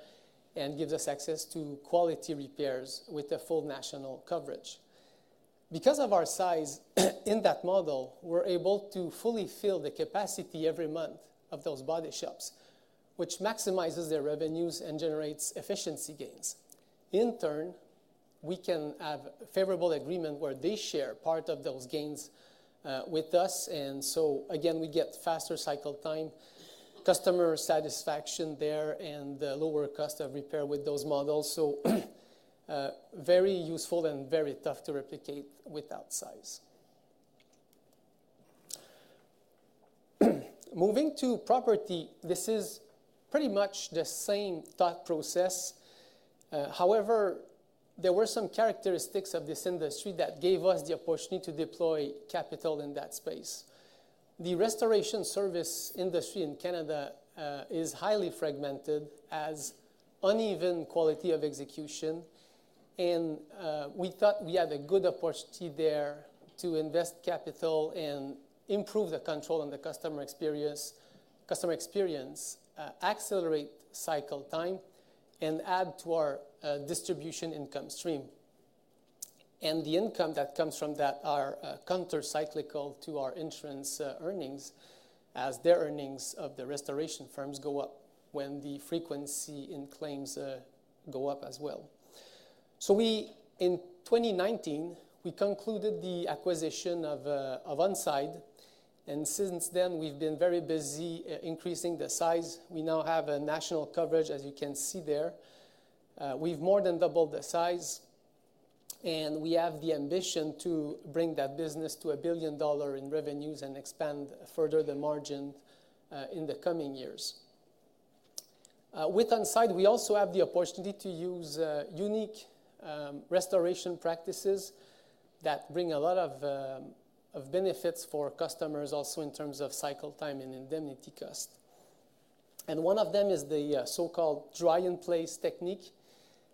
and gives us access to quality repairs with a full national coverage. Because of our size in that model, we're able to fully fill the capacity every month of those body shops, which maximizes their revenues and generates efficiency gains. In turn, we can have a favorable agreement where they share part of those gains with us. Again, we get faster cycle time, customer satisfaction there, and lower cost of repair with those models. Very useful and very tough to replicate without size. Moving to property, this is pretty much the same thought process. However, there were some characteristics of this industry that gave us the opportunity to deploy capital in that space. The restoration service industry in Canada is highly fragmented as uneven quality of execution. We thought we had a good opportunity there to invest capital and improve the control and the customer experience, accelerate cycle time, and add to our distribution income stream. The income that comes from that are countercyclical to our insurance earnings as the earnings of the restoration firms go up when the frequency in claims go up as well. In 2019, we concluded the acquisition of Onside. Since then, we've been very busy increasing the size. We now have national coverage, as you can see there. We've more than doubled the size. We have the ambition to bring that business to 1 billion dollar in revenues and expand further the margin in the coming years. With Onside, we also have the opportunity to use unique restoration practices that bring a lot of benefits for customers also in terms of cycle time and indemnity cost. One of them is the so-called dry-in-place technique.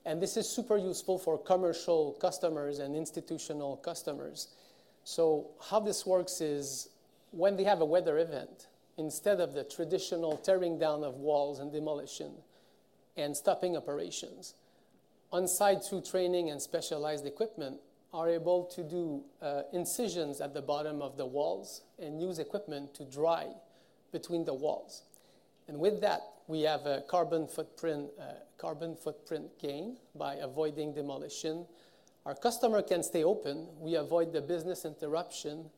This is super useful for commercial customers and institutional customers. How this works is when they have a weather event, instead of the traditional tearing down of walls and demolition and stopping operations, Onside, through training and specialized equipment, are able to do incisions at the bottom of the walls and use equipment to dry between the walls. With that, we have a carbon footprint gain by avoiding demolition. Our customer can stay open. We avoid the business interruption.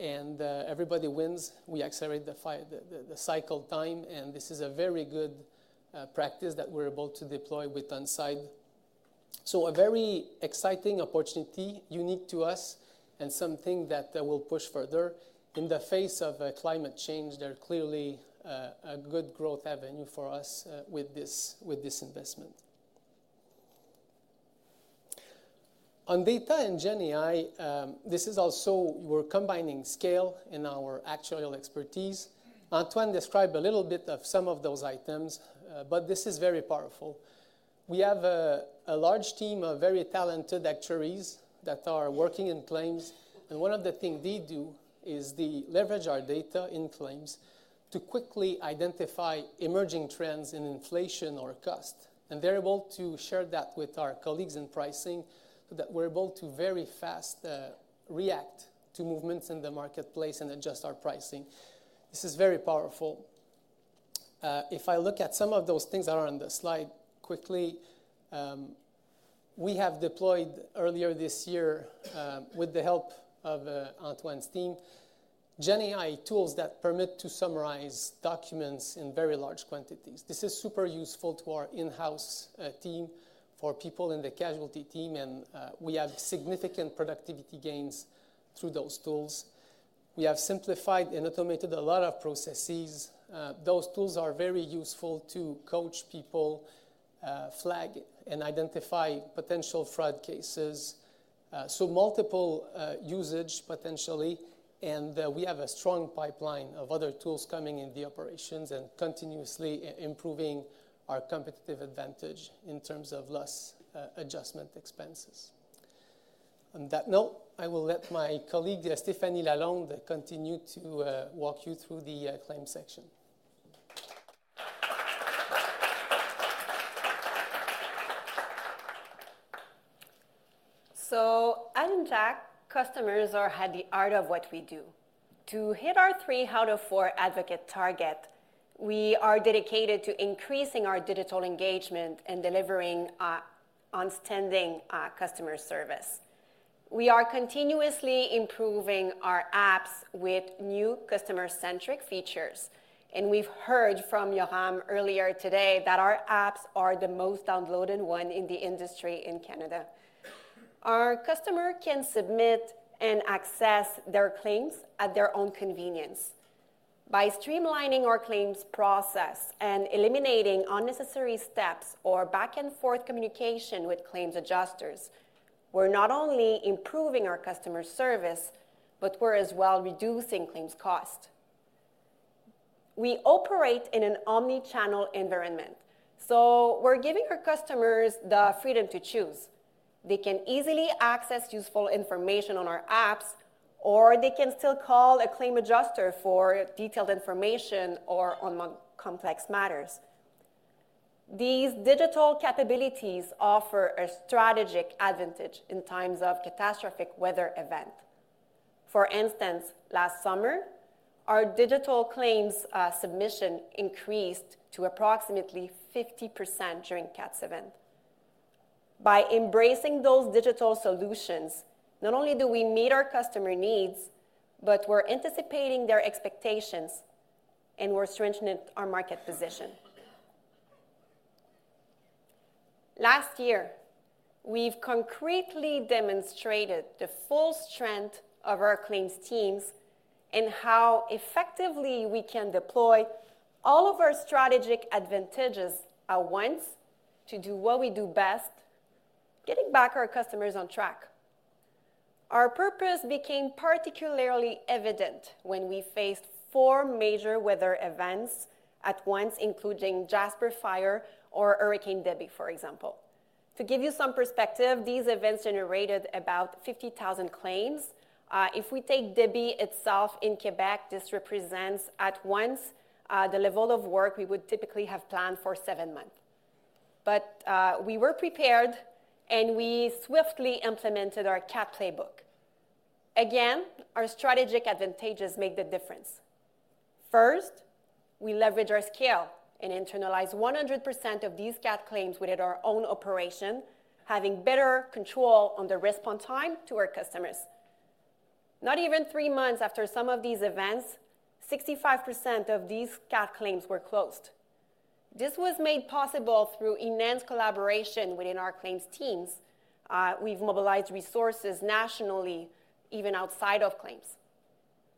Everybody wins. We accelerate the cycle time. This is a very good practice that we are able to deploy with Onside. A very exciting opportunity, unique to us, and something that we will push further. In the face of climate change, there is clearly a good growth avenue for us with this investment. On data and GenAI, this is also where we're combining scale in our actuarial expertise. Antoine described a little bit of some of those items, but this is very powerful. We have a large team of very talented actuaries that are working in claims. One of the things they do is they leverage our data in claims to quickly identify emerging trends in inflation or cost. They are able to share that with our colleagues in pricing so that we're able to very fast react to movements in the marketplace and adjust our pricing. This is very powerful. If I look at some of those things that are on the slide quickly, we have deployed earlier this year with the help of Antoine's team, GenAI tools that permit to summarize documents in very large quantities. This is super useful to our in-house team for people in the casualty team. We have significant productivity gains through those tools. We have simplified and automated a lot of processes. Those tools are very useful to coach people, flag, and identify potential fraud cases. Multiple usage potentially. We have a strong pipeline of other tools coming into the operations and continuously improving our competitive advantage in terms of less adjustment expenses. On that note, I will let my colleague, Stéphanie Lalonde, continue to walk you through the claim section. At Intact, customers are at the heart of what we do. To hit our three out of four advocate target, we are dedicated to increasing our digital engagement and delivering outstanding customer service. We are continuously improving our apps with new customer-centric features. We have heard from Yoram earlier today that our apps are the most downloaded one in the industry in Canada. Our customer can submit and access their claims at their own convenience. By streamlining our claims process and eliminating unnecessary steps or back-and-forth communication with claims adjusters, we are not only improving our customer service, but we are as well reducing claims cost. We operate in an omnichannel environment. We are giving our customers the freedom to choose. They can easily access useful information on our apps, or they can still call a claim adjuster for detailed information or on more complex matters. These digital capabilities offer a strategic advantage in times of catastrophic weather event. For instance, last summer, our digital claims submission increased to approximately 50% during CATs event. By embracing those digital solutions, not only do we meet our customer needs, but we're anticipating their expectations and we're strengthening our market position. Last year, we've concretely demonstrated the full strength of our claims teams and how effectively we can deploy all of our strategic advantages at once to do what we do best, getting back our customers on track. Our purpose became particularly evident when we faced four major weather events at once, including Jasper Fire or Hurricane Debbie, for example. To give you some perspective, these events generated about 50,000 claims. If we take Debbie itself in Quebec, this represents at once the level of work we would typically have planned for seven months. We were prepared, and we swiftly implemented our CAT playbook. Again, our strategic advantages make the difference. First, we leverage our scale and internalize 100% of these CAT claims within our own operation, having better control on the risk on time to our customers. Not even three months after some of these events, 65% of these CAT claims were closed. This was made possible through enhanced collaboration within our claims teams. We have mobilized resources nationally, even outside of claims.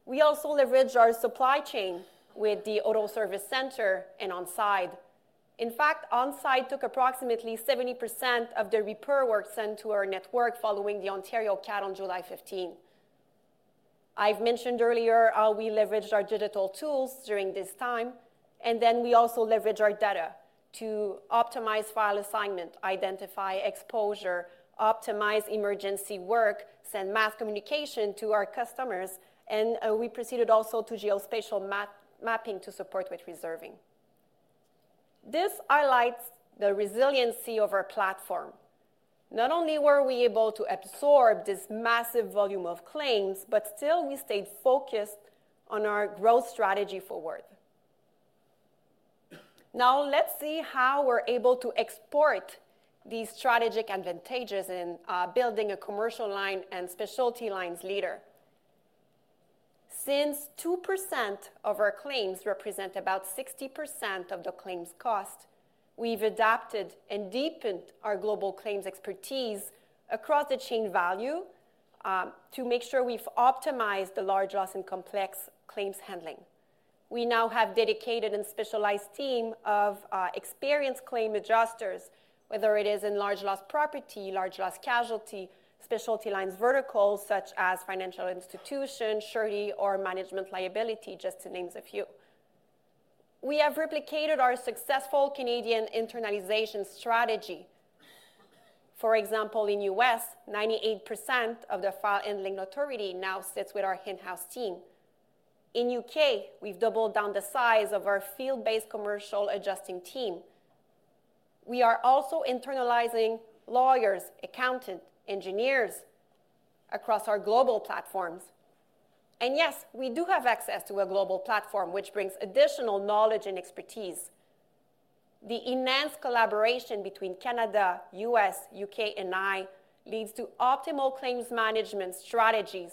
We also leverage our supply chain with the Auto Service Center and Onside. In fact, Onside took approximately 70% of the repair work sent to our network following the Ontario CAT on July 15. I have mentioned earlier how we leveraged our digital tools during this time. We also leverage our data to optimize file assignment, identify exposure, optimize emergency work, send mass communication to our customers. We proceeded also to geospatial mapping to support with reserving. This highlights the resiliency of our platform. Not only were we able to absorb this massive volume of claims, but still, we stayed focused on our growth strategy forward. Now, let's see how we're able to export these strategic advantages in building a commercial line and specialty lines leader. Since 2% of our claims represent about 60% of the claims cost, we've adapted and deepened our global claims expertise across the chain value to make sure we've optimized the large loss and complex claims handling. We now have a dedicated and specialized team of experienced claim adjusters, whether it is in large loss property, large loss casualty, specialty lines verticals such as financial institution, surety, or management liability, just to name a few. We have replicated our successful Canadian internalization strategy. For example, in the U.S., 98% of the file handling authority now sits with our in-house team. In the U.K., we've doubled down the size of our field-based commercial adjusting team. We are also internalizing lawyers, accountants, engineers across our global platforms. Yes, we do have access to a global platform, which brings additional knowledge and expertise. The enhanced collaboration between Canada, U.S., U.K., and I leads to optimal claims management strategies,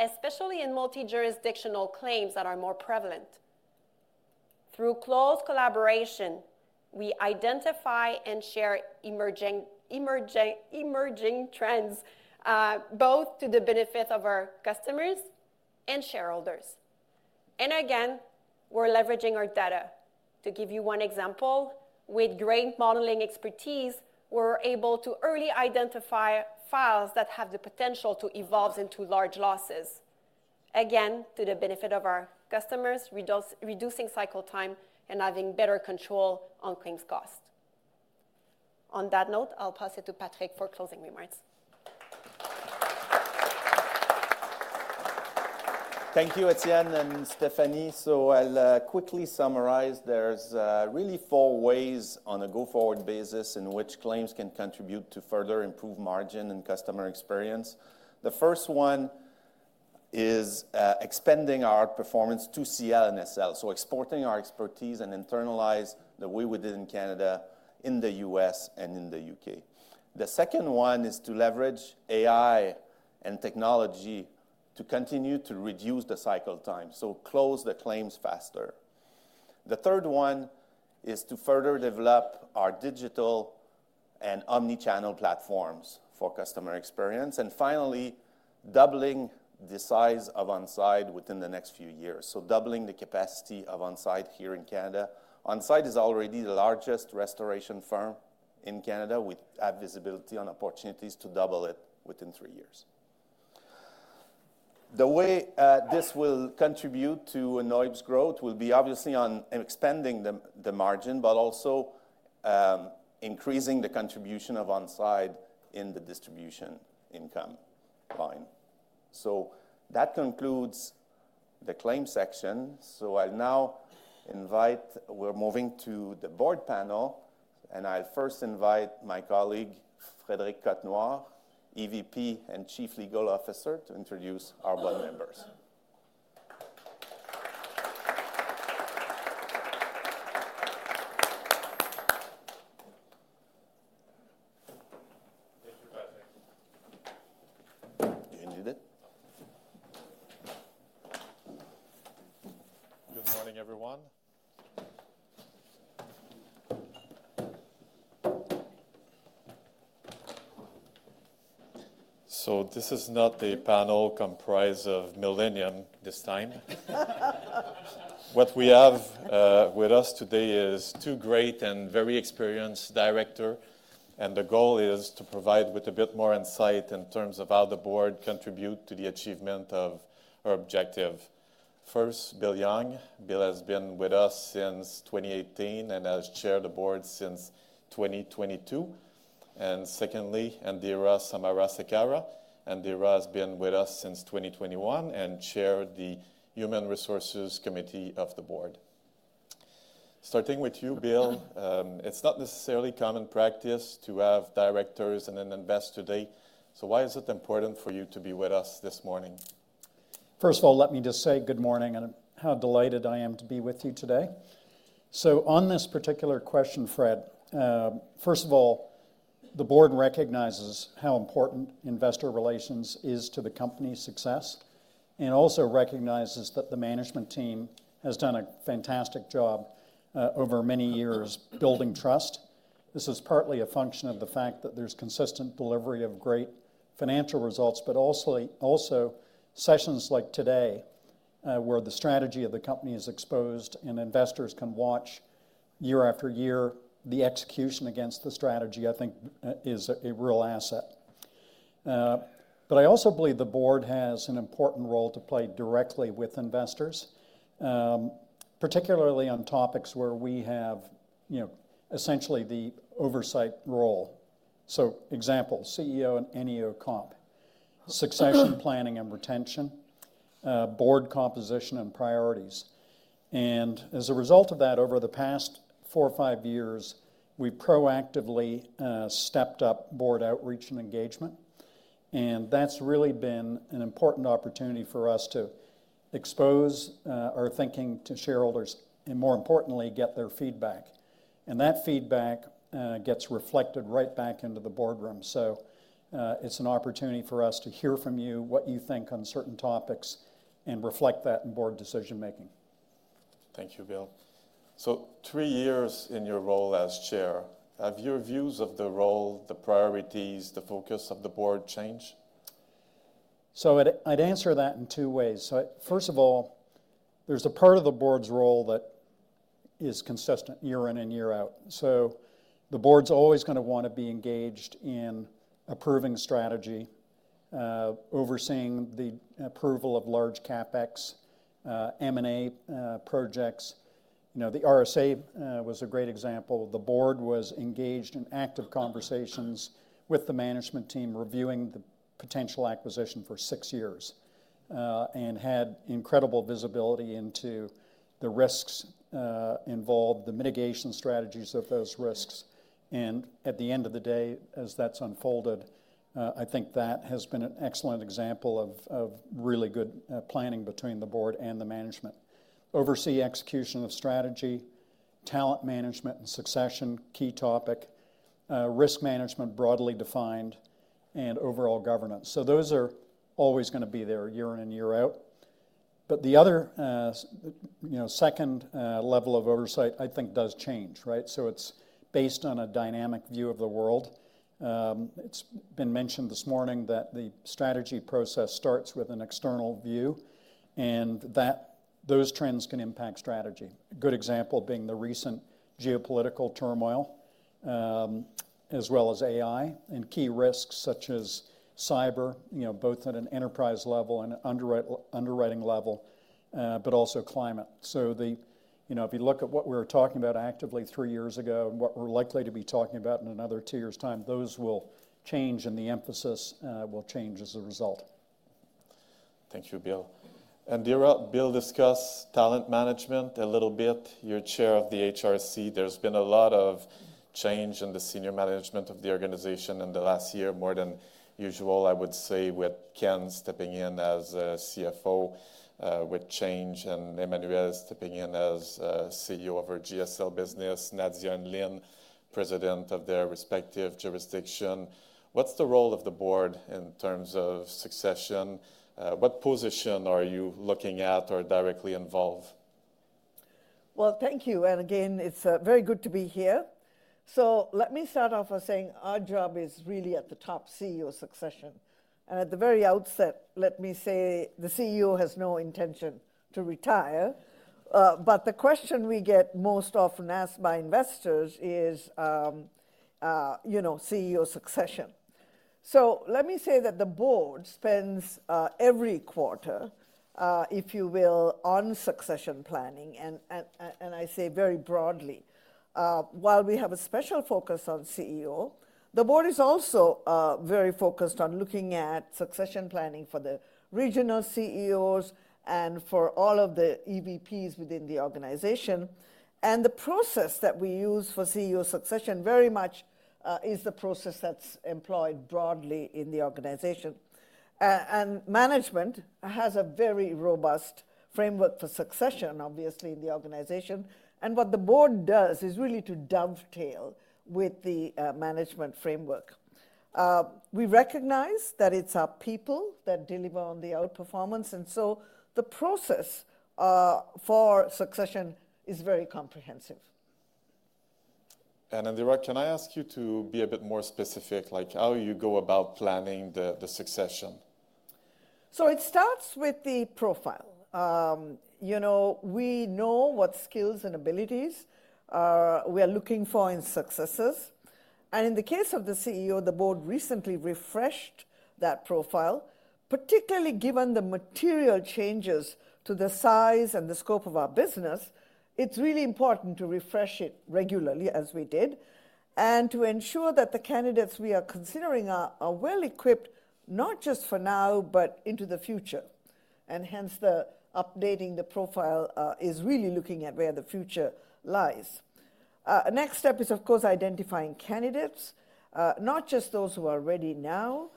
especially in multi-jurisdictional claims that are more prevalent. Through close collaboration, we identify and share emerging trends both to the benefit of our customers and shareholders. Again, we're leveraging our data. To give you one example, with great modeling expertise, we're able to early identify files that have the potential to evolve into large losses. Again, to the benefit of our customers, reducing cycle time and having better control on claims cost. On that note, I'll pass it to Patrick for closing remarks. Thank you, Etienne and Stéphanie. I'll quickly summarize. There are really four ways on a go-forward basis in which claims can contribute to further improve margin and customer experience. The first one is expanding our performance to CL and SL, so exporting our expertise and internalize the way we did in Canada, in the US, and in the UK. The second one is to leverage AI and technology to continue to reduce the cycle time, so close the claims faster. The third one is to further develop our digital and omnichannel platforms for customer experience. Finally, doubling the size of Onside within the next few years, so doubling the capacity of Onside here in Canada. Onside is already the largest restoration firm in Canada. We have visibility on opportunities to double it within three years. The way this will contribute to NOIPS growth will be obviously on expanding the margin, but also increasing the contribution of Onside in the distribution income line. That concludes the claim section. I'll now invite, we're moving to the board panel. I'll first invite my colleague, Frédéric Cotnoir, EVP and Chief Legal Officer, to introduce our board members. Thank you, Patrick. Do you need it? Good morning, everyone. This is not a panel comprised of millennials this time. What we have with us today is two great and very experienced directors. The goal is to provide a bit more insight in terms of how the board contributes to the achievement of our objective. First, Bill Young. Bill has been with us since 2018 and has chaired the board since 2022. Secondly, Indira Samarasekera. Indira has been with us since 2021 and chairs the Human Resources Committee of the board. Starting with you, Bill, it is not necessarily common practice to have directors at an investor day. Why is it important for you to be with us this morning? First of all, let me just say good morning and how delighted I am to be with you today. On this particular question, Fred, first of all, the board recognizes how important investor relations are to the company's success and also recognizes that the management team has done a fantastic job over many years building trust. This is partly a function of the fact that there's consistent delivery of great financial results, but also sessions like today where the strategy of the company is exposed and investors can watch year after year. The execution against the strategy, I think, is a real asset. I also believe the board has an important role to play directly with investors, particularly on topics where we have essentially the oversight role. For example, CEO and NEO comp, succession planning and retention, board composition and priorities. As a result of that, over the past four or five years, we've proactively stepped up board outreach and engagement. That's really been an important opportunity for us to expose our thinking to shareholders and, more importantly, get their feedback. That feedback gets reflected right back into the boardroom. It's an opportunity for us to hear from you what you think on certain topics and reflect that in board decision-making. Thank you, Bill. Three years in your role as Chair, have your views of the role, the priorities, the focus of the board changed? I'd answer that in two ways. First of all, there's a part of the board's role that is consistent year in and year out. The board's always going to want to be engaged in approving strategy, overseeing the approval of large CapEx, M&A projects. RSA was a great example. The board was engaged in active conversations with the management team reviewing the potential acquisition for six years and had incredible visibility into the risks involved, the mitigation strategies of those risks. At the end of the day, as that's unfolded, I think that has been an excellent example of really good planning between the board and the management. Oversee execution of strategy, talent management and succession, key topic, risk management broadly defined, and overall governance. Those are always going to be there year in and year out. The other second level of oversight, I think, does change. It is based on a dynamic view of the world. It has been mentioned this morning that the strategy process starts with an external view and that those trends can impact strategy. A good example being the recent geopolitical turmoil as well as AI and key risks such as cyber, both at an enterprise level and underwriting level, but also climate. If you look at what we were talking about actively three years ago and what we are likely to be talking about in another two years' time, those will change and the emphasis will change as a result. Thank you, Bill. Bill discussed talent management a little bit. You're Chair of the HRC. There's been a lot of change in the senior management of the organization in the last year, more than usual, I would say, with Ken stepping in as CFO with change and Emmanuel stepping in as CEO of her GSL business, Nadia and Lynn, President of their respective jurisdiction. What's the role of the board in terms of succession? What position are you looking at or directly involved? Thank you. It is very good to be here. Let me start off by saying our job is really at the top CEO succession. At the very outset, let me say the CEO has no intention to retire. The question we get most often asked by investors is CEO succession. Let me say that the board spends every quarter, if you will, on succession planning. I say very broadly. While we have a special focus on CEO, the board is also very focused on looking at succession planning for the regional CEOs and for all of the EVPs within the organization. The process that we use for CEO succession very much is the process that is employed broadly in the organization. Management has a very robust framework for succession, obviously, in the organization. What the board does is really to dovetail with the management framework. We recognize that it's our people that deliver on the outperformance. And so the process for succession is very comprehensive. And Indira, can I ask you to be a bit more specific, like how you go about planning the succession? It starts with the profile. We know what skills and abilities we are looking for in successors. In the case of the CEO, the board recently refreshed that profile, particularly given the material changes to the size and the scope of our business. It is really important to refresh it regularly, as we did, and to ensure that the candidates we are considering are well equipped, not just for now, but into the future. Hence, updating the profile is really looking at where the future lies. Next step is, of course, identifying candidates, not just those who are ready now,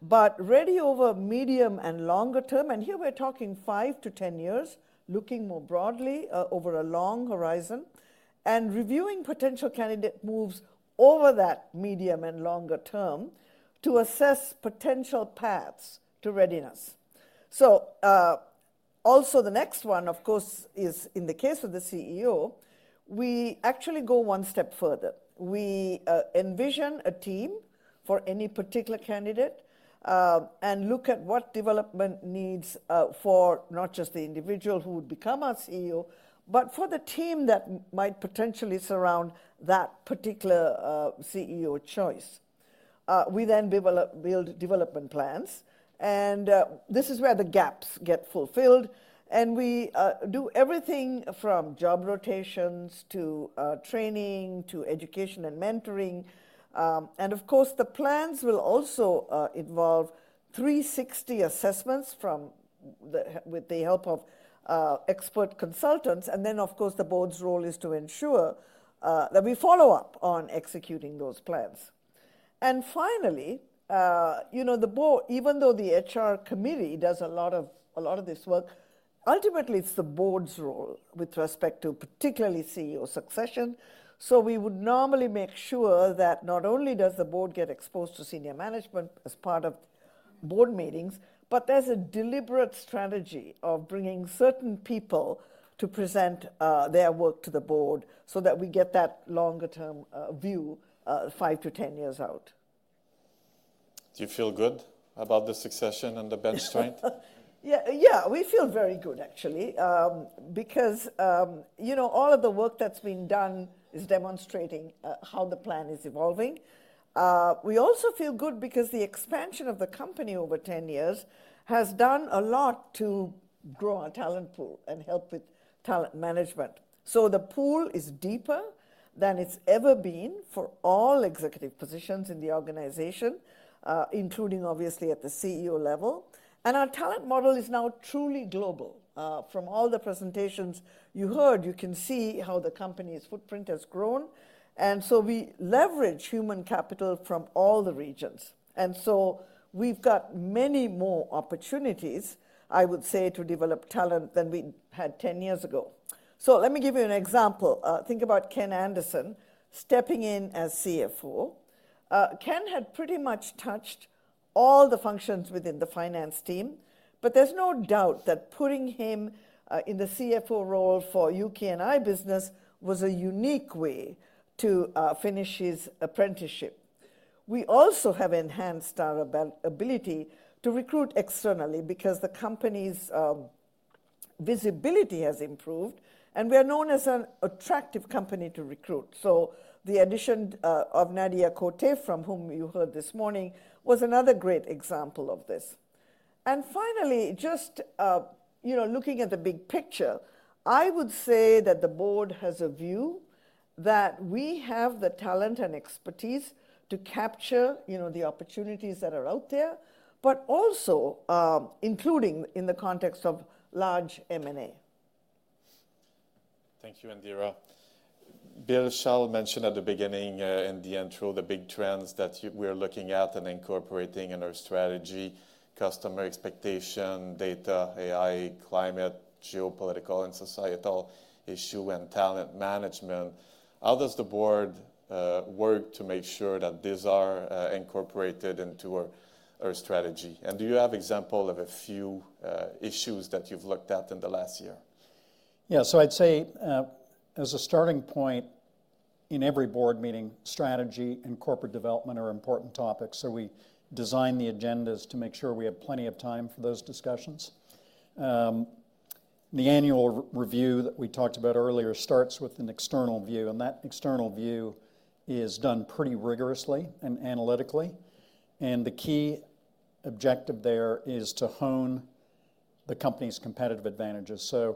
but ready over the medium and longer term. Here we are talking five to ten years, looking more broadly over a long horizon and reviewing potential candidate moves over that medium and longer term to assess potential paths to readiness. Also, the next one, of course, is in the case of the CEO, we actually go one step further. We envision a team for any particular candidate and look at what development needs for not just the individual who would become our CEO, but for the team that might potentially surround that particular CEO choice. We then build development plans. This is where the gaps get fulfilled. We do everything from job rotations to training to education and mentoring. Of course, the plans will also involve 360 assessments with the help of expert consultants. The board's role is to ensure that we follow up on executing those plans. Finally, even though the HR committee does a lot of this work, ultimately, it's the board's role with respect to particularly CEO succession. We would normally make sure that not only does the board get exposed to senior management as part of board meetings, but there's a deliberate strategy of bringing certain people to present their work to the board so that we get that longer-term view five to ten years out. Do you feel good about the succession and the bench strength? Yeah, we feel very good, actually, because all of the work that's been done is demonstrating how the plan is evolving. We also feel good because the expansion of the company over ten years has done a lot to grow our talent pool and help with talent management. The pool is deeper than it's ever been for all executive positions in the organization, including, obviously, at the CEO level. Our talent model is now truly global. From all the presentations you heard, you can see how the company's footprint has grown. We leverage human capital from all the regions. We've got many more opportunities, I would say, to develop talent than we had ten years ago. Let me give you an example. Think about Ken Anderson stepping in as CFO. Ken had pretty much touched all the functions within the finance team. There is no doubt that putting him in the CFO role for U.K. and Ireland business was a unique way to finish his apprenticeship. We also have enhanced our ability to recruit externally because the company's visibility has improved. We are known as an attractive company to recruit. The addition of Nadia Coté, from whom you heard this morning, was another great example of this. Finally, just looking at the big picture, I would say that the board has a view that we have the talent and expertise to capture the opportunities that are out there, also including in the context of large M&A. Thank you, Indira. Bill shall mention at the beginning and the end through the big trends that we are looking at and incorporating in our strategy, customer expectation, data, AI, climate, geopolitical and societal issue, and talent management. How does the board work to make sure that these are incorporated into our strategy? Do you have examples of a few issues that you've looked at in the last year? Yeah, so I'd say as a starting point, in every board meeting, strategy and corporate development are important topics. We design the agendas to make sure we have plenty of time for those discussions. The annual review that we talked about earlier starts with an external view. That external view is done pretty rigorously and analytically. The key objective there is to hone the company's competitive advantages. There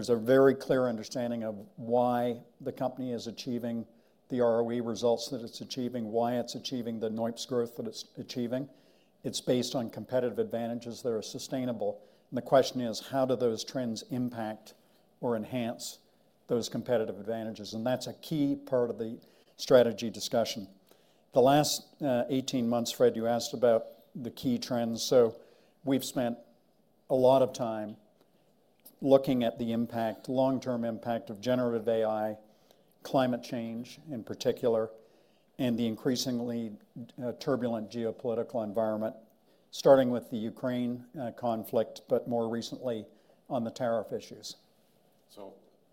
is a very clear understanding of why the company is achieving the ROE results that it's achieving, why it's achieving the NOIPS growth that it's achieving. It's based on competitive advantages that are sustainable. The question is, how do those trends impact or enhance those competitive advantages? That's a key part of the strategy discussion. The last 18 months, Fred, you asked about the key trends. We've spent a lot of time looking at the impact, long-term impact of generative AI, climate change in particular, and the increasingly turbulent geopolitical environment, starting with the Ukraine conflict, but more recently on the tariff issues.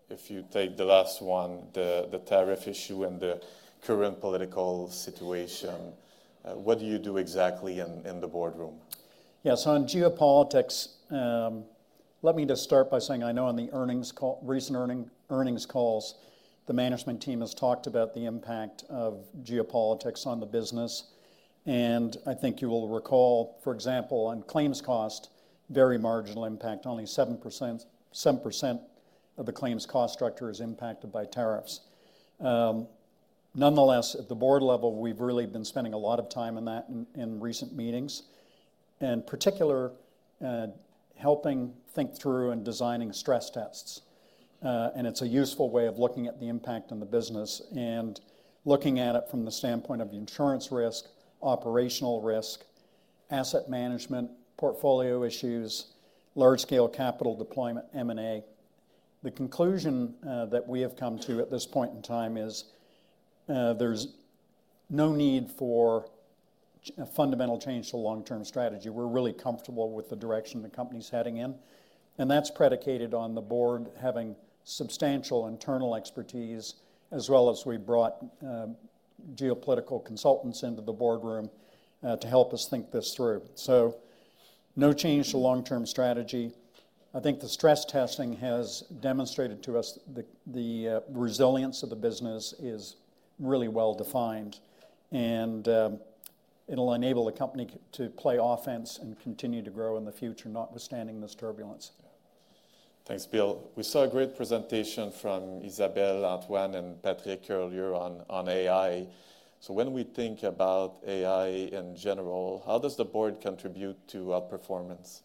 If you take the last one, the tariff issue and the current political situation, what do you do exactly in the boardroom? Yeah, so on geopolitics, let me just start by saying I know on the recent earnings calls, the management team has talked about the impact of geopolitics on the business. I think you will recall, for example, on claims cost, very marginal impact, only 7% of the claims cost structure is impacted by tariffs. Nonetheless, at the board level, we've really been spending a lot of time in that in recent meetings, in particular helping think through and designing stress tests. It's a useful way of looking at the impact on the business and looking at it from the standpoint of insurance risk, operational risk, asset management, portfolio issues, large-scale capital deployment, M&A. The conclusion that we have come to at this point in time is there's no need for fundamental change to long-term strategy. We're really comfortable with the direction the company's heading in. That is predicated on the board having substantial internal expertise, as well as we brought geopolitical consultants into the boardroom to help us think this through. No change to long-term strategy. I think the stress testing has demonstrated to us the resilience of the business is really well defined. It will enable the company to play offense and continue to grow in the future, notwithstanding this turbulence. Thanks, Bill. We saw a great presentation from Isabelle, Antoine, and Patrick earlier on AI. When we think about AI in general, how does the board contribute to outperformance?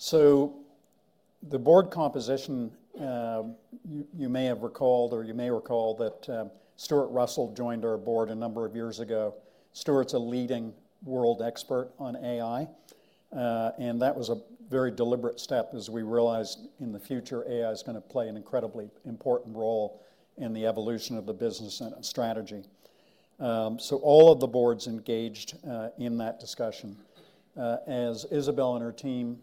The board composition, you may have recalled or you may recall that Stuart Russell joined our board a number of years ago. Stuart's a leading world expert on AI. That was a very deliberate step as we realized in the future AI is going to play an incredibly important role in the evolution of the business and strategy. All of the board is engaged in that discussion. As Isabelle and her team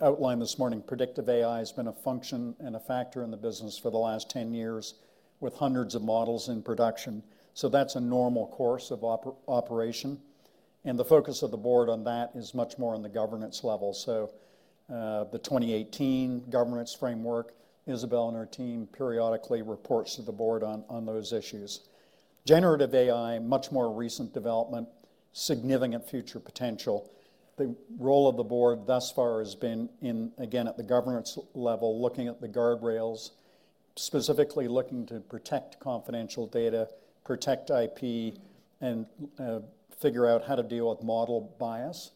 outlined this morning, predictive AI has been a function and a factor in the business for the last ten years with hundreds of models in production. That's a normal course of operation. The focus of the board on that is much more on the governance level. The 2018 governance framework, Isabelle and her team periodically report to the board on those issues. Generative AI, much more recent development, significant future potential. The role of the board thus far has been in, again, at the governance level, looking at the guardrails, specifically looking to protect confidential data, protect IP, and figure out how to deal with model bias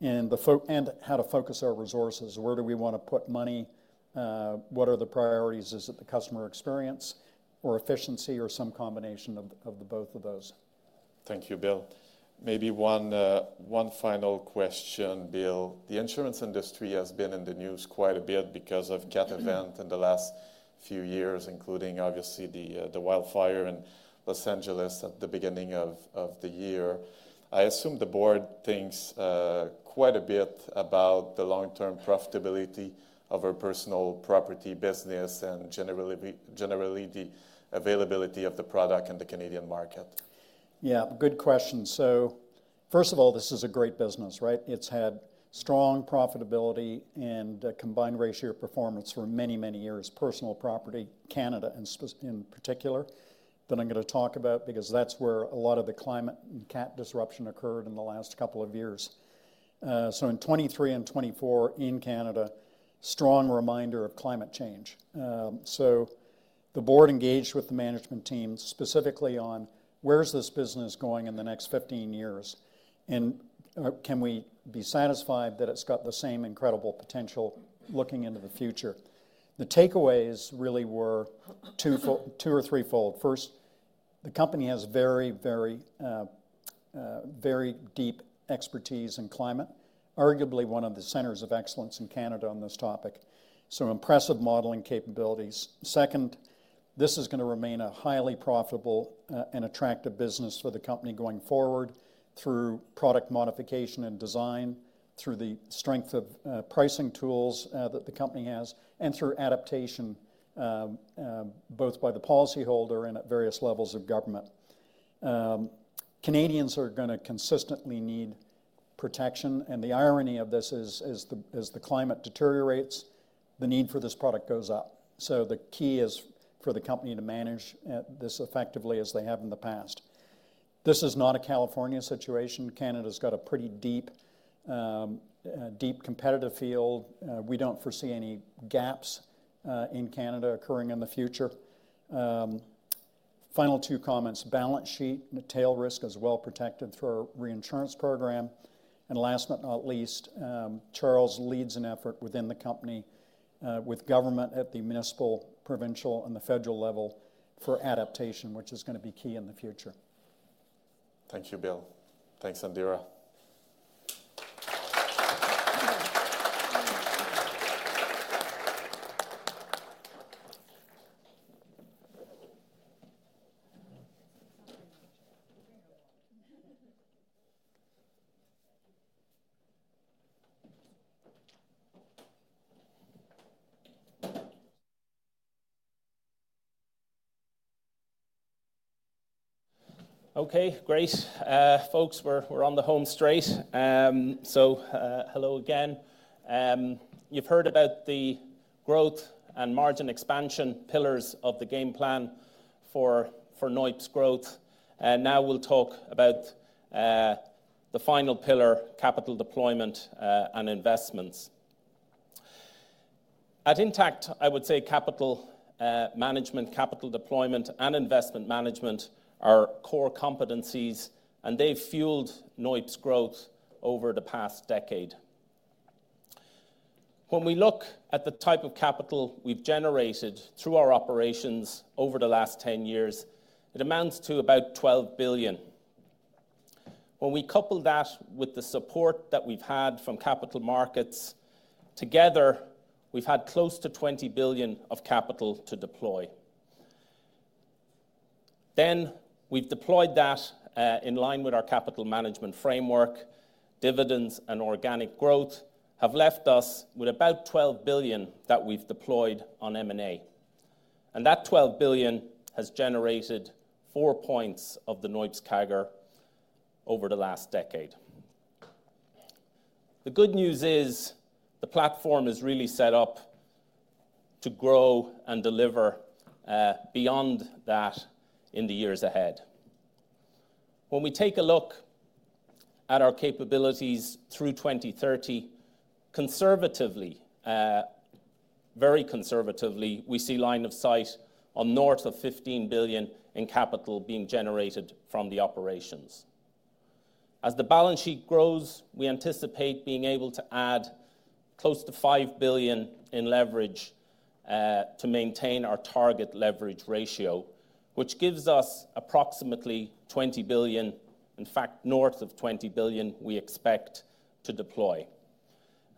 and how to focus our resources. Where do we want to put money? What are the priorities? Is it the customer experience or efficiency or some combination of both of those? Thank you, Bill. Maybe one final question, Bill. The insurance industry has been in the news quite a bit because of CAT event in the last few years, including obviously the wildfire in Los Angeles at the beginning of the year. I assume the board thinks quite a bit about the long-term profitability of our personal property business and generally the availability of the product in the Canadian market. Yeah, good question. First of all, this is a great business, right? It's had strong profitability and combined ratio performance for many, many years, personal property Canada in particular, that I'm going to talk about because that's where a lot of the climate and CAT disruption occurred in the last couple of years. In 2023 and 2024 in Canada, strong reminder of climate change. The board engaged with the management team specifically on where's this business going in the next 15 years? Can we be satisfied that it's got the same incredible potential looking into the future? The takeaways really were two or threefold. First, the company has very, very, very deep expertise in climate, arguably one of the centers of excellence in Canada on this topic. Impressive modeling capabilities. Second, this is going to remain a highly profitable and attractive business for the company going forward through product modification and design, through the strength of pricing tools that the company has, and through adaptation both by the policyholder and at various levels of government. Canadians are going to consistently need protection. The irony of this is as the climate deteriorates, the need for this product goes up. The key is for the company to manage this effectively as they have in the past. This is not a California situation. Canada's got a pretty deep competitive field. We do not foresee any gaps in Canada occurring in the future. Final two comments. Balance sheet and tail risk is well protected through our reinsurance program. Last but not least, Charles leads an effort within the company with government at the municipal, provincial, and the federal level for adaptation, which is going to be key in the future. Thank you, Bill. Thanks, Indira. Okay, great. Folks, we're on the home straight. Hello again. You've heard about the growth and margin expansion pillars of the game plan for NOIPS growth. Now we'll talk about the final pillar, capital deployment and investments. At Intact, I would say capital management, capital deployment, and investment management are core competencies. They've fueled NOIPS growth over the past decade. When we look at the type of capital we've generated through our operations over the last ten years, it amounts to about 12 billion. When we couple that with the support that we've had from capital markets, together, we've had close to 20 billion of capital to deploy. We have deployed that in line with our capital management framework. Dividends and organic growth have left us with about 12 billion that we've deployed on M&A. That $12 billion has generated four points of the NOIPS CAGR over the last decade. The good news is the platform is really set up to grow and deliver beyond that in the years ahead. When we take a look at our capabilities through 2030, conservatively, very conservatively, we see line of sight on north of $15 billion in capital being generated from the operations. As the balance sheet grows, we anticipate being able to add close to $5 billion in leverage to maintain our target leverage ratio, which gives us approximately $20 billion, in fact, north of $20 billion we expect to deploy.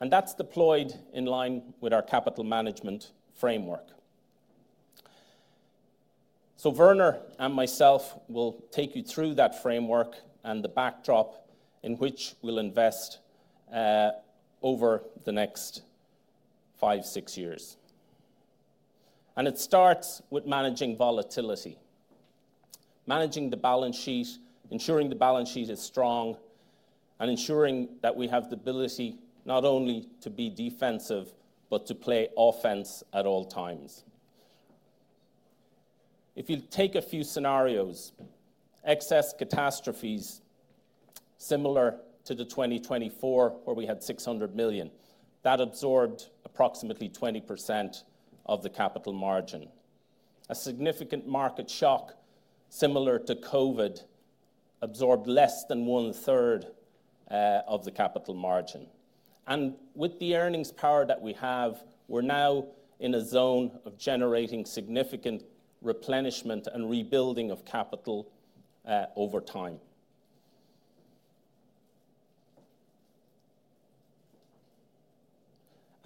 That is deployed in line with our capital management framework. Werner and myself will take you through that framework and the backdrop in which we will invest over the next five, six years. It starts with managing volatility, managing the balance sheet, ensuring the balance sheet is strong, and ensuring that we have the ability not only to be defensive, but to play offense at all times. If you take a few scenarios, excess catastrophes similar to 2024 where we had 600 million, that absorbed approximately 20% of the capital margin. A significant market shock similar to COVID absorbed less than one-third of the capital margin. With the earnings power that we have, we're now in a zone of generating significant replenishment and rebuilding of capital over time.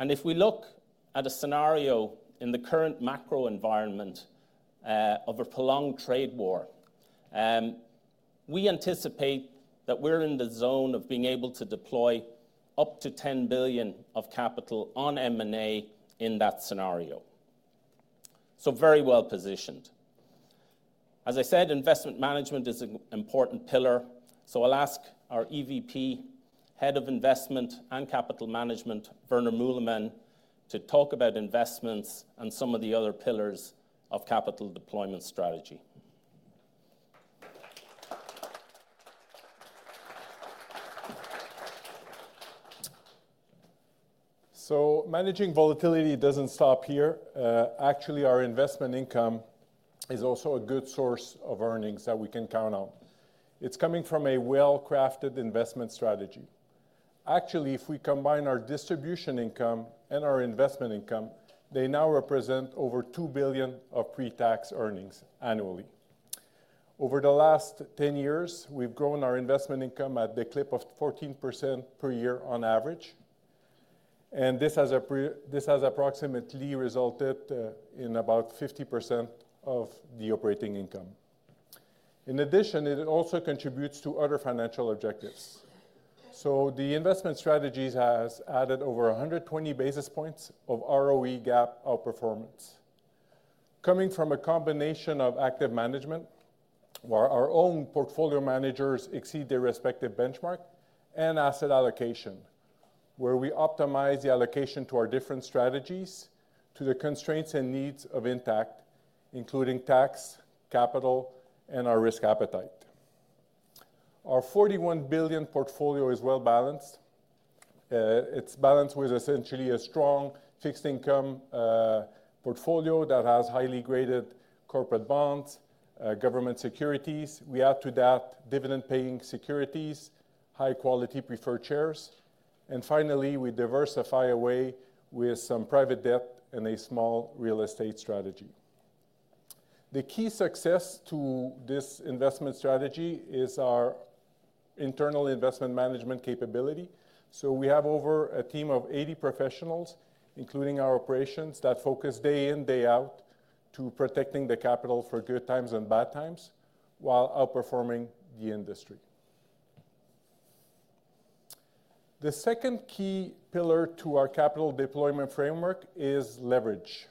If we look at a scenario in the current macro environment of a prolonged trade war, we anticipate that we're in the zone of being able to deploy up to 10 billion of capital on M&A in that scenario. Very well positioned. As I said, investment management is an important pillar. I'll ask our EVP Head of Investment and Capital Management, Werner Mülemann, to talk about investments and some of the other pillars of capital deployment strategy. Managing volatility does not stop here. Actually, our investment income is also a good source of earnings that we can count on. It is coming from a well-crafted investment strategy. Actually, if we combine our distribution income and our investment income, they now represent over 2 billion of pre-tax earnings annually. Over the last ten years, we have grown our investment income at the clip of 14% per year on average. This has approximately resulted in about 50% of the operating income. In addition, it also contributes to other financial objectives. The investment strategies have added over 120 basis points of ROE gap outperformance. This comes from a combination of active management, where our own portfolio managers exceed their respective benchmark, and asset allocation, where we optimize the allocation to our different strategies to the constraints and needs of Intact, including tax, capital, and our risk appetite. Our 41 billion portfolio is well balanced. It is balanced with essentially a strong fixed income portfolio that has highly graded corporate bonds, government securities. We add to that dividend-paying securities, high-quality preferred shares. Finally, we diversify away with some private debt and a small real estate strategy. The key success to this investment strategy is our internal investment management capability. We have a team of over 80 professionals, including our operations, that focus day in, day out to protecting the capital for good times and bad times while outperforming the industry. The second key pillar to our capital deployment framework is leverage.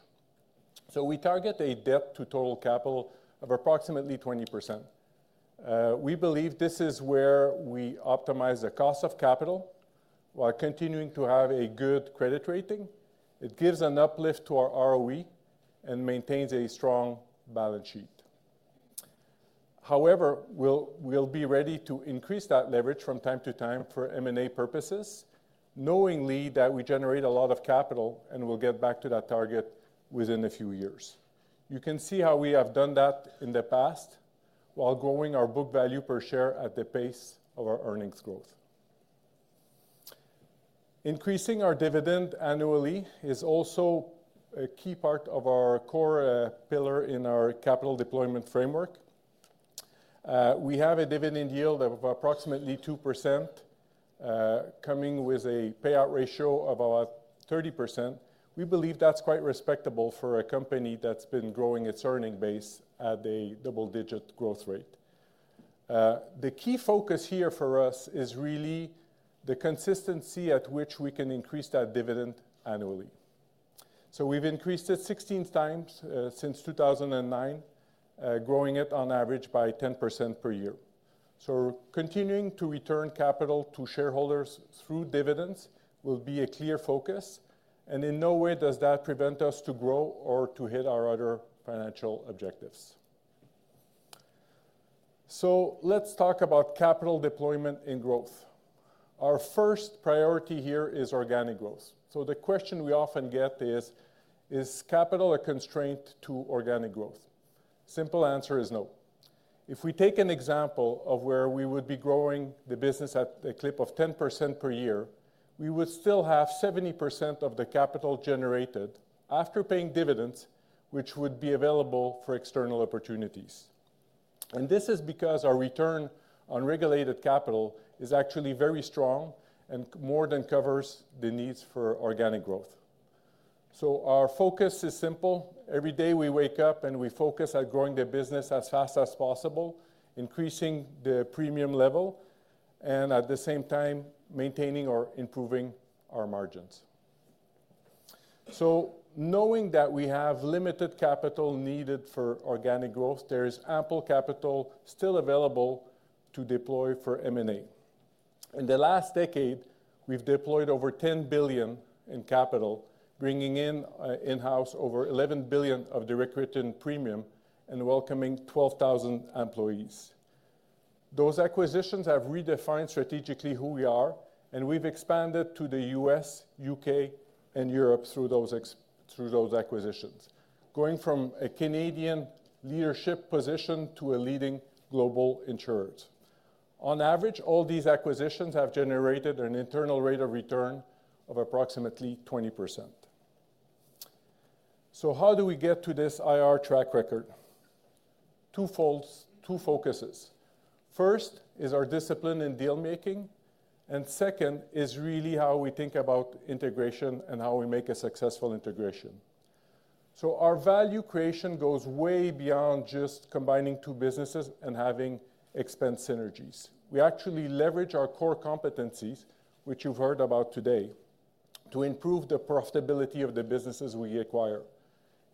We target a debt-to-total capital of approximately 20%. We believe this is where we optimize the cost of capital while continuing to have a good credit rating. It gives an uplift to our ROE and maintains a strong balance sheet. However, we'll be ready to increase that leverage from time to time for M&A purposes, knowingly that we generate a lot of capital and we'll get back to that target within a few years. You can see how we have done that in the past while growing our book value per share at the pace of our earnings growth. Increasing our dividend annually is also a key part of our core pillar in our capital deployment framework. We have a dividend yield of approximately 2%, coming with a payout ratio of about 30%. We believe that's quite respectable for a company that's been growing its earning base at a double-digit growth rate. The key focus here for us is really the consistency at which we can increase that dividend annually. We have increased it 16 times since 2009, growing it on average by 10% per year. Continuing to return capital to shareholders through dividends will be a clear focus. In no way does that prevent us to grow or to hit our other financial objectives. Let's talk about capital deployment and growth. Our first priority here is organic growth. The question we often get is, is capital a constraint to organic growth? Simple answer is no. If we take an example of where we would be growing the business at the clip of 10% per year, we would still have 70% of the capital generated after paying dividends, which would be available for external opportunities. This is because our return on regulated capital is actually very strong and more than covers the needs for organic growth. Our focus is simple. Every day we wake up and we focus on growing the business as fast as possible, increasing the premium level, and at the same time, maintaining or improving our margins. Knowing that we have limited capital needed for organic growth, there is ample capital still available to deploy for M&A. In the last decade, we've deployed over 10 billion in capital, bringing in-house over 11 billion of direct return premium and welcoming 12,000 employees. Those acquisitions have redefined strategically who we are. We've expanded to the US, U.K., and Europe through those acquisitions, going from a Canadian leadership position to a leading global insurer. On average, all these acquisitions have generated an internal rate of return of approximately 20%. How do we get to this IR track record? Two focuses. First is our discipline in dealmaking. Second is really how we think about integration and how we make a successful integration. Our value creation goes way beyond just combining two businesses and having expense synergies. We actually leverage our core competencies, which you've heard about today, to improve the profitability of the businesses we acquire.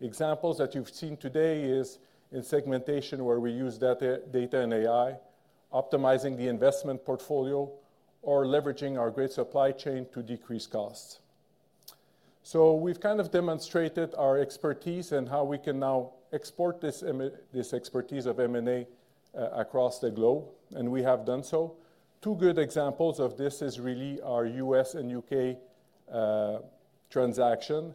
Examples that you've seen today are in segmentation, where we use data and AI, optimizing the investment portfolio, or leveraging our great supply chain to decrease costs. We've kind of demonstrated our expertise and how we can now export this expertise of M&A across the globe. We have done so. Two good examples of this are really our US and UK transaction,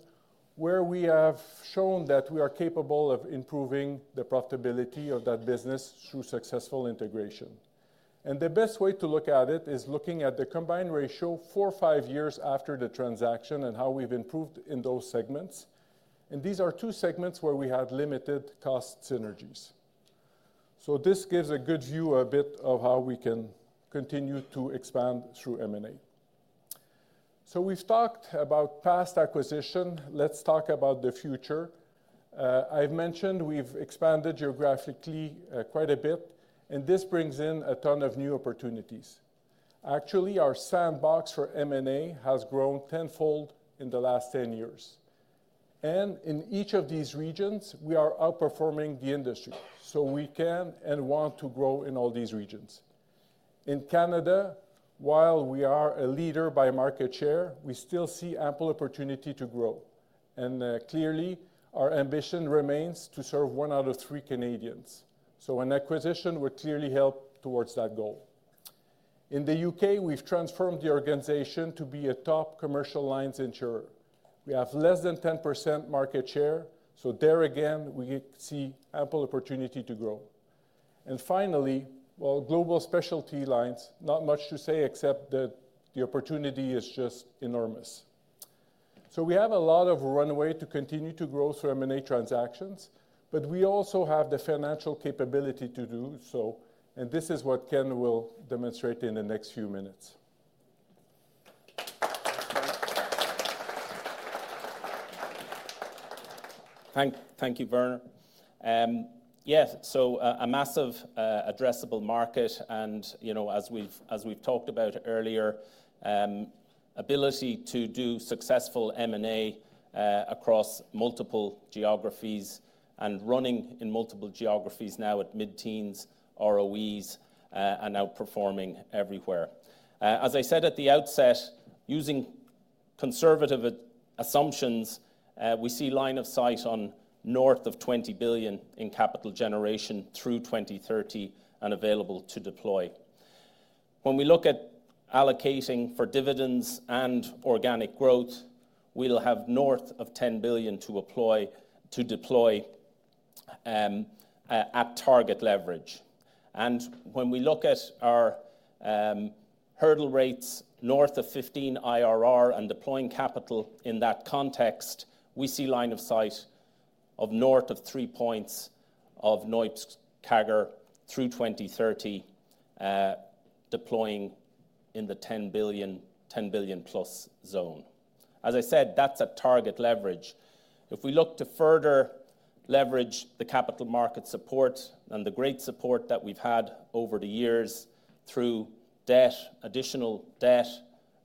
where we have shown that we are capable of improving the profitability of that business through successful integration. The best way to look at it is looking at the combined ratio four or five years after the transaction and how we have improved in those segments. These are two segments where we had limited cost synergies. This gives a good view a bit of how we can continue to expand through M&A. We have talked about past acquisition. Let's talk about the future. I have mentioned we have expanded geographically quite a bit. This brings in a ton of new opportunities. Actually, our sandbox for M&A has grown tenfold in the last ten years. In each of these regions, we are outperforming the industry. We can and want to grow in all these regions. In Canada, while we are a leader by market share, we still see ample opportunity to grow. Clearly, our ambition remains to serve one out of three Canadians. An acquisition would clearly help towards that goal. In the U.K., we have transformed the organization to be a top commercial lines insurer. We have less than 10% market share. There again, we see ample opportunity to grow. Finally, global specialty lines, not much to say, except that the opportunity is just enormous. We have a lot of runway to continue to grow through M&A transactions. We also have the financial capability to do so. This is what Ken will demonstrate in the next few minutes. Thank you, Werner. Yes, so a massive addressable market. As we have talked about earlier, ability to do successful M&A across multiple geographies and running in multiple geographies now at mid-teens ROEs, and outperforming everywhere. As I said at the outset, using conservative assumptions, we see line of sight on north of 20 billion in capital generation through 2030 and available to deploy. When we look at allocating for dividends and organic growth, we will have north of 10 billion to deploy at target leverage. When we look at our hurdle rates north of 15% IRR and deploying capital in that context, we see line of sight of north of three points of NOIPS through 2030 deploying in the 10 billion plus zone. As I said, that is at target leverage. If we look to further leverage the capital market support and the great support that we've had over the years through debt, additional debt,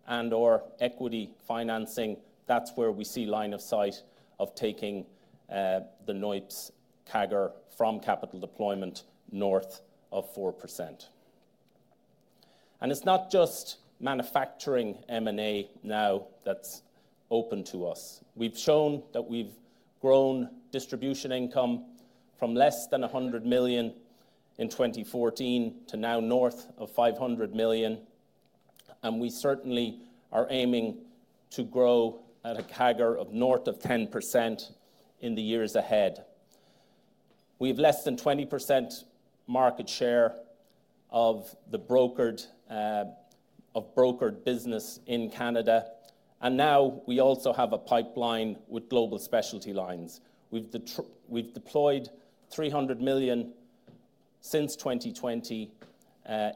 and/or equity financing, that's where we see line of sight of taking the NOIPS from capital deployment north of 4%. It's not just manufacturing M&A now that's open to us. We've shown that we've grown distribution income from less than $100 million in 2014 to now north of $500 million. We certainly are aiming to grow at a CAGR of north of 10% in the years ahead. We have less than 20% market share of the brokered business in Canada. We also have a pipeline with global specialty lines. We've deployed $300 million since 2020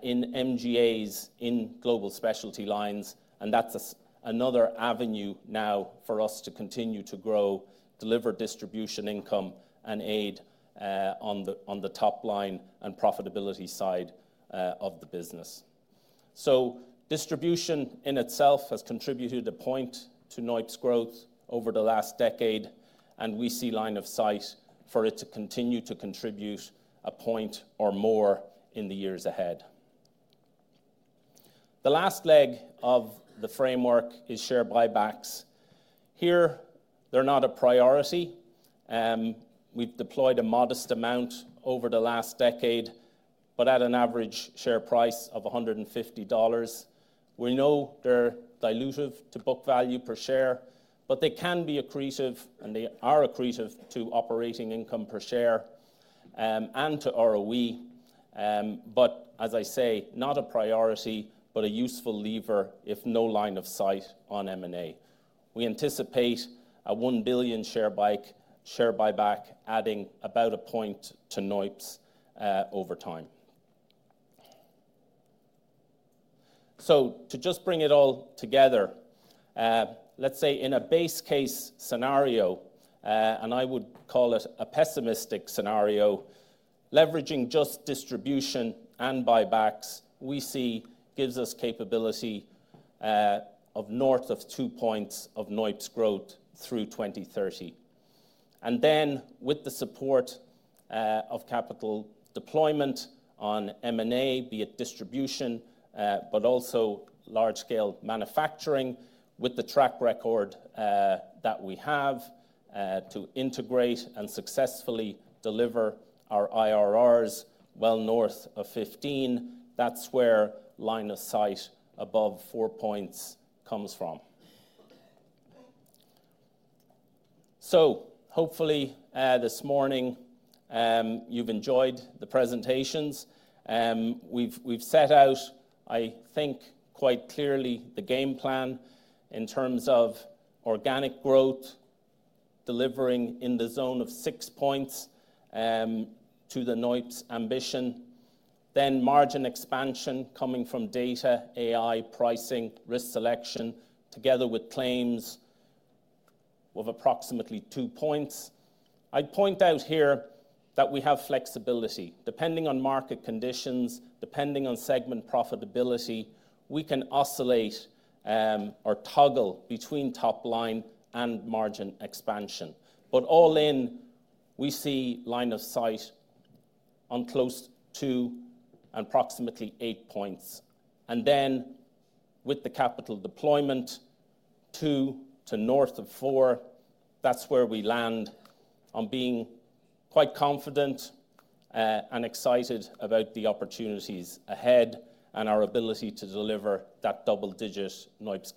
in MGAs in global specialty lines. That is another avenue now for us to continue to grow, deliver distribution income, and aid on the top line and profitability side of the business. Distribution in itself has contributed a point to NOIPS growth over the last decade. We see line of sight for it to continue to contribute a point or more in the years ahead. The last leg of the framework is share buybacks. Here, they are not a priority. We have deployed a modest amount over the last decade, but at an average share price of 150 dollars. We know they are dilutive to book value per share, but they can be accretive. They are accretive to operating income per share and to ROE. As I say, not a priority, but a useful lever if no line of sight on M&A. We anticipate a 1 billion share buyback, adding about a point to NOIPS over time. To just bring it all together, let's say in a base case scenario, and I would call it a pessimistic scenario, leveraging just distribution and buybacks, we see gives us capability of north of two points of NOIPS growth through 2030. With the support of capital deployment on M&A, be it distribution, but also large-scale manufacturing, with the track record that we have to integrate and successfully deliver our IRRs well north of 15, that's where line of sight above four points comes from. Hopefully this morning, you've enjoyed the presentations. We've set out, I think, quite clearly the game plan in terms of organic growth, delivering in the zone of six points to the NOIPS ambition, then margin expansion coming from data, AI, pricing, risk selection, together with claims of approximately two points. I'd point out here that we have flexibility. Depending on market conditions, depending on segment profitability, we can oscillate or toggle between top line and margin expansion. All in, we see line of sight on close to and approximately eight points. With the capital deployment, two to north of four, that's where we land on being quite confident and excited about the opportunities ahead and our ability to deliver that double-digit NOIPS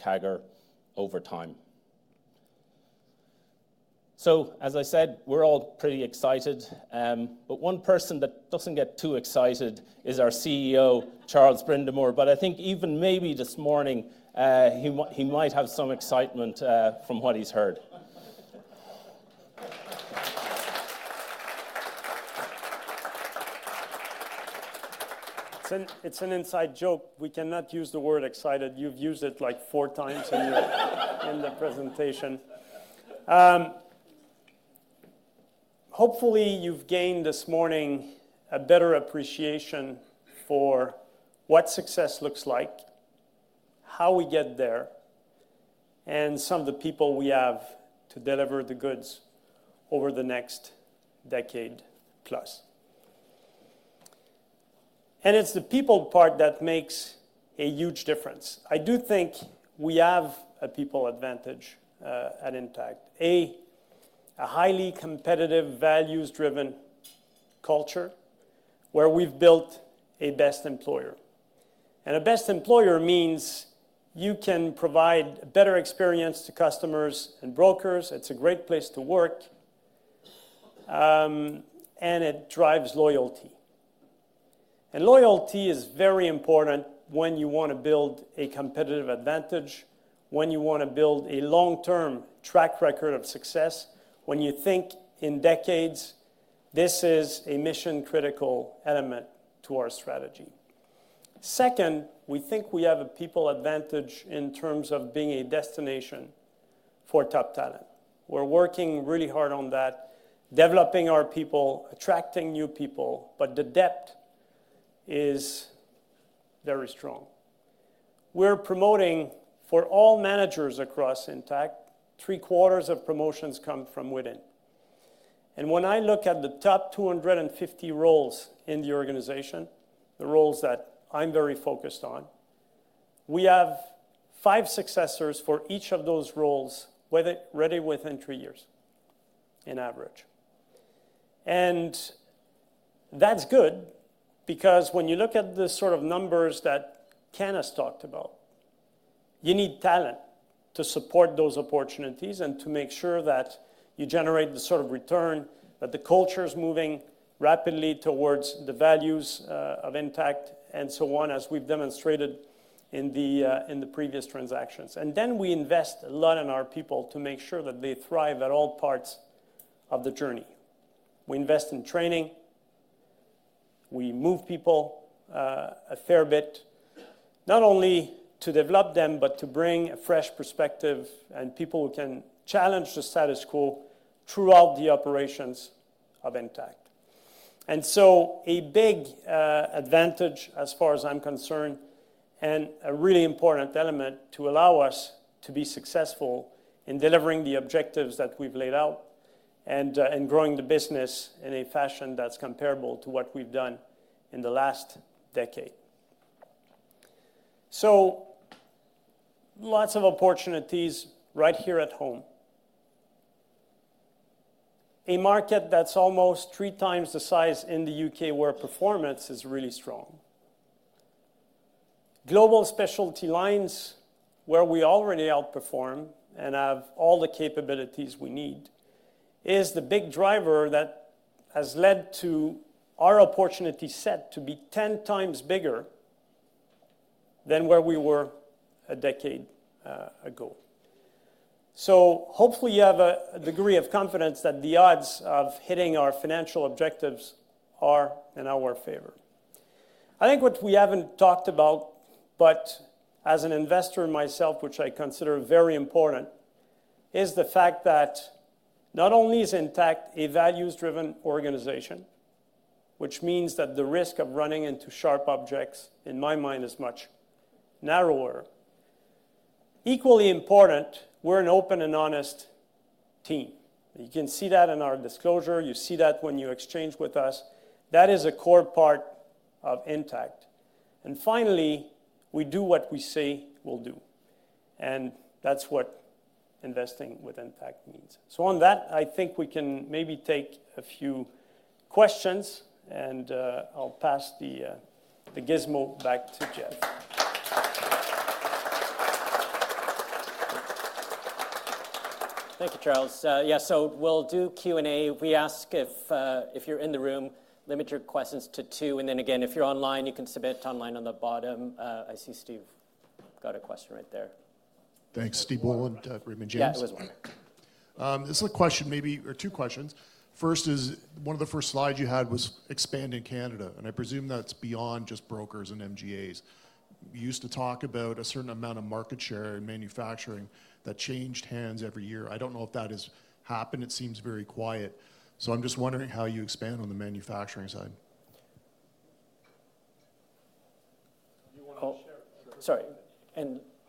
over time. As I said, we're all pretty excited. One person that does not get too excited is our CEO, Charles Brindamour. I think even maybe this morning, he might have some excitement from what he's heard. It's an inside joke. We cannot use the word excited. You've used it like four times in the presentation. Hopefully you've gained this morning a better appreciation for what success looks like, how we get there, and some of the people we have to deliver the goods over the next decade plus. It's the people part that makes a huge difference. I do think we have a people advantage at Intact, a highly competitive, values-driven culture where we've built a best employer. A best employer means you can provide a better experience to customers and brokers. It's a great place to work. It drives loyalty. Loyalty is very important when you want to build a competitive advantage, when you want to build a long-term track record of success, when you think in decades, this is a mission-critical element to our strategy. Second, we think we have a people advantage in terms of being a destination for top talent. We're working really hard on that, developing our people, attracting new people. The depth is very strong. We're promoting for all managers across Intact, three quarters of promotions come from within. When I look at the top 250 roles in the organization, the roles that I'm very focused on, we have five successors for each of those roles ready with entry years in average. That is good because when you look at the sort of numbers that Candace talked about, you need talent to support those opportunities and to make sure that you generate the sort of return, that the culture is moving rapidly towards the values of Intact and so on, as we have demonstrated in the previous transactions. We invest a lot in our people to make sure that they thrive at all parts of the journey. We invest in training. We move people a fair bit, not only to develop them, but to bring a fresh perspective and people who can challenge the status quo throughout the operations of Intact. A big advantage, as far as I'm concerned, and a really important element to allow us to be successful in delivering the objectives that we've laid out and growing the business in a fashion that's comparable to what we've done in the last decade. Lots of opportunities right here at home. A market that's almost three times the size in the U.K. where performance is really strong. Global specialty lines, where we already outperform and have all the capabilities we need, is the big driver that has led to our opportunity set to be 10 times bigger than where we were a decade ago. Hopefully you have a degree of confidence that the odds of hitting our financial objectives are in our favor. I think what we haven't talked about, but as an investor in myself, which I consider very important, is the fact that not only is Intact a values-driven organization, which means that the risk of running into sharp objects, in my mind, is much narrower. Equally important, we're an open and honest team. You can see that in our disclosure. You see that when you exchange with us. That is a core part of Intact. Finally, we do what we say we'll do. That is what investing with Intact means. On that, I think we can maybe take a few questions. I'll pass the gizmo back to Geoff. Thank you, Charles. Yeah, so we'll do Q&A. We ask if you're in the room, limit your questions to two. If you're online, you can submit online on the bottom. I see Steve got a question right there. Thanks, Steve Bolland, Raymond James. Yeah, it was one. This is a question, maybe or two questions. First is one of the first slides you had was expanding Canada. I presume that's beyond just brokers and MGAs. You used to talk about a certain amount of market share in manufacturing that changed hands every year. I do not know if that has happened. It seems very quiet. I am just wondering how you expand on the manufacturing side.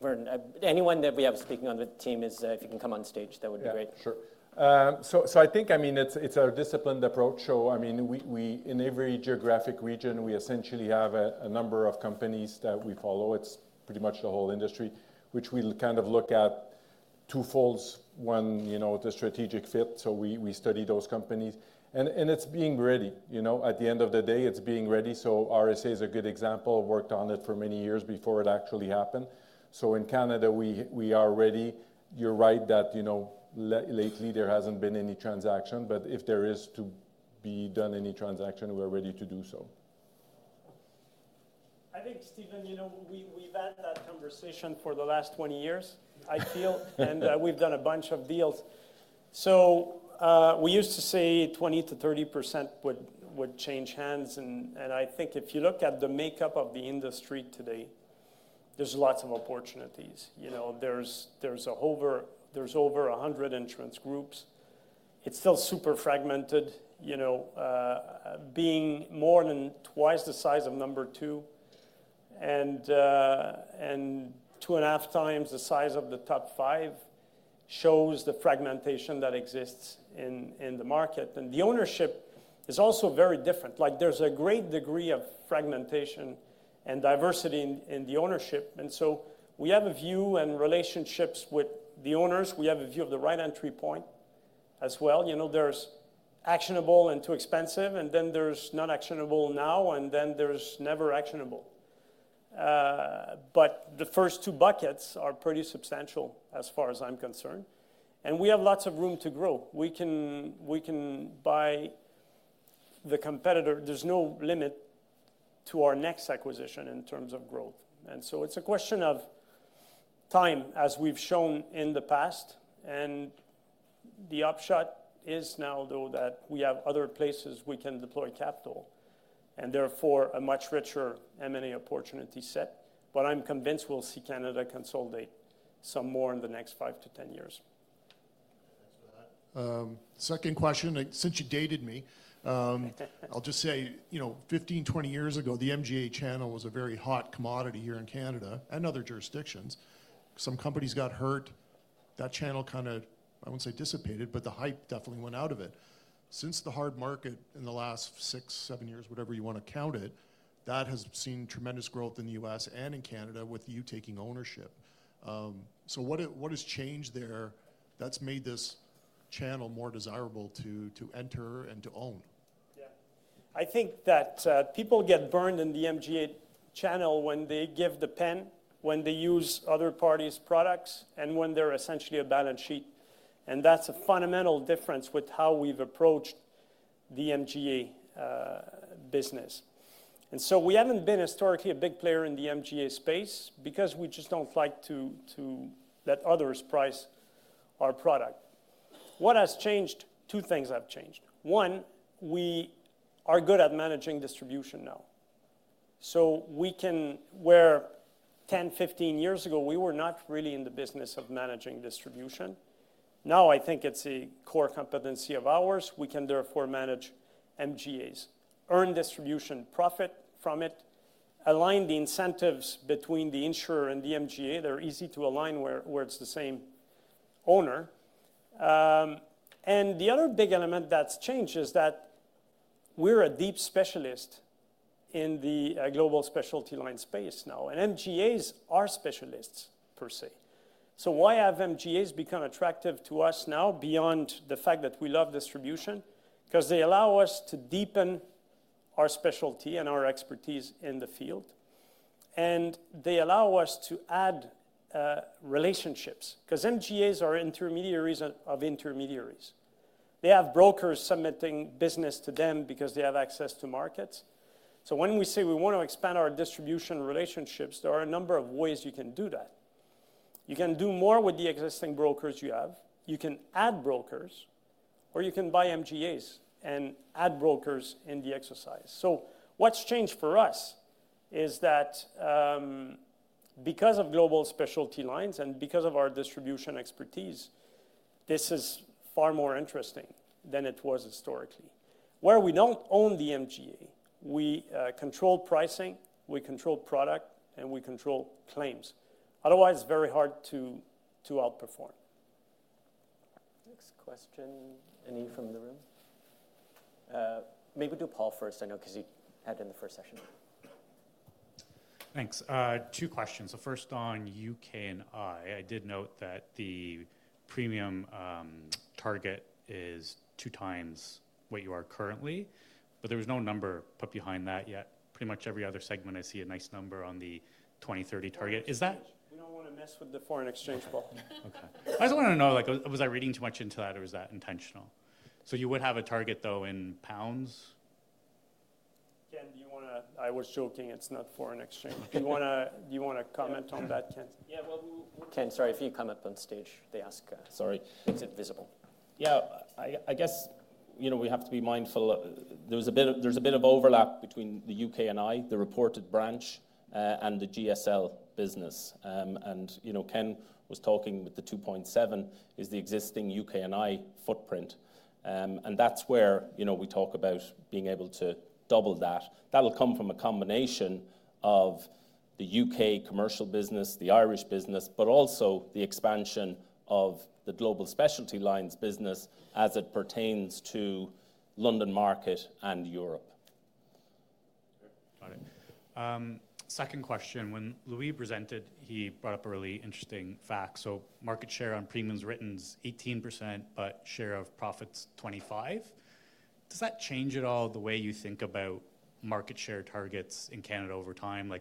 Do you want to share? Sorry. Anyone that we have speaking on the team, if you can come on stage, that would be great. Yeah, sure. I think, I mean, it's a disciplined approach. I mean, in every geographic region, we essentially have a number of companies that we follow. It's pretty much the whole industry, which we kind of look at two folds. One, the strategic fit. We study those companies. It's being ready. At the end of the day, it's being ready. RSA is a good example. Worked on it for many years before it actually happened. In Canada, we are ready. You're right that lately there hasn't been any transaction. If there is to be done any transaction, we are ready to do so. I think, Stephen, we've had that conversation for the last 20 years, I feel. And we've done a bunch of deals. We used to say 20%-30% would change hands. I think if you look at the makeup of the industry today, there's lots of opportunities. There's over 100 insurance groups. It's still super fragmented, being more than twice the size of number two. Two and a half times the size of the top five shows the fragmentation that exists in the market. The ownership is also very different. There's a great degree of fragmentation and diversity in the ownership. We have a view and relationships with the owners. We have a view of the right entry point as well. There's actionable and too expensive. Then there's non-actionable now. Then there's never actionable. The first two buckets are pretty substantial as far as I'm concerned. We have lots of room to grow. We can buy the competitor. There's no limit to our next acquisition in terms of growth. It's a question of time, as we've shown in the past. The upshot is now, though, that we have other places we can deploy capital and therefore a much richer M&A opportunity set. I'm convinced we'll see Canada consolidate some more in the next five to ten years. Second question, since you dated me, I'll just say 15, 20 years ago, the MGA channel was a very hot commodity here in Canada and other jurisdictions. Some companies got hurt. That channel kind of, I wouldn't say dissipated, but the hype definitely went out of it. Since the hard market in the last six, seven years, whatever you want to count it, that has seen tremendous growth in the US and in Canada with you taking ownership. What has changed there that's made this channel more desirable to enter and to own? Yeah. I think that people get burned in the MGA channel when they give the pen, when they use other parties' products, and when they're essentially a balance sheet. That is a fundamental difference with how we've approached the MGA business. We haven't been historically a big player in the MGA space because we just don't like to let others price our product. What has changed? Two things have changed. One, we are good at managing distribution now. Where 10, 15 years ago, we were not really in the business of managing distribution, now I think it's a core competency of ours. We can therefore manage MGAs, earn distribution profit from it, align the incentives between the insurer and the MGA. They're easy to align where it's the same owner. The other big element that's changed is that we're a deep specialist in the global specialty line space now. MGAs are specialists per se. Why have MGAs become attractive to us now beyond the fact that we love distribution? They allow us to deepen our specialty and our expertise in the field. They allow us to add relationships because MGAs are intermediaries of intermediaries. They have brokers submitting business to them because they have access to markets. When we say we want to expand our distribution relationships, there are a number of ways you can do that. You can do more with the existing brokers you have. You can add brokers, or you can buy MGAs and add brokers in the exercise. What's changed for us is that because of global specialty lines and because of our distribution expertise, this is far more interesting than it was historically. Where we do not own the MGA, we control pricing, we control product, and we control claims. Otherwise, it's very hard to outperform. Next question, any from the room? Maybe we'll do Paul first, I know, because he had it in the first session. Thanks. Two questions. First on U.K. and I, I did note that the premium target is two times what you are currently. There was no number put behind that yet. Pretty much every other segment, I see a nice number on the 2030 target. We don't want to mess with the foreign exchange problem. OK. I just want to know, was I reading too much into that, or was that intentional? So you would have a target, though, in pounds? Ken, do you want to? I was joking. It's not foreign exchange. Do you want to comment on that, Ken? Ken, sorry. If you come up on stage, they ask. Sorry. It's invisible. Yeah. I guess we have to be mindful. There's a bit of overlap between the U.K. and I, the reported branch, and the GSL business. Ken was talking with the 2.7 is the existing U.K. and I footprint. That's where we talk about being able to double that. That'll come from a combination of the U.K. commercial business, the Irish business, but also the expansion of the global specialty lines business as it pertains to London market and Europe. Got it. Second question. When Louis presented, he brought up a really interesting fact. Market share on premiums written is 18%, but share of profits 25%. Does that change at all the way you think about market share targets in Canada over time?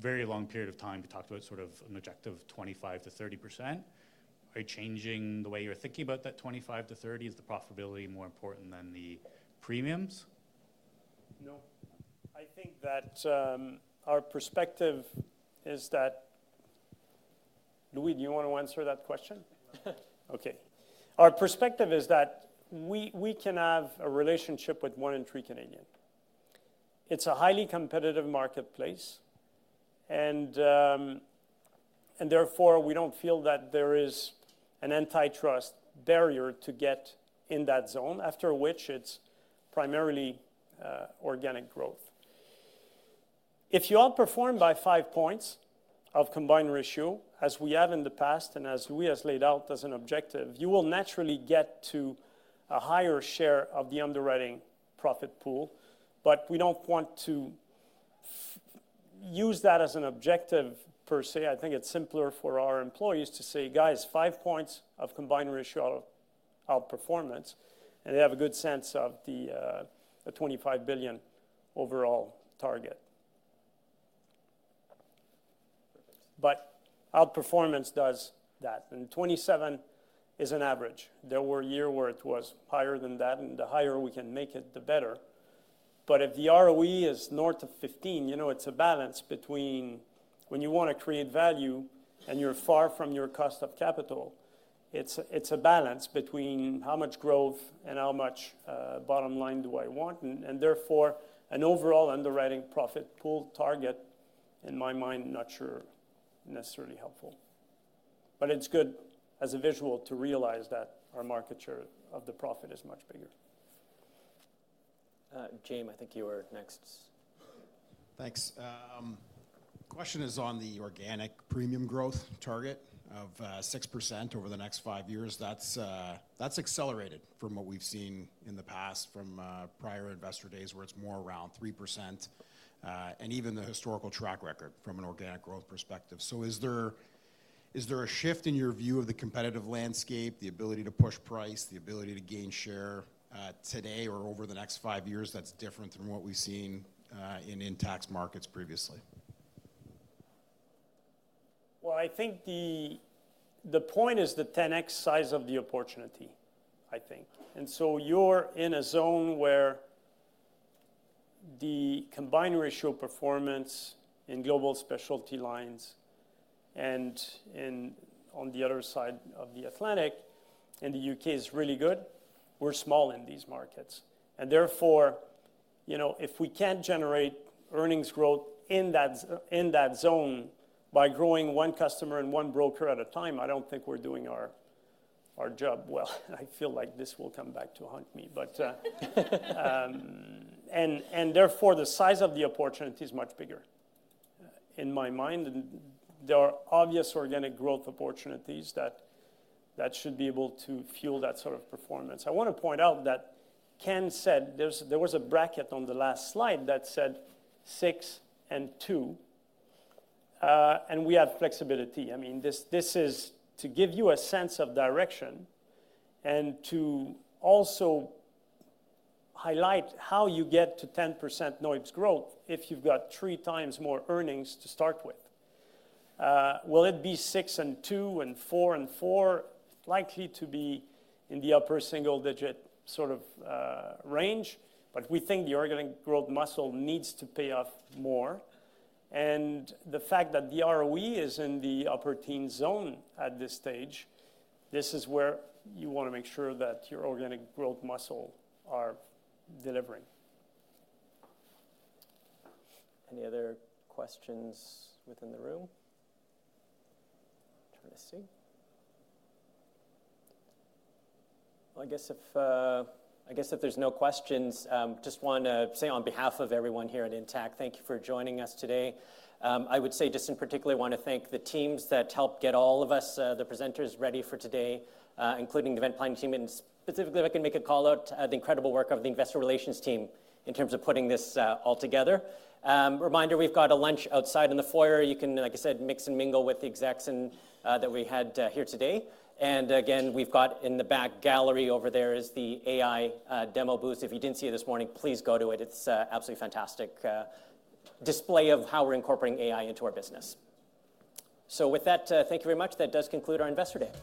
Very long period of time, we talked about sort of an objective of 25%-30%. Are you changing the way you're thinking about that 25%-30%? Is the profitability more important than the premiums? No. I think that our perspective is that Louis, do you want to answer that question? OK. Our perspective is that we can have a relationship with one entry Canadian. It's a highly competitive marketplace. Therefore, we do not feel that there is an antitrust barrier to get in that zone, after which it is primarily organic growth. If you outperform by 5% of combined ratio, as we have in the past and as Louis has laid out as an objective, you will naturally get to a higher share of the underwriting profit pool. We do not want to use that as an objective per se. I think it is simpler for our employees to say, guys, 5% of combined ratio outperformance. They have a good sense of the 25 billion overall target. Outperformance does that. 27% is an average. There were a year where it was higher than that. The higher we can make it, the better. If the ROE is north of 15%, it's a balance between when you want to create value and you're far from your cost of capital, it's a balance between how much growth and how much bottom line do I want. Therefore, an overall underwriting profit pool target, in my mind, not sure necessarily helpful. It is good as a visual to realize that our market share of the profit is much bigger. Jaeme, I think you are next. Thanks. Question is on the organic premium growth target of 6% over the next five years. That's accelerated from what we've seen in the past from prior investor days where it's more around 3% and even the historical track record from an organic growth perspective. Is there a shift in your view of the competitive landscape, the ability to push price, the ability to gain share today or over the next five years that's different than what we've seen in Intact's markets previously? I think the point is the 10X size of the opportunity, I think. You are in a zone where the combined ratio performance in global specialty lines and on the other side of the Atlantic in the U.K. is really good. We are small in these markets. Therefore, if we cannot generate earnings growth in that zone by growing one customer and one broker at a time, I do not think we are doing our job well. I feel like this will come back to haunt me. Therefore, the size of the opportunity is much bigger in my mind. There are obvious organic growth opportunities that should be able to fuel that sort of performance. I want to point out that Ken said there was a bracket on the last slide that said 6 and 2. We have flexibility. I mean, this is to give you a sense of direction and to also highlight how you get to 10% NOIPS growth if you've got three times more earnings to start with. Will it be 6 and 2 and 4 and 4? Likely to be in the upper single-digit sort of range. We think the organic growth muscle needs to pay off more. The fact that the ROE is in the upper teen zone at this stage, this is where you want to make sure that your organic growth muscle are delivering. Any other questions within the room? Trying to see. I guess if there's no questions, just want to say on behalf of everyone here at Intact, thank you for joining us today. I would say just in particular, I want to thank the teams that helped get all of us, the presenters, ready for today, including the event planning team. Specifically, if I can make a call out to the incredible work of the investor relations team in terms of putting this all together. Reminder, we've got a lunch outside in the foyer. You can, like I said, mix and mingle with the execs that we had here today. Again, we've got in the back gallery over there is the AI demo booth. If you didn't see it this morning, please go to it. It's an absolutely fantastic display of how we're incorporating AI into our business. Thank you very much. That does conclude our Investor Day.